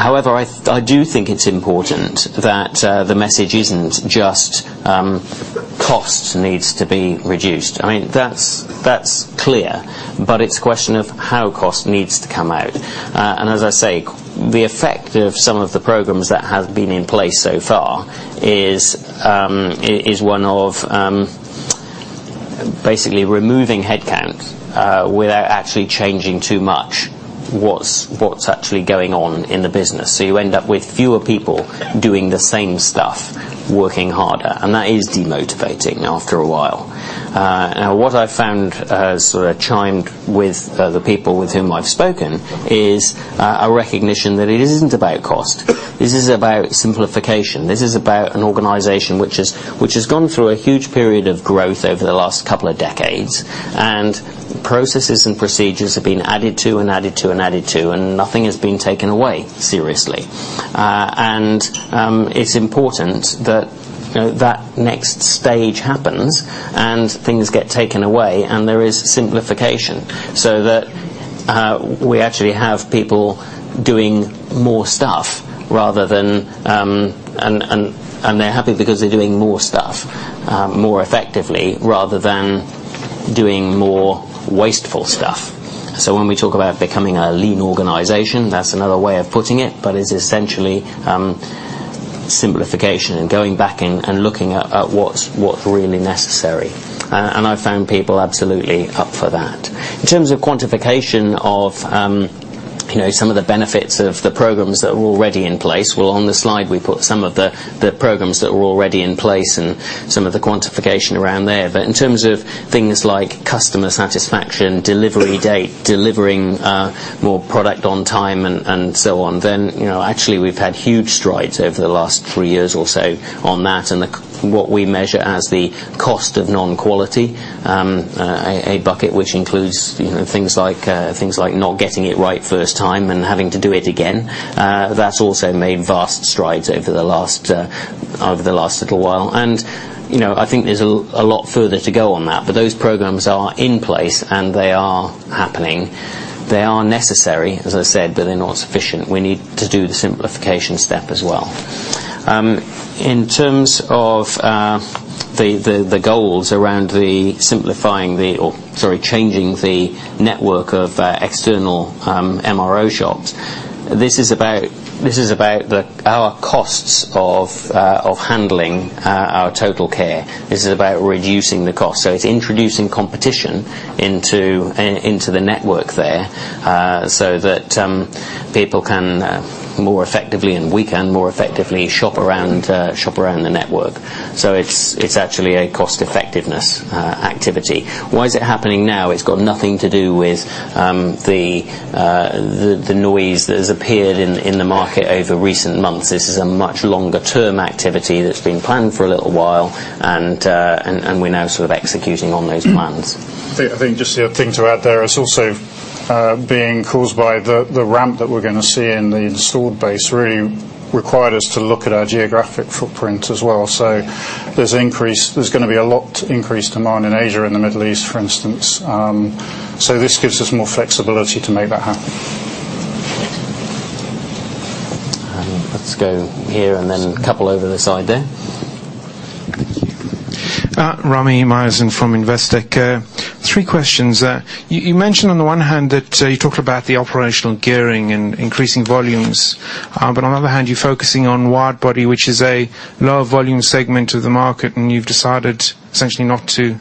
[SPEAKER 3] However, I do think it's important that the message isn't just cost needs to be reduced. I mean, that's clear, but it's a question of how cost needs to come out. As I say, the effect of some of the programs that have been in place so far is one of basically removing headcount without actually changing too much what's actually going on in the business. You end up with fewer people doing the same stuff, working harder, and that is demotivating after a while. What I've found sort of chimed with the people with whom I've spoken is a recognition that it isn't about cost. This is about simplification. This is about an organization which has gone through a huge period of growth over the last couple of decades, processes and procedures have been added to and added to and added to, nothing has been taken away, seriously. It's important that that next stage happens and things get taken away and there is simplification, so that we actually have people doing more stuff, and they're happy because they're doing more stuff more effectively, rather than doing more wasteful stuff. When we talk about becoming a lean organization, that's another way of putting it, but it's essentially simplification and going back and looking at what's really necessary. I've found people absolutely up for that. In terms of quantification of some of the benefits of the programs that are already in place, well, on the slide, we put some of the programs that were already in place, some of the quantification around there. In terms of things like customer satisfaction, delivery date, delivering more product on time, and so on, then actually we've had huge strides over the last three years or so on that. What we measure as the cost of non-quality, a bucket which includes things like not getting it right first time and having to do it again. That's also made vast strides over the last little while. I think there's a lot further to go on that. Those programs are in place and they are happening. They are necessary, as I said, but they're not sufficient. We need to do the simplification step as well. In terms of the goals around changing the network of external MRO shops, this is about our costs of handling our TotalCare. This is about reducing the cost. It's introducing competition into the network there, so that people can more effectively, and we can more effectively shop around the network. It's actually a cost effectiveness activity. Why is it happening now? It's got nothing to do with the noise that has appeared in the market over recent months. This is a much longer-term activity that's been planned for a little while, and we're now sort of executing on those plans.
[SPEAKER 4] I think just the other thing to add there, it's also being caused by the ramp that we're going to see in the installed base really required us to look at our geographic footprint as well. There's going to be a lot increase demand in Asia and the Middle East, for instance. This gives us more flexibility to make that happen.
[SPEAKER 3] Let's go here then couple over this side there.
[SPEAKER 13] Thank you. Rami Myerson from Investec. Three questions. You mentioned on the one hand that you talked about the operational gearing and increasing volumes. On other hand, you're focusing on wide body, which is a lower volume segment of the market, and you've decided essentially not to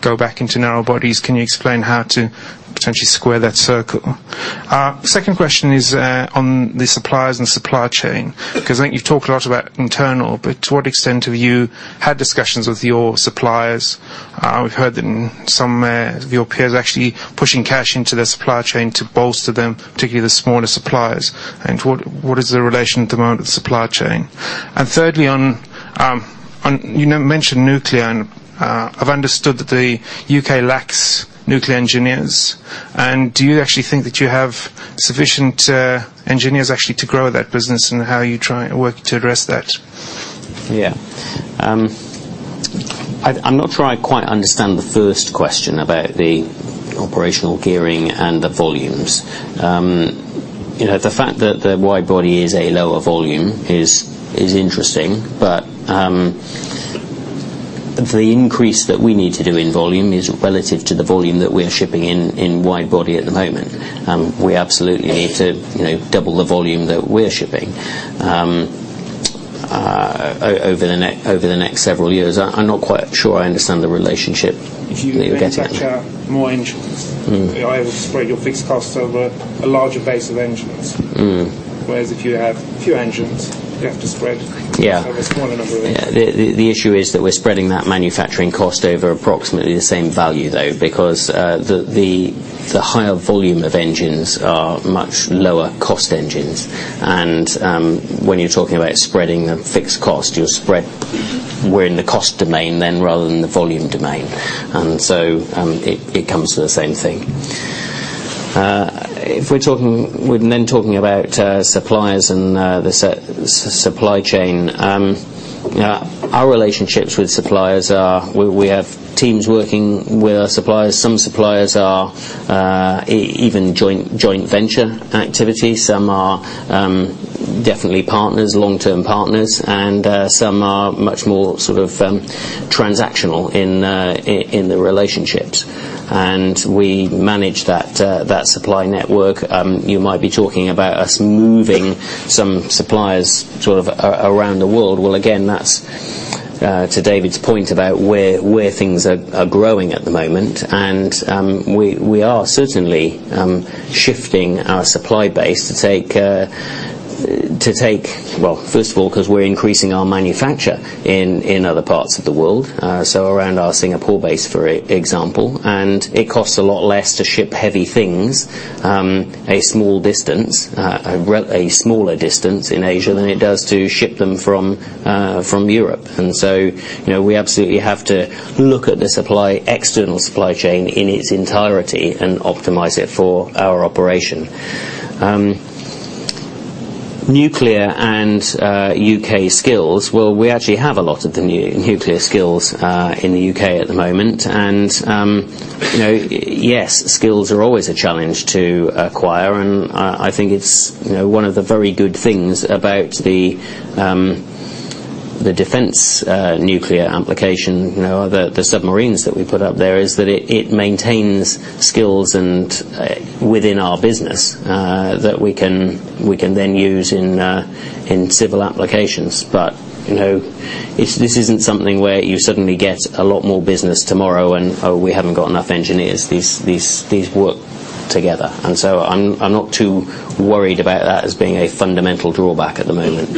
[SPEAKER 13] go back into narrow bodies. Can you explain how to potentially square that circle? Second question is on the suppliers and supply chain. I think you've talked a lot about internal, but to what extent have you had discussions with your suppliers? We've heard that some of your peers are actually pushing cash into their supply chain to bolster them, particularly the smaller suppliers. What is the relation at the moment with supply chain? Thirdly, you mentioned nuclear. I've understood that the U.K. lacks nuclear engineers. Do you actually think that you have sufficient engineers actually to grow that business? How are you working to address that?
[SPEAKER 3] I'm not sure I quite understand the first question about the operational gearing and the volumes. The fact that the wide-body is a lower volume is interesting, the increase that we need to do in volume is relative to the volume that we're shipping in wide-body at the moment. We absolutely need to double the volume that we're shipping over the next several years. I'm not quite sure I understand the relationship that you're getting at.
[SPEAKER 13] If you manufacture more engines, you're able to spread your fixed costs over a larger base of engines. If you have few engines, you have to spread-
[SPEAKER 3] Yeah
[SPEAKER 13] over a smaller number of engines.
[SPEAKER 3] The issue is that we're spreading that manufacturing cost over approximately the same value, though, because the higher volume of engines are much lower cost engines. When you're talking about spreading a fixed cost, we're in the cost domain then rather than the volume domain. It comes to the same thing. If we're then talking about suppliers and the supply chain, our relationships with suppliers are we have teams working with our suppliers. Some suppliers are even joint venture activities. Some are definitely partners, long-term partners, and some are much more sort of transactional in the relationships. We manage that supply network. You might be talking about us moving some suppliers sort of around the world. Again, that's to David's point about where things are growing at the moment. We are certainly shifting our supply base to take First of all, because we're increasing our manufacture in other parts of the world, so around our Singapore base, for example. It costs a lot less to ship heavy things a small distance, a smaller distance in Asia than it does to ship them from Europe. We absolutely have to look at the external supply chain in its entirety and optimize it for our operation. Nuclear and U.K. skills. We actually have a lot of the nuclear skills in the U.K. at the moment. Yes, skills are always a challenge to acquire, and I think it's one of the very good things about the The defense nuclear application, the submarines that we put up there, is that it maintains skills within our business that we can then use in civil applications. This isn't something where you suddenly get a lot more business tomorrow and, oh, we haven't got enough engineers. These work together. I'm not too worried about that as being a fundamental drawback at the moment.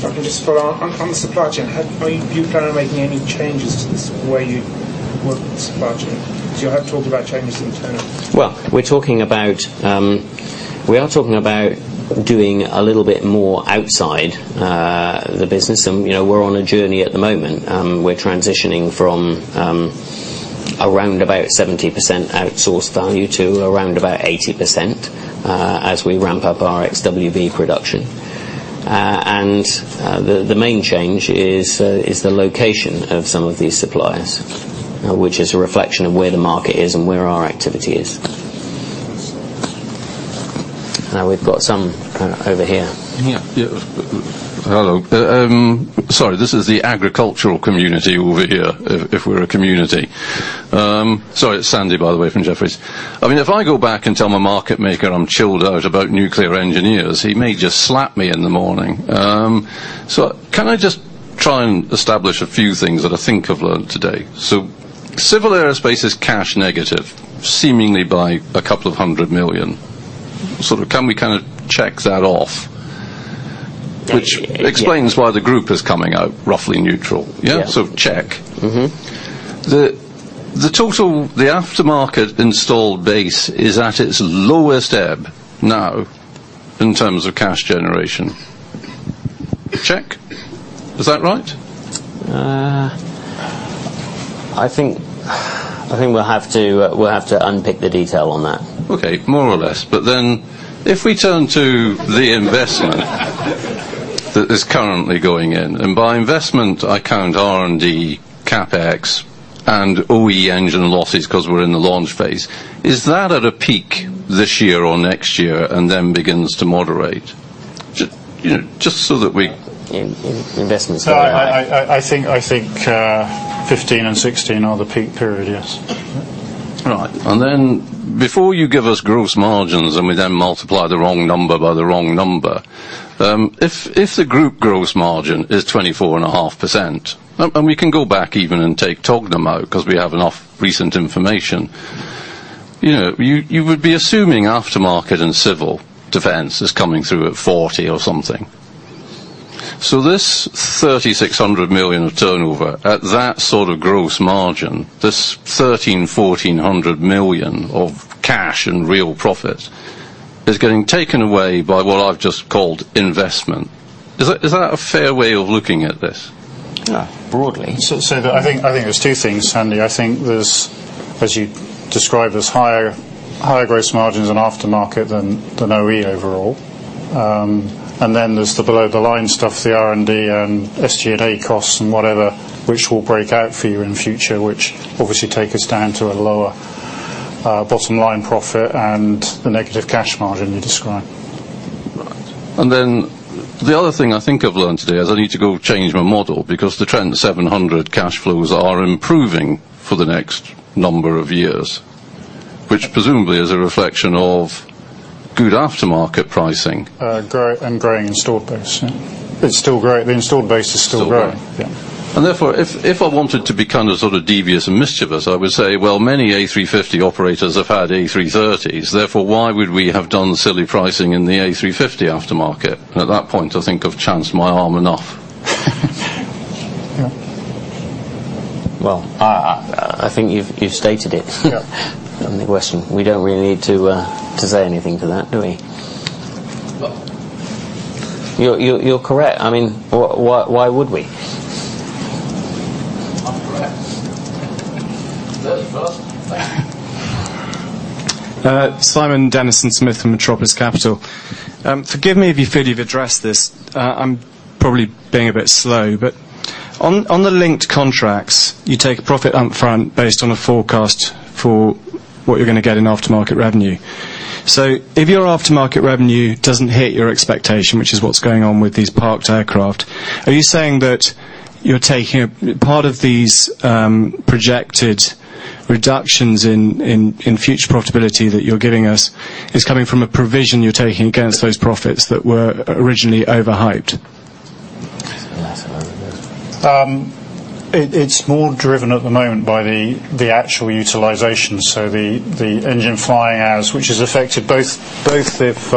[SPEAKER 13] If I can just follow on the supply chain, are you planning on making any changes to the way you work with the supply chain? Because you have talked about changes internally.
[SPEAKER 3] Well, we are talking about doing a little bit more outside the business and we're on a journey at the moment. We're transitioning from around about 70% outsourced value to around about 80% as we ramp up our XWB production. The main change is the location of some of these suppliers, which is a reflection of where the market is and where our activity is. Now we've got some over here.
[SPEAKER 14] Yeah. Hello. Sorry, this is the agricultural community over here, if we're a community. Sorry, it's Sandy, by the way, from Jefferies. If I go back and tell my market maker I'm chilled out about nuclear engineers, he may just slap me in the morning. Can I just try and establish a few things that I think I've learned today? Civil Aerospace is cash negative, seemingly by GBP a couple of hundred million. Can we kind of check that off?
[SPEAKER 3] Yeah.
[SPEAKER 14] Which explains why the group is coming out roughly neutral.
[SPEAKER 3] Yeah.
[SPEAKER 14] Yeah, check. The aftermarket installed base is at its lowest ebb now in terms of cash generation? Is that right?
[SPEAKER 3] I think we'll have to unpick the detail on that.
[SPEAKER 14] More or less. If we turn to the investment that is currently going in, and by investment, I count R&D, CapEx, and OE engine losses because we're in the launch phase. Is that at a peak this year or next year and then begins to moderate? Just so that we-
[SPEAKER 3] Investment's-
[SPEAKER 4] I think 2015 and 2016 are the peak period, yes.
[SPEAKER 14] Right. Before you give us gross margins, and we then multiply the wrong number by the wrong number, if the group gross margin is 24.5%, and we can go back even and take Tognum out because we have enough recent information. You would be assuming aftermarket and Civil Aerospace is coming through at 40% or something. This 3,600 million of turnover at that sort of gross margin, this 1,300 million, 1,400 million of cash and real profit is getting taken away by what I've just called investment. Is that a fair way of looking at this?
[SPEAKER 3] Broadly.
[SPEAKER 4] I think there's two things, Sandy. I think there's, as you described, there's higher gross margins in aftermarket than OE overall. There's the below the line stuff, the R&D and SG&A costs and whatever, which we'll break out for you in future, which obviously take us down to a lower bottom line profit and the negative cash margin you describe.
[SPEAKER 14] Right. The other thing I think I've learned today is I need to go change my model because the Trent 700 cash flows are improving for the next number of years, which presumably is a reflection of good aftermarket pricing.
[SPEAKER 4] Growing installed base. Yeah. The installed base is still growing.
[SPEAKER 14] Still growing.
[SPEAKER 4] Yeah.
[SPEAKER 14] Therefore, if I wanted to be kind of sort of devious and mischievous, I would say, well, many A350 operators have had A330s, therefore why would we have done silly pricing in the A350 aftermarket? At that point, I think I've chanced my arm enough.
[SPEAKER 4] Yeah.
[SPEAKER 3] I think you've stated it.
[SPEAKER 4] Yeah.
[SPEAKER 3] The question. We don't really need to say anything to that, do we?
[SPEAKER 14] Well
[SPEAKER 3] You're correct. Why would we?
[SPEAKER 14] I'm correct. That's a first. Thank you.
[SPEAKER 15] Simon Denison-Smith from Metropolis Capital. Forgive me if you feel you've addressed this. I'm probably being a bit slow, but on the linked contracts, you take profit upfront based on a forecast for what you're going to get in aftermarket revenue. If your aftermarket revenue doesn't hit your expectation, which is what's going on with these parked aircraft, are you saying that part of these projected reductions in future profitability that you're giving us is coming from a provision you're taking against those profits that were originally over-hyped?
[SPEAKER 3] That's a lot of it, yes.
[SPEAKER 4] It's more driven at the moment by the actual utilization, the engine flying hours, which has affected both if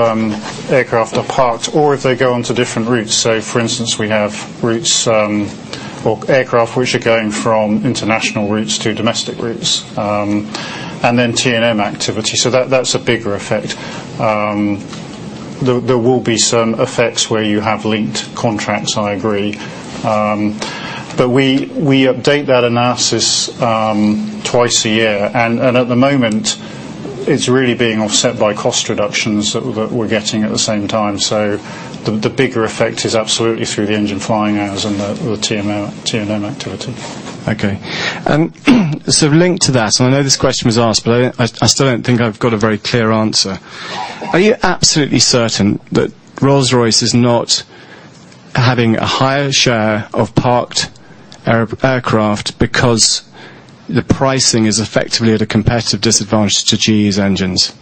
[SPEAKER 4] aircraft are parked or if they go onto different routes. For instance, we have routes or aircraft which are going from international routes to domestic routes, and then T&M activity. That's a bigger effect. There will be some effects where you have linked contracts, I agree. We update that analysis twice a year, and at the moment, it's really being offset by cost reductions that we're getting at the same time. The bigger effect is absolutely through the engine flying hours and the T&M activity.
[SPEAKER 15] Okay. Linked to that, and I know this question was asked, I still don't think I've got a very clear answer. Are you absolutely certain that Rolls-Royce is not having a higher share of parked aircraft because the pricing is effectively at a competitive disadvantage to GE's engines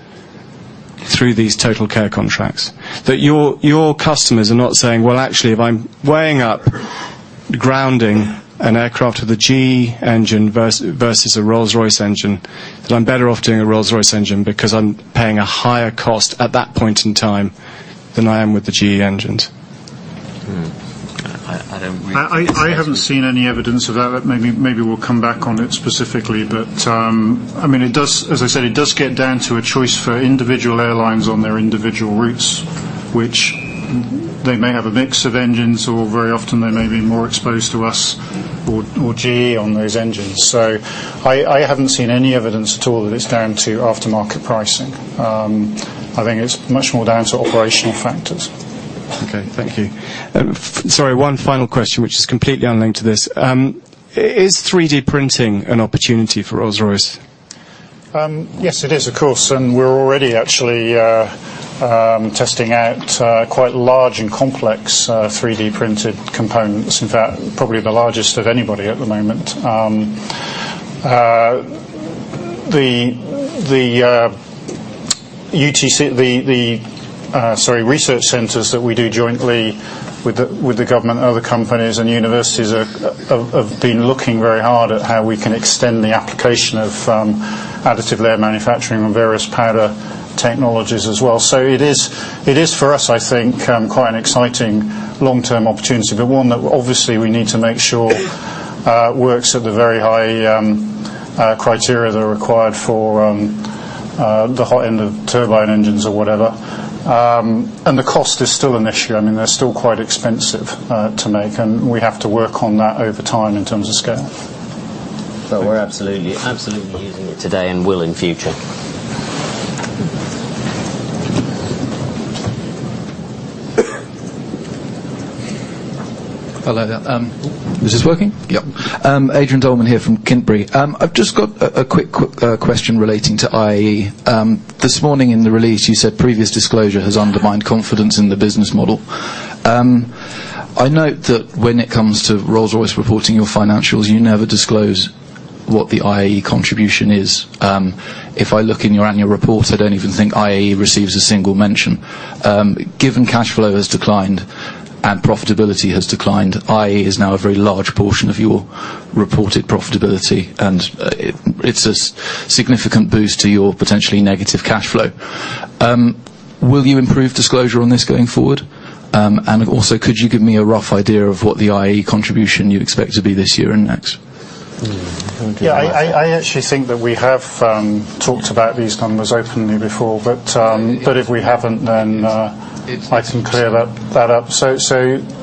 [SPEAKER 15] through these TotalCare contracts, that your customers are not saying, "Well, actually, if I'm weighing up grounding an aircraft with a GE engine versus a Rolls-Royce engine, that I'm better off doing a Rolls-Royce engine because I'm paying a higher cost at that point in time than I am with the GE engines.
[SPEAKER 3] Hmm. I don't read-
[SPEAKER 4] I haven't seen any evidence of that. Maybe we'll come back on it specifically, but, as I said, it does get down to a choice for individual airlines on their individual routes, which they may have a mix of engines, or very often they may be more exposed to us or GE on those engines. I haven't seen any evidence at all that it's down to aftermarket pricing. I think it's much more down to operational factors.
[SPEAKER 15] Okay. Thank you. Sorry, one final question, which is completely unrelated to this. Is 3D printing an opportunity for Rolls-Royce?
[SPEAKER 3] Yes, it is, of course, and we're already actually testing out quite large and complex 3D printed components. In fact, probably the largest of anybody at the moment. The research centers that we do jointly with the government, other companies, and universities have been looking very hard at how we can extend the application of additive layer manufacturing and various powder technologies as well. It is for us, I think, quite an exciting long-term opportunity, but one that obviously we need to make sure works at the very high criteria that are required for the hot end of turbine engines or whatever. The cost is still an issue. They're still quite expensive to make, and we have to work on that over time in terms of scale. We're absolutely using it today and will in future.
[SPEAKER 16] Hello there. Is this working? Yep. Adrian Dolman here from Kintbury. I've just got a quick question relating to IAE. This morning in the release, you said previous disclosure has undermined confidence in the business model. I note that when it comes to Rolls-Royce reporting your financials, you never disclose what the IAE contribution is. If I look in your annual report, I don't even think IAE receives a single mention. Given cash flow has declined and profitability has declined, IAE is now a very large portion of your reported profitability, and it's a significant boost to your potentially negative cash flow. Will you improve disclosure on this going forward? Also, could you give me a rough idea of what the IAE contribution you expect to be this year and next?
[SPEAKER 4] Yeah, I actually think that we have talked about these numbers openly before, but if we haven't, then I can clear that up.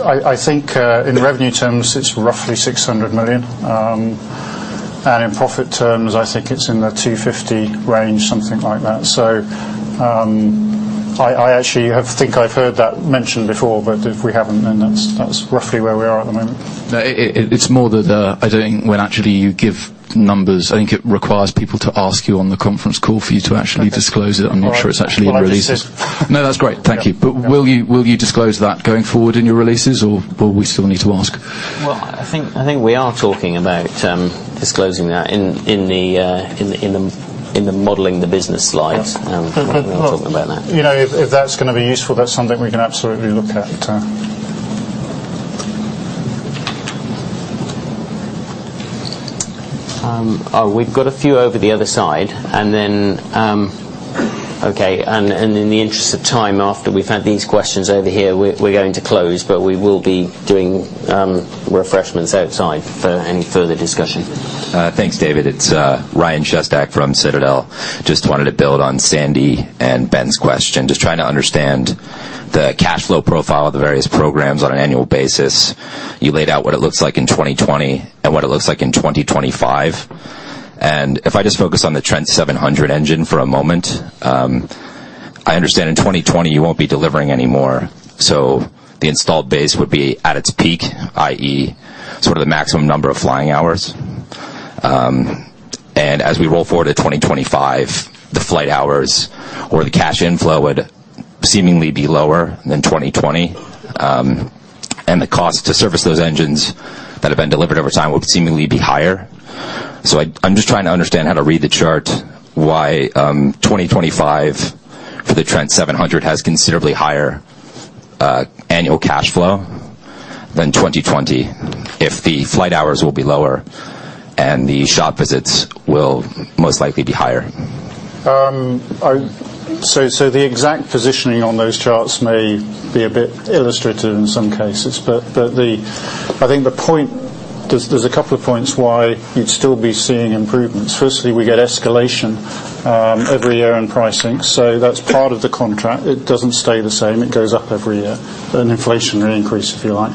[SPEAKER 4] I think in revenue terms it's roughly 600 million. In profit terms, I think it's in the 250 range, something like that. I actually think I've heard that mentioned before, but if we haven't, then that's roughly where we are at the moment.
[SPEAKER 16] No, it's more that I don't think when actually you give numbers, I think it requires people to ask you on the conference call for you to actually disclose it. I'm not sure it's actually in releases.
[SPEAKER 4] Well, I just said
[SPEAKER 16] No, that's great. Thank you. Will you disclose that going forward in your releases, or will we still need to ask?
[SPEAKER 3] Well, I think we are talking about disclosing that in the modeling the business slides. We're talking about that.
[SPEAKER 4] If that's going to be useful, that's something we can absolutely look at.
[SPEAKER 3] We've got a few over the other side, then in the interest of time after we've had these questions over here, we're going to close. We will be doing refreshments outside for any further discussion.
[SPEAKER 17] Thanks, David. It's Ryan Shesky from Citadel. Just wanted to build on Sandy and Ben's question. Just trying to understand the cash flow profile of the various programs on an annual basis. You laid out what it looks like in 2020 and what it looks like in 2025. If I just focus on the Trent 700 engine for a moment. I understand in 2020 you won't be delivering any more, so the installed base would be at its peak, i.e., sort of the maximum number of flying hours. As we roll forward to 2025, the flight hours or the cash inflow would seemingly be lower than 2020. The cost to service those engines that have been delivered over time would seemingly be higher. I'm just trying to understand how to read the chart, why 2025 for the Trent 700 has considerably higher annual cash flow than 2020 if the flight hours will be lower and the shop visits will most likely be higher.
[SPEAKER 4] The exact positioning on those charts may be a bit illustrative in some cases. I think there's a couple of points why you'd still be seeing improvements. Firstly, we get escalation every year in pricing. That's part of the contract. It doesn't stay the same. It goes up every year. An inflationary increase, if you like.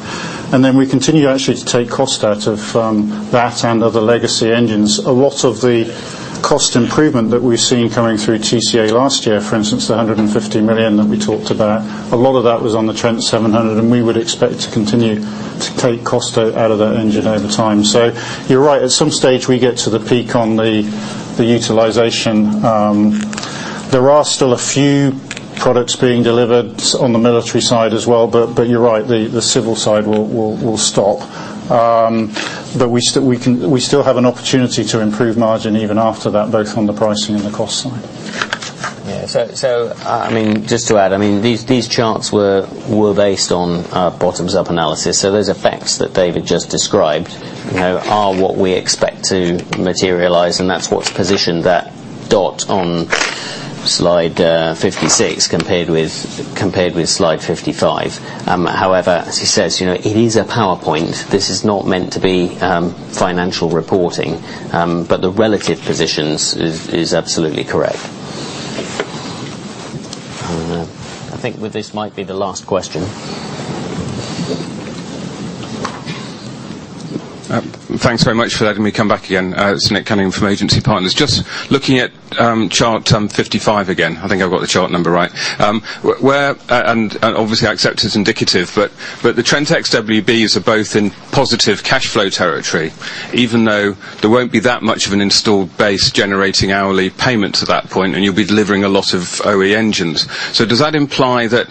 [SPEAKER 4] Then we continue actually to take cost out of that and other legacy engines. A lot of the cost improvement that we've seen coming through TCA last year, for instance, the 150 million that we talked about, a lot of that was on the Trent 700, we would expect to continue to take cost out of that engine over time. You're right. At some stage, we get to the peak on the utilization. There are still a few products being delivered on the military side as well, you're right, the civil side will stop. We still have an opportunity to improve margin even after that, both on the pricing and the cost side.
[SPEAKER 3] Yeah. Just to add, these charts were based on bottoms-up analysis. Those effects that David just described are what we expect to materialize, and that's what's positioned that dot on slide 56 compared with slide 55. However, as he says, it is a PowerPoint. This is not meant to be financial reporting. The relative positions is absolutely correct. I think with this might be the last question.
[SPEAKER 6] Thanks very much for letting me come back again. It's Nick Cunningham from Agency Partners. Just looking at chart 55 again. I think I've got the chart number right. Obviously, I accept it's indicative, the Trent XWB is both in positive cash flow territory, even though there won't be that much of an installed base generating hourly payment to that point, and you'll be delivering a lot of OE engines. Does that imply that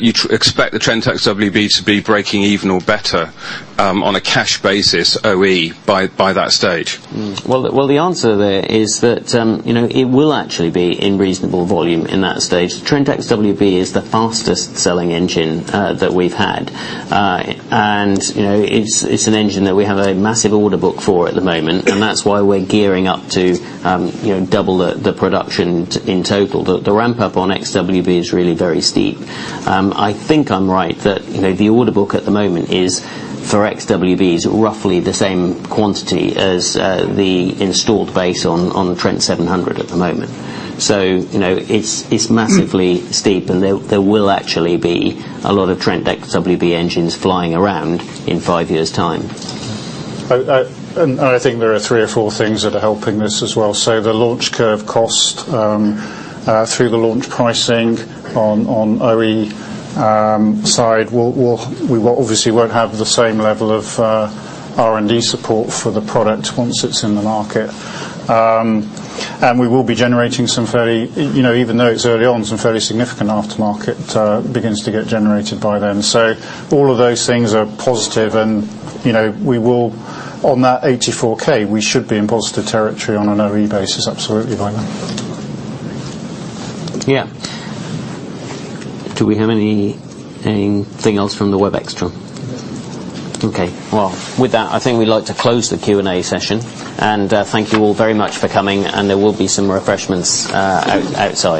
[SPEAKER 6] you expect the Trent XWB to be breaking even or better on a cash basis OE by that stage?
[SPEAKER 3] Well, the answer there is that it will actually be in reasonable volume in that stage. Trent XWB is the fastest-selling engine that we've had. It's an engine that we have a massive order book for at the moment, and that's why we're gearing up to double the production in total. The ramp-up on XWB is really very steep. I think I'm right that the order book at the moment is for XWBs, roughly the same quantity as the installed base on the Trent 700 at the moment. It's massively steep, and there will actually be a lot of Trent XWB engines flying around in five years' time.
[SPEAKER 4] I think there are three or four things that are helping this as well. The launch curve cost through the launch pricing on OE side, we obviously won't have the same level of R&D support for the product once it's in the market. We will be generating some fairly, even though it's early on, some fairly significant aftermarket begins to get generated by then. All of those things are positive, and we will on that 84K, we should be in positive territory on an OE basis. Absolutely, by then.
[SPEAKER 3] Yeah. Do we have anything else from the Webex crew? Okay. With that, I think we'd like to close the Q&A session. Thank you all very much for coming, and there will be some refreshments outside.